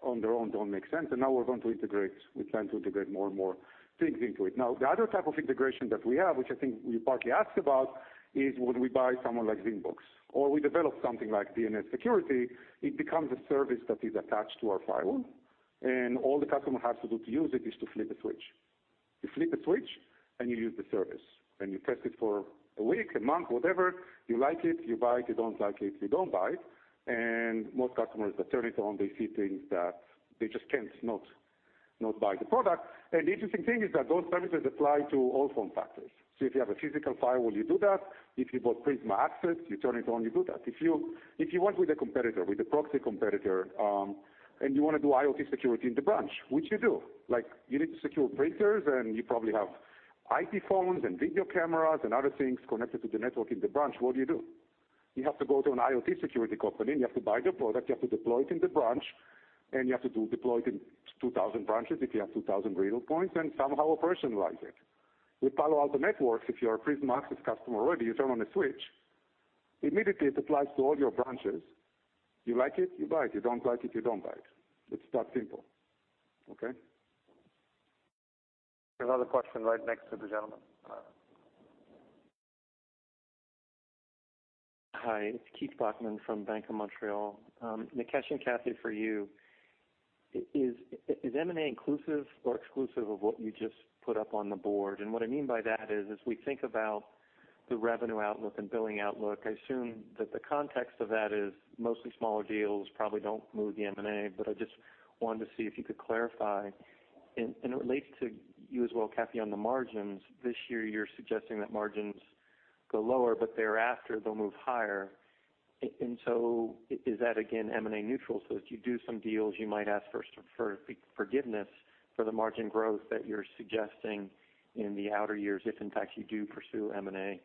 on their own don't make sense. Now we plan to integrate more and more things into it. Now, the other type of integration that we have, which I think you partly asked about, is when we buy someone like Zingbox or we develop something like DNS Security, it becomes a service that is attached to our firewall, and all the customer has to do to use it is to flip a switch. You flip a switch, and you use the service. You test it for a week, a month, whatever. You like it, you buy it. You don't like it, you don't buy it. Most customers that turn it on, they see things that they just can't not buy the product. An interesting thing is that those services apply to all form factors. If you have a physical firewall, you do that. If you bought Prisma Access, you turn it on, you do that. If you went with a competitor, with a proxy competitor, and you want to do IoT security in the branch, which you do, you need to secure printers and you probably have IP phones and video cameras and other things connected to the network in the branch. What do you do? You have to go to an IoT security company, and you have to buy their product. You have to deploy it in the branch, and you have to deploy it in 2,000 branches if you have 2,000 retail points, and somehow operationalize it. With Palo Alto Networks, if you're a Prisma Access customer already, you turn on a switch. Immediately, it applies to all your branches. You like it, you buy it. You don't like it, you don't buy it. It's that simple. Okay? Another question right next to the gentleman. Hi, it's Keith Bachman from BMO Capital Markets. Nikesh and Kathy, for you, is M&A inclusive or exclusive of what you just put up on the board? What I mean by that is, as we think about the revenue outlook and billing outlook, I assume that the context of that is mostly smaller deals probably don't move the M&A, but I just wanted to see if you could clarify. It relates to you as well, Kathy, on the margins. This year you're suggesting that margins go lower, but thereafter they'll move higher. Is that again M&A neutral? If you do some deals, you might ask first for forgiveness for the margin growth that you're suggesting in the outer years, if in fact you do pursue M&A,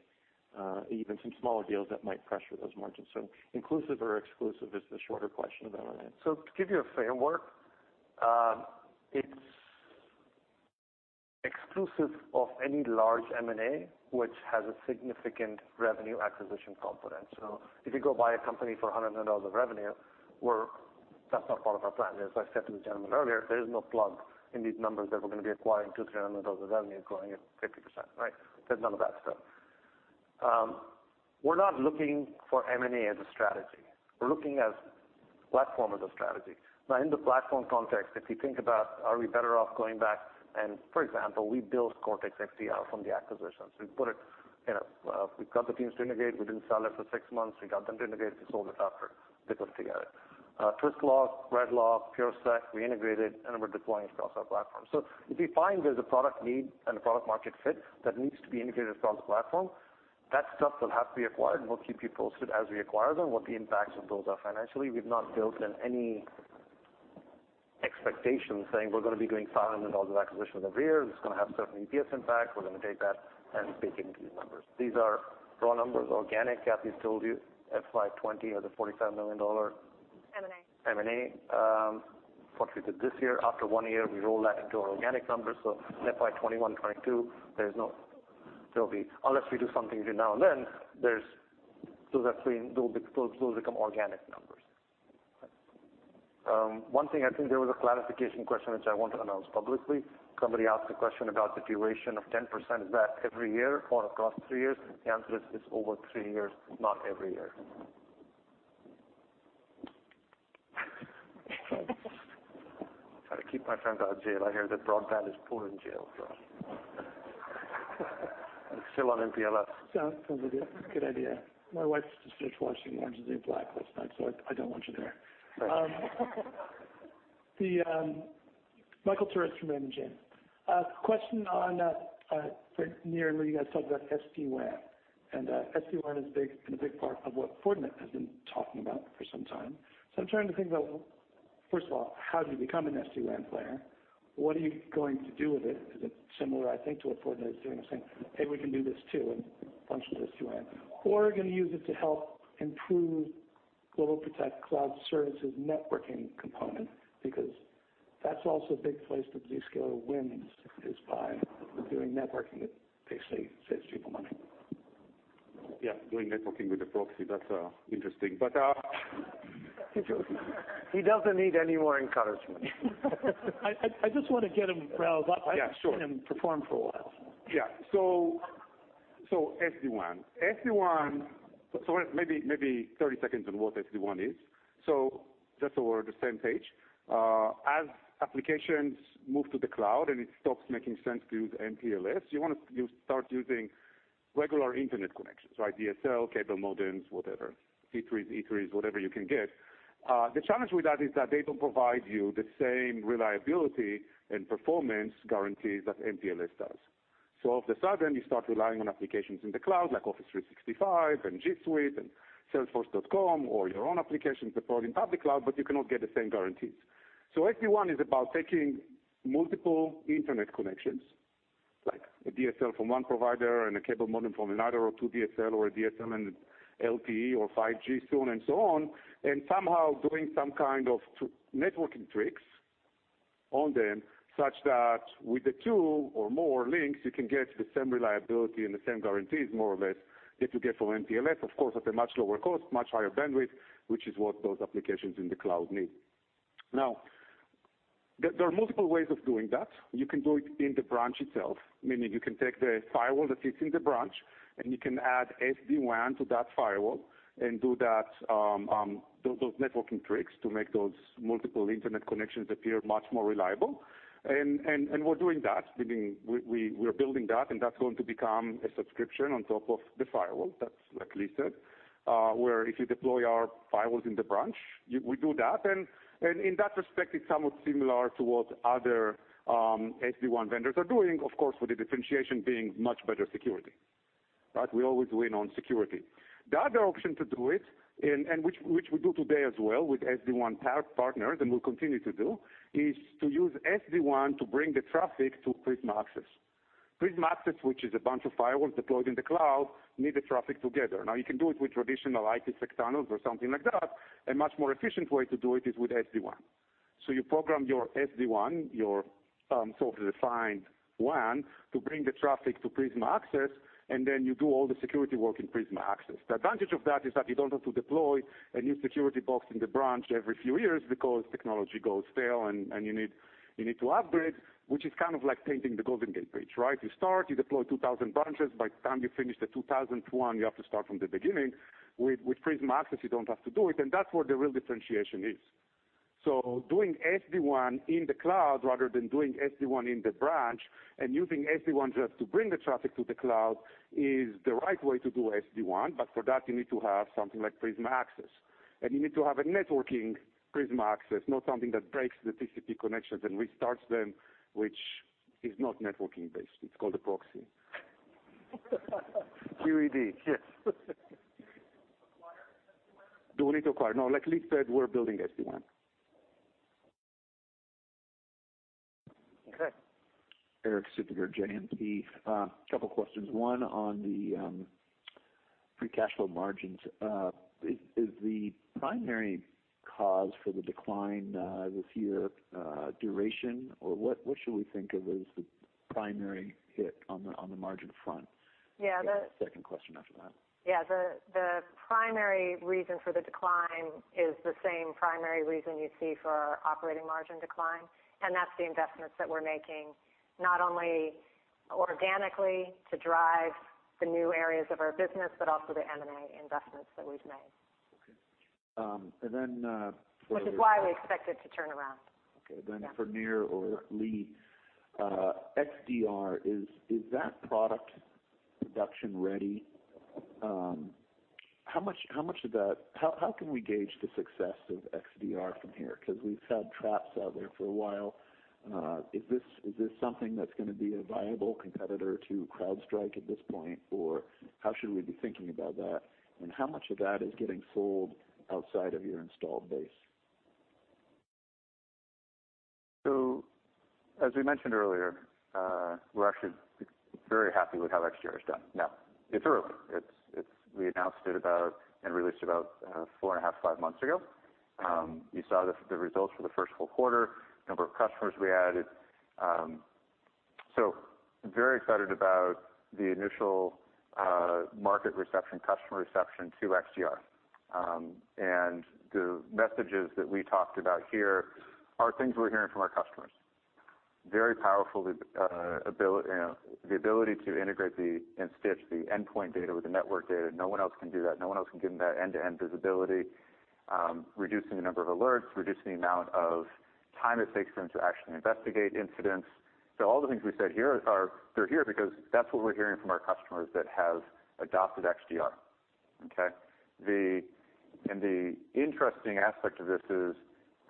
even some smaller deals that might pressure those margins. Inclusive or exclusive is the shorter question of M&A. To give you a framework, it's exclusive of any large M&A which has a significant revenue acquisition component. If you go buy a company for $100 million of revenue, that's not part of our plan. As I said to the gentleman earlier, there is no plug in these numbers that we're going to be acquiring $300 of revenue, growing at 50%. There's none of that stuff. We're not looking for M&A as a strategy. We're looking as platform as a strategy. In the platform context, if you think about are we better off going back and, for example, we built Cortex XDR from the acquisitions. We've got the teams to integrate. We didn't sell it for six months. We got them to integrate. We sold it after it was together. Twistlock, RedLock, PureSec, we integrated, and we're deploying across our platform. If we find there's a product need and a product market fit that needs to be integrated across the platform, that stuff will have to be acquired, and we'll keep you posted as we acquire them, what the impacts of those are financially. We've not built in any expectations saying we're going to be doing $500 of acquisitions over here. This is going to have certain EPS impact. We're going to take that and bake it into these numbers. These are raw numbers, organic. Kathy's told you FY 2020 or the $45 million. M&A M&A, what we did this year. After one year, we roll that into our organic numbers. FY 2021, 2022, unless we do something every now and then, those become organic numbers. One thing, I think there was a clarification question, which I want to announce publicly. Somebody asked a question about the duration of 10%, is that every year or across three years? The answer is over three years, not every year. Try to keep my friend out of jail. I hear that broadband is poor in jail, so. It's still on MPLS. Sounds like a good idea. My wife's just finished watching Orange is the New Black last night, so I don't want you there. Right. Michael Turits from Raymond James. Question on, for Nir and Lee, you guys talked about SD-WAN, and SD-WAN is a big part of what Fortinet has been talking about for some time. I'm trying to think about, first of all, how do you become an SD-WAN player? What are you going to do with it? Is it similar, I think, to what Fortinet is doing and saying, "Hey, we can do this too," and function as SD-WAN. Are you going to use it to help improve GlobalProtect cloud service networking component? That's also a big place that Zscaler wins, is by doing networking that basically saves people money. Yeah. Doing networking with a proxy, that's interesting. He doesn't need any more encouragement. I just want to get him riled up. Yeah, sure. I haven't seen him perform for a while. Yeah. SD-WAN. Maybe 30 seconds on what SD-WAN is, just so we're on the same page. As applications move to the cloud and it stops making sense to use MPLS, you start using regular internet connections, right? DSL, cable modems, whatever, T3s, E3s, whatever you can get. The challenge with that is that they don't provide you the same reliability and performance guarantees that MPLS does. All of the sudden, you start relying on applications in the cloud, like Office 365 and G Suite and salesforce.com or your own applications deployed in public cloud, but you cannot get the same guarantees. SD-WAN is about taking multiple internet connections, like a DSL from one provider and a cable modem from another, or two DSL or a DSL and LTE or 5G soon, and so on, and somehow doing some kind of networking tricks on them such that with the two or more links, you can get the same reliability and the same guarantees, more or less, that you get from MPLS, of course, at a much lower cost, much higher bandwidth, which is what those applications in the cloud need. Now, there are multiple ways of doing that. You can do it in the branch itself, meaning you can take the firewall that sits in the branch, and you can add SD-WAN to that firewall and do those networking tricks to make those multiple internet connections appear much more reliable. We're doing that. Meaning, we're building that, and that's going to become a subscription on top of the firewall. That's like Lee said, where if you deploy our firewalls in the branch, we do that. In that respect, it's somewhat similar to what other SD-WAN vendors are doing, of course, with the differentiation being much better security. We always win on security. The other option to do it, and which we do today as well with SD-WAN partners and will continue to do, is to use SD-WAN to bring the traffic to Prisma Access. Prisma Access, which is a bunch of firewalls deployed in the cloud, knit the traffic together. Now, you can do it with traditional IPsec tunnels or something like that. A much more efficient way to do it is with SD-WAN. You program your SD-WAN, your sort of defined WAN, to bring the traffic to Prisma Access, and then you do all the security work in Prisma Access. The advantage of that is that you don't have to deploy a new security box in the branch every few years because technology goes stale and you need to upgrade, which is kind of like painting the Golden Gate Bridge, right? You start, you deploy 2,000 branches. By the time you finish the 2,000th one, you have to start from the beginning. With Prisma Access, you don't have to do it, and that's where the real differentiation is. Doing SD-WAN in the cloud rather than doing SD-WAN in the branch and using SD-WAN just to bring the traffic to the cloud is the right way to do SD-WAN. For that, you need to have something like Prisma Access, and you need to have a networking Prisma Access, not something that breaks the TCP connections and restarts them, which is not networking based. It's called a proxy. QED. Yes. Do you need to acquire SD-WAN? Do we need to acquire? No. Like Lee said, we're building SD-WAN. Okay. Eric Sitomer, JMP. Couple questions. One on the free cash flow margins. Is the primary cause for the decline this year duration, or what should we think of as the primary hit on the margin front? Yeah. I have a second question after that. Yeah. The primary reason for the decline is the same primary reason you see for our operating margin decline, and that's the investments that we're making, not only organically to drive the new areas of our business, but also the M&A investments that we've made. Okay. Which is why we expect it to turn around. For Nir or Lee, XDR, is that product production ready? How can we gauge the success of XDR from here? We've had Traps out there for a while. Is this something that's going to be a viable competitor to CrowdStrike at this point, or how should we be thinking about that? How much of that is getting sold outside of your installed base? As we mentioned earlier, we're actually very happy with how XDR has done. It's early. We announced it about and released about 4.5 months ago. You saw the results for the first full quarter, number of customers we added. Very excited about the initial market reception, customer reception to XDR. The messages that we talked about here are things we're hearing from our customers. Very powerful, the ability to integrate and stitch the endpoint data with the network data. No one else can do that. No one else can give them that end-to-end visibility. Reducing the number of alerts, reducing the amount of time it takes for them to actually investigate incidents. All the things we said here, they're here because that's what we're hearing from our customers that have adopted XDR. Okay. The interesting aspect of this is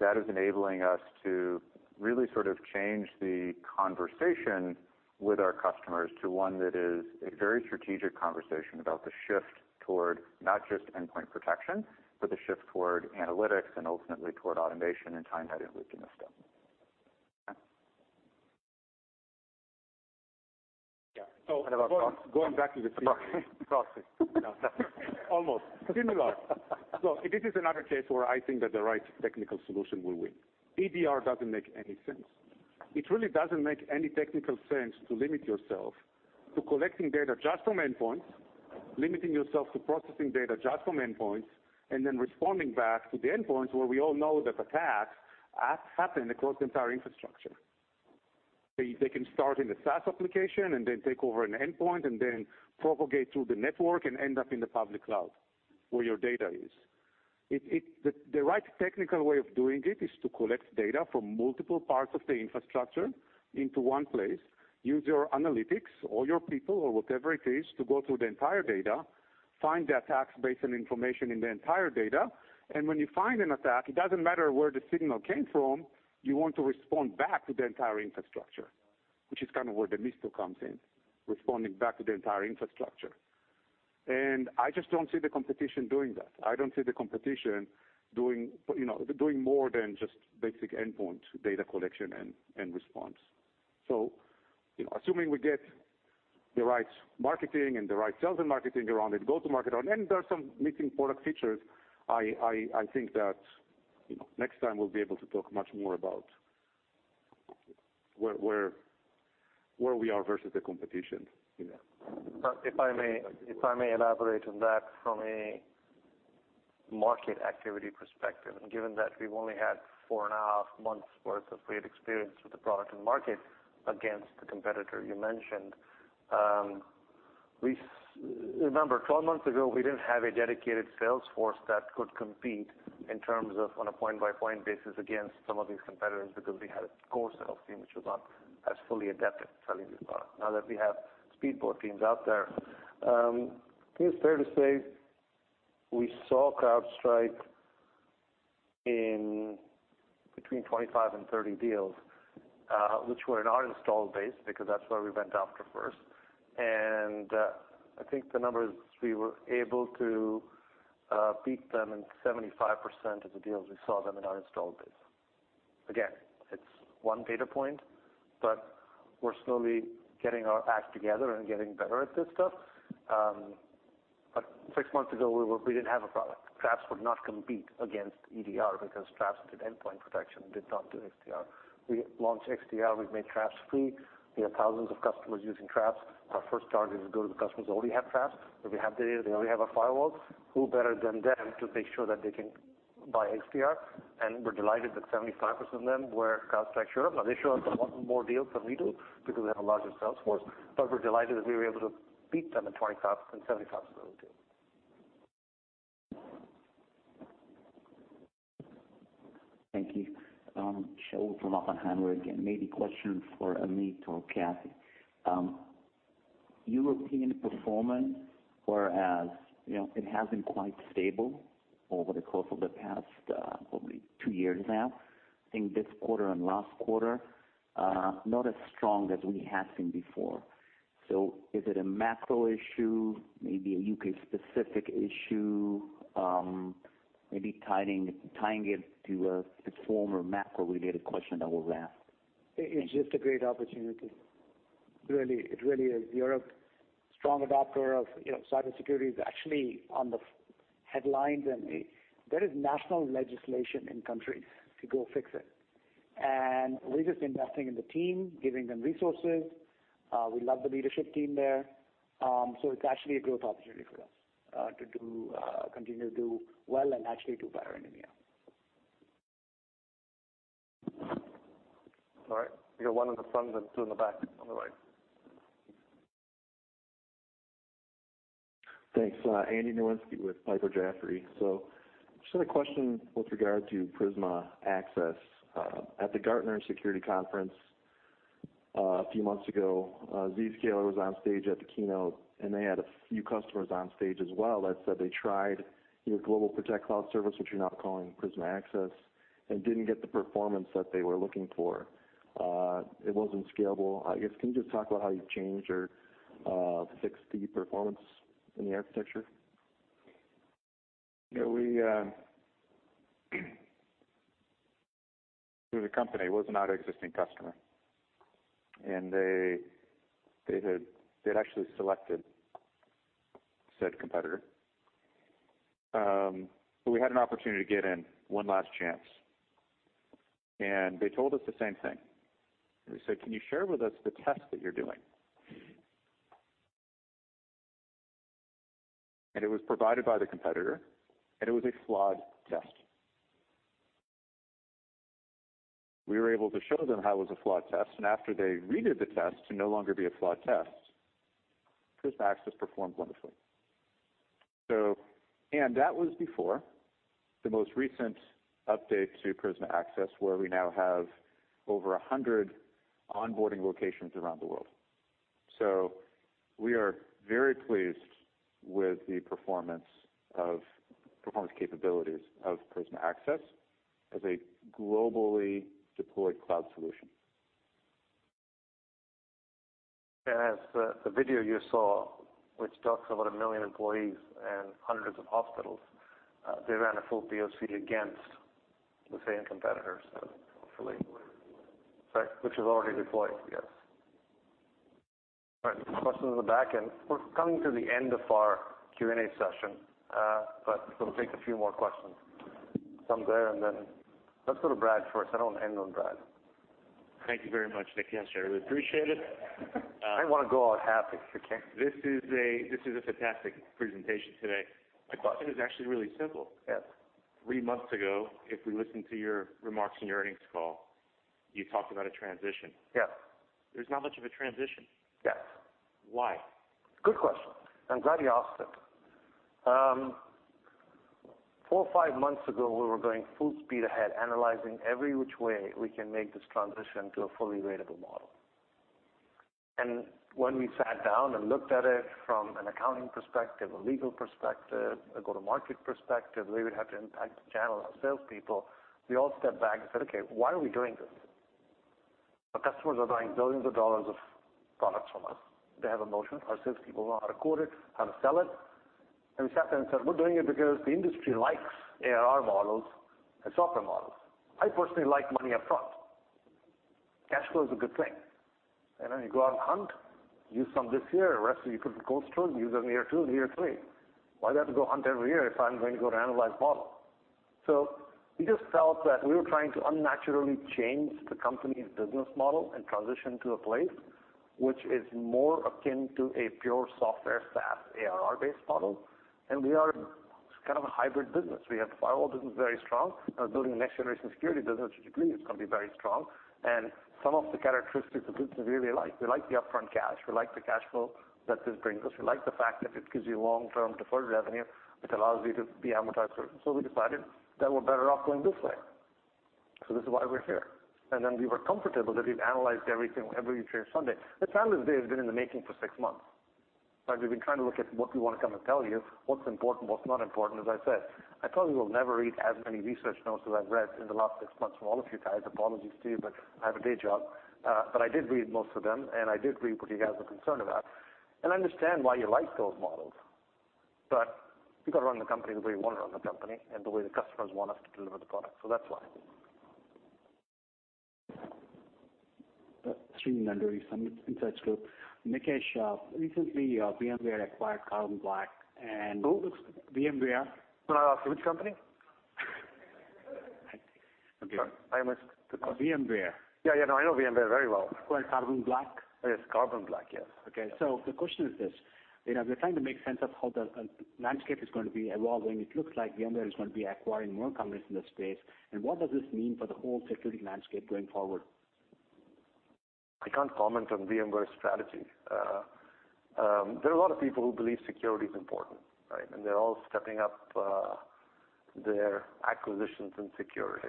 that is enabling us to really change the conversation with our customers to one that is a very strategic conversation about the shift toward not just endpoint protection, but the shift toward analytics and ultimately toward automation and time that is looped in this stuff. Look, this is another case where I think that the right technical solution will win. EDR doesn't make any sense. It really doesn't make any technical sense to limit yourself to collecting data just from endpoints, limiting yourself to processing data just from endpoints, and then responding back to the endpoints where we all know that attacks happen across the entire infrastructure. They can start in a SaaS application and then take over an endpoint, and then propagate through the network and end up in the public cloud where your data is. The right technical way of doing it is to collect data from multiple parts of the infrastructure into one place, use your analytics or your people or whatever it is to go through the entire data, find the attacks based on information in the entire data, and when you find an attack, it doesn't matter where the signal came from, you want to respond back to the entire infrastructure, which is kind of where Demisto comes in, responding back to the entire infrastructure. I just don't see the competition doing that. I don't see the competition doing more than just basic endpoint data collection and response. Assuming we get the right marketing and the right sales and marketing around it, go to market on, and there's some missing product features, I think that next time we'll be able to talk much more about where we are versus the competition. If I may elaborate on that from a market activity perspective, given that we've only had four and a half months' worth of paid experience with the product in market against the competitor you mentioned. Remember, 12 months ago, we didn't have a dedicated sales force that could compete in terms of on a point-by-point basis against some of these competitors because we had a core sales team, which was not as fully adept at selling this product. Now that we have speed boat teams out there, I think it's fair to say we saw CrowdStrike in between 25 and 30 deals, which were in our install base because that's where we went after first. I think the number is we were able to beat them in 75% of the deals we saw them in our install base. It's one data point, we're slowly getting our act together and getting better at this stuff. Six months ago, we didn't have a product. Traps would not compete against EDR because Traps did endpoint protection, did not do XDR. We launched XDR. We've made Traps free. We have thousands of customers using Traps. Our first target is go to the customers who already have Traps, where we have the data, they already have our firewalls. Who better than them to make sure that they can buy XDR? We're delighted that 75% of them were CrowdStrike. Sure. Now they show up in a lot more deals than we do because they have a larger sales force, we're delighted that we were able to beat them in 75% of the deals. Thank you. Shaul from Oppenheimer again. Maybe a question for Amit or Kathy. European performance, whereas it has been quite stable over the course of the past, probably 2 years now. I think this quarter and last quarter, not as strong as we have seen before. Is it a macro issue, maybe a U.K. specific issue? Maybe tying it to a former macro related question that was asked. It's just a great opportunity. It really is. Europe, strong adopter of cybersecurity, is actually on the headlines, and there is national legislation in countries to go fix it. We're just investing in the team, giving them resources. We love the leadership team there. It's actually a growth opportunity for us to continue to do well and actually do better in EMEA. All right. We got one in the front and two in the back on the right. Thanks. Andy Nowinski with Piper Jaffray. Just had a question with regard to Prisma Access. At the Gartner Security Conference a few months ago, Zscaler was on stage at the keynote, and they had a few customers on stage as well that said they tried your GlobalProtect cloud service, which you're now calling Prisma Access, and didn't get the performance that they were looking for. It wasn't scalable, can you just talk about how you've changed or fixed the performance in the architecture? It was a company. It was not an existing customer, and they'd actually selected a competitor. We had an opportunity to get in, one last chance, and they told us the same thing. We said, "Can you share with us the test that you're doing?" It was provided by the competitor, and it was a flawed test. We were able to show them how it was a flawed test, and after they redid the test to no longer be a flawed test, Prisma Access performed wonderfully. That was before the most recent update to Prisma Access, where we now have over 100 onboarding locations around the world. We are very pleased with the performance capabilities of Prisma Access as a globally deployed cloud solution. As the video you saw, which talks about a million employees and hundreds of hospitals, they ran a full POC against the same competitors, hopefully. Already deployed. Right, which was already deployed, yes. All right, there's a question in the back and we're coming to the end of our Q&A session, but we'll take a few more questions. Some there, and then let's go to Brad first. I want to end on Brad. Thank you very much, Nikesh. I really appreciate it. I want to go out happy if we can. This is a fantastic presentation today. My question is actually really simple. Yes. Three months ago, if we listened to your remarks in your earnings call, you talked about a transition. Yes. There's not much of a transition. Yes. Why? Good question. I'm glad you asked it. Four or five months ago, we were going full speed ahead, analyzing every which way we can make this transition to a fully ratable model. When we sat down and looked at it from an accounting perspective, a legal perspective, a go-to-market perspective, the way it would have to impact the channel, our salespeople, we all stepped back and said, "Okay, why are we doing this?" Our customers are buying billions of dollars of products from us. They have a notion, our salespeople know how to quote it, how to sell it, and we sat there and said, "We're doing it because the industry likes ARR models and software models." I personally like money upfront. Cash flow is a good thing, and then you go out and hunt, use some this year, the rest of you put in the gold store and use it in year two and year three. Why do I have to go hunt every year if I'm going to go to annualized model? We just felt that we were trying to unnaturally change the company's business model and transition to a place which is more akin to a pure software SaaS ARR-based model, and we are kind of a hybrid business. We have firewall business very strong. Now building a next-generation security business, which we believe is going to be very strong, and some of the characteristics of which we really like. We like the upfront cash. We like the cash flow that this brings us. We like the fact that it gives you long-term deferred revenue, which allows you to be amortized certain. We decided that we're better off going this way. This is why we're here. Then we were comfortable that we've analyzed everything, every which way Sunday. This analyst day has been in the making for six months. We've been trying to look at what we want to come and tell you, what's important, what's not important. As I said, I probably will never read as many research notes as I've read in the last six months from all of you guys. Apologies to you, but I have a day job. I did read most of them, and I did read what you guys were concerned about and understand why you like those models. We got to run the company the way we want to run the company and the way the customers want us to deliver the product. That's why. Sreenivasan, Insight Partners. Nikesh, recently, VMware acquired Carbon Black and- Who? VMware. Which company? Okay. I missed. VMware. Yeah, I know VMware very well. Acquired Carbon Black. Yes, Carbon Black, yes. Okay. The question is this. We're trying to make sense of how the landscape is going to be evolving. It looks like VMware is going to be acquiring more companies in this space, what does this mean for the whole security landscape going forward? I can't comment on VMware's strategy. There are a lot of people who believe security is important, right? They're all stepping up their acquisitions in security.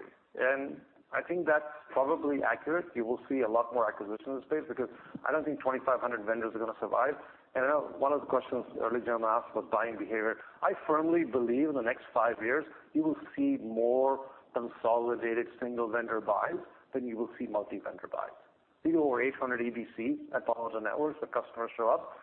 I think that's probably accurate. You will see a lot more acquisitions in the space because I don't think 2,500 vendors are going to survive. I know one of the questions earlier Jonathan asked was buying behavior. I firmly believe in the next five years, you will see more consolidated single-vendor buys than you will see multi-vendor buys. We do over 800 EBCs at Palo Alto Networks. The customers show up,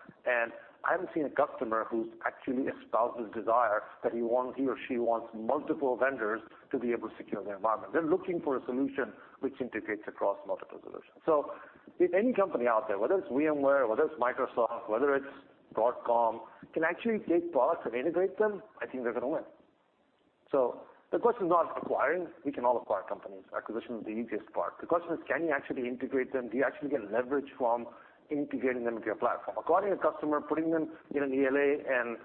I haven't seen a customer who's actually espoused his desire that he or she wants multiple vendors to be able to secure their environment. They're looking for a solution which integrates across multiple solutions. If any company out there, whether it's VMware, whether it's Microsoft, whether it's Broadcom, can actually take products and integrate them, I think they're going to win. The question is not acquiring. We can all acquire companies. Acquisition is the easiest part. The question is, can you actually integrate them? Do you actually get leverage from integrating them into your platform? Acquiring a customer, putting them in an ELA and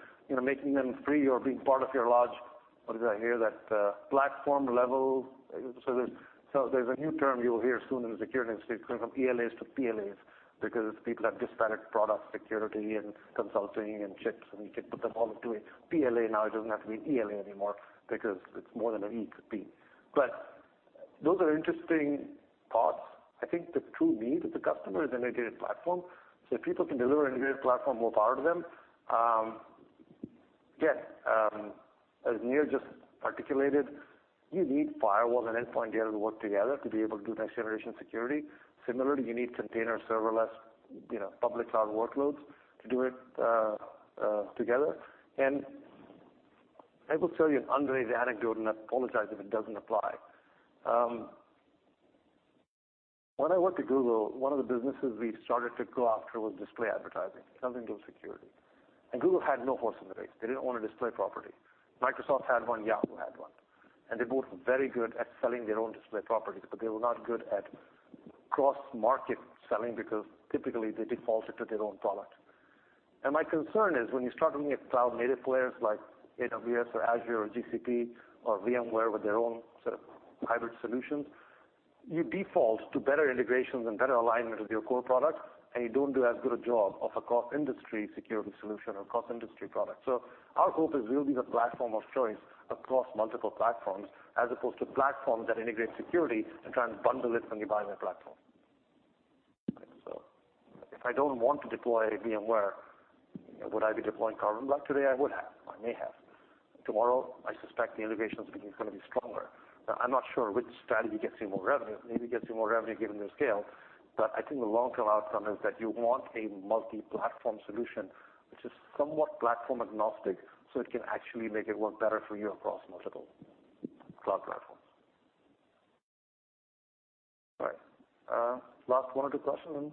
making them free or being part of your large, what did I hear? That platform level. There's a new term you'll hear soon in the security industry. It's going from ELAs to PLAs because people have disparate product security and consulting and chips, and you can put them all into a PLA now. It doesn't have to be ELA anymore because it's more than an E, it's a P. Those are interesting parts. I think the true need of the customer is an integrated platform. If people can deliver an integrated platform, more power to them. Again, as Nir just articulated, you need firewalls and endpoint data to work together to be able to do next-generation security. Similarly, you need container serverless public cloud workloads to do it together. I will tell you Andrei's anecdote, and I apologize if it doesn't apply. When I worked at Google, one of the businesses we started to go after was display advertising, nothing to do with security. Google had no horse in the race. They didn't own a display property. Microsoft had one, Yahoo! had one, and they both were very good at selling their own display properties, but they were not good at cross-market selling because typically they defaulted to their own product. My concern is when you start looking at cloud-native players like AWS or Azure or GCP or VMware with their own set of hybrid solutions, you default to better integrations and better alignment with your core product, and you don't do as good a job of a cross-industry security solution or cross-industry product. Our hope is we'll be the platform of choice across multiple platforms as opposed to platforms that integrate security and try and bundle it when you buy their platform. If I don't want to deploy VMware, would I be deploying Carbon Black? Today, I would have. I may have. Tomorrow, I suspect the integration is going to be stronger. Now, I'm not sure which strategy gets you more revenue. Maybe it gets you more revenue given their scale. I think the long-term outcome is that you want a multi-platform solution which is somewhat platform agnostic, so it can actually make it work better for you across multiple cloud platforms. All right. Last one or two questions and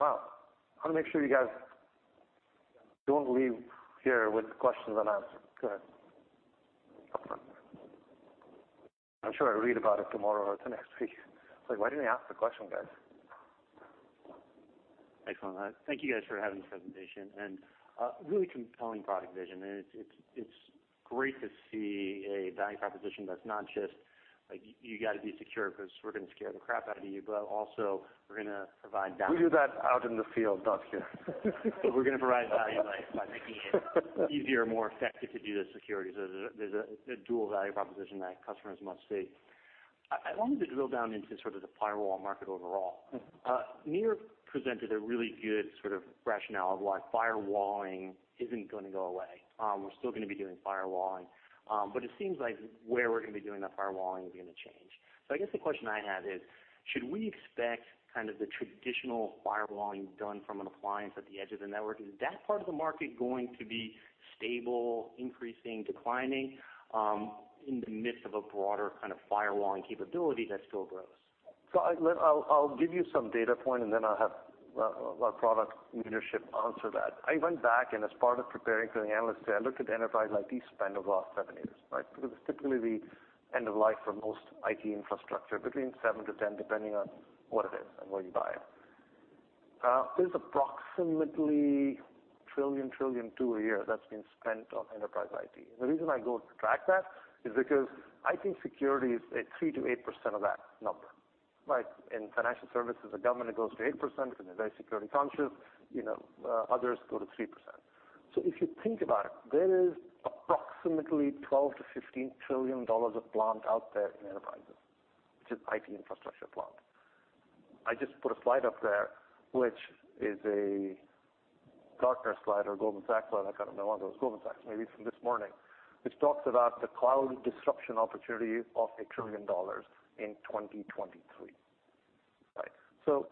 Wow. I want to make sure you guys don't leave here with questions unanswered. Go ahead. I'm sure I read about it tomorrow or the next week. It's like, why don't you ask the question, guys? Thanks a lot. Thank you guys for having this presentation, a really compelling product vision. It's great to see a value proposition that's not just, you've got to be secure because we're going to scare the crap out of you, but also we're going to provide value. We do that out in the field, not here. We're going to provide value by making it easier and more effective to do the security. There's a dual value proposition that customers must see. I wanted to drill down into sort of the firewall market overall. Nir presented a really good sort of rationale of why firewalling isn't going to go away. We're still going to be doing firewalling. It seems like where we're going to be doing that firewalling is going to change. I guess the question I have is, should we expect kind of the traditional firewalling done from an appliance at the edge of the network? Is that part of the market going to be stable, increasing, declining, in the midst of a broader kind of firewalling capability that still grows? I'll give you some data point, and then I'll have our product leadership answer that. I went back and as part of preparing for the analyst day, I looked at enterprise IT spend over the last seven years, right? It's typically the end of life for most IT infrastructure, between 7-10, depending on what it is and where you buy it. There's approximately $1.2 trillion a year that's being spent on enterprise IT. The reason I go to track that is because I think security is at 3%-8% of that number, right? In financial services or government, it goes to 8% because they're very security conscious. Others go to 3%. If you think about it, there is approximately $12 trillion-$15 trillion of plant out there in enterprises, which is IT infrastructure plant. I just put a slide up there, which is a Gartner slide or Goldman Sachs slide, I can't remember. One of those. Goldman Sachs, maybe, from this morning, which talks about the cloud disruption opportunity of $1 trillion in 2023. Right. Either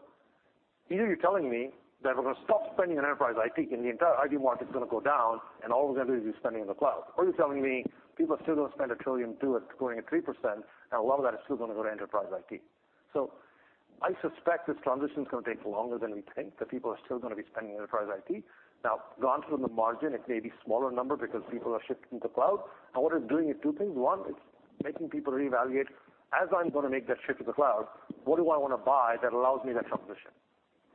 you're telling me that we're going to stop spending on enterprise IT and the entire IT market's going to go down and all we're going to do is be spending in the cloud, or you're telling me people are still going to spend $1.2 trillion at growing at 3%, and a lot of that is still going to go to enterprise IT. I suspect this transition's going to take longer than we think, that people are still going to be spending on enterprise IT. Now, granted, on the margin, it may be smaller number because people are shifting to cloud. What it's doing is two things. One, it's making people reevaluate. As I'm going to make that shift to the cloud, what do I want to buy that allows me that transition?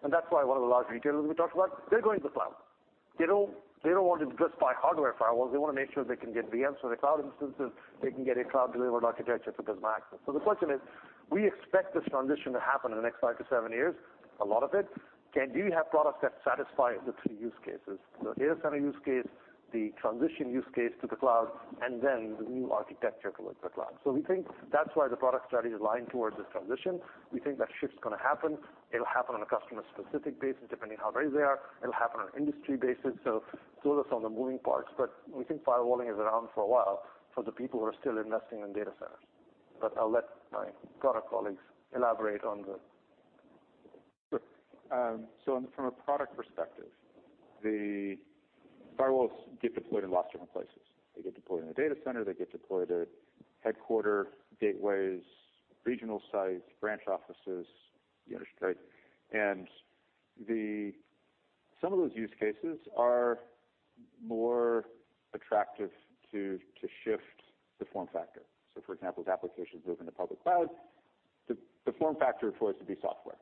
That's why one of the large retailers we talked about, they're going to the cloud. They don't want to just buy hardware firewalls. They want to make sure they can get VMs for their cloud instances. They can get a cloud-delivered architecture for Prisma Access. The question is, we expect this transition to happen in the next 5-7 years, a lot of it. Can we have products that satisfy the three use cases? The data center use case, the transition use case to the cloud, and then the new architecture towards the cloud. We think that's why the product strategy is aligned towards this transition. We think that shift's going to happen. It'll happen on a customer-specific basis, depending on how ready they are. It'll happen on an industry basis, so sort of on the moving parts. We think firewalling is around for a while for the people who are still investing in data centers. I'll let my product colleagues elaborate on the Sure. From a product perspective, the firewalls get deployed in lots of different places. They get deployed in a data center. They get deployed at headquarter gateways, regional sites, branch offices. Yeah. Right. Some of those use cases are more attractive to shift the form factor. For example, as applications move into public cloud, the form factor choice would be software.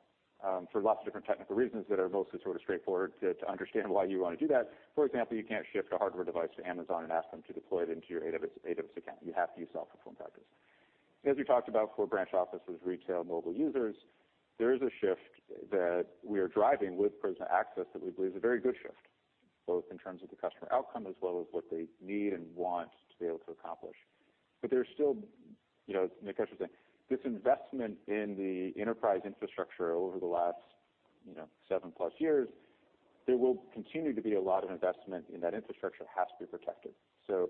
For lots of different technical reasons that are mostly sort of straightforward to understand why you want to do that. For example, you can't ship a hardware device to Amazon and ask them to deploy it into your AWS account. You have to use software form factors. As we talked about, for branch offices, retail, mobile users, there is a shift that we are driving with Prisma Access that we believe is a very good shift, both in terms of the customer outcome as well as what they need and want to be able to accomplish. There's still, as Nikesh was saying, this investment in the enterprise infrastructure over the last 7-plus years, there will continue to be a lot of investment in that infrastructure has to be protected.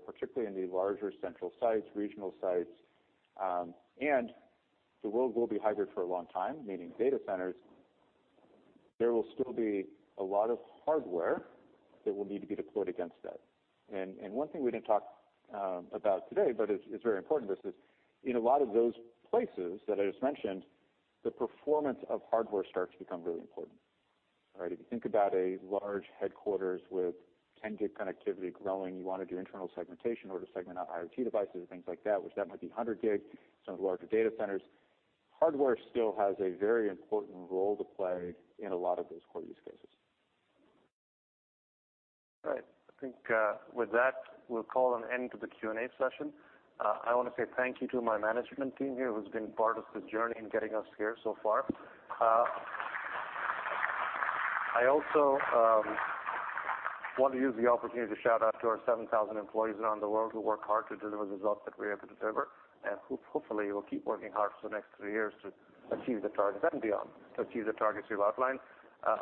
Particularly in the larger central sites, regional sites, and the world will be hybrid for a long time, meaning data centers, there will still be a lot of hardware that will need to be deployed against that. One thing we didn't talk about today, but it's very important, is in a lot of those places that I just mentioned, the performance of hardware starts to become really important. All right? If you think about a large headquarters with 10 gig connectivity growing, you want to do internal segmentation or to segment out IoT devices and things like that, which that might be 100 gig, some of the larger data centers. Hardware still has a very important role to play in a lot of those core use cases. All right. I think with that, we'll call an end to the Q&A session. I want to say thank you to my management team here who's been part of this journey in getting us here so far. I also want to use the opportunity to shout out to our 7,000 employees around the world who work hard to deliver the results that we're able to deliver, and hopefully will keep working hard for the next three years to achieve the targets and beyond, to achieve the targets we've outlined.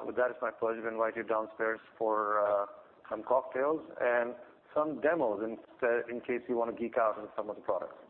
With that, it's my pleasure to invite you downstairs for some cocktails and some demos in case you want to geek out on some of the products.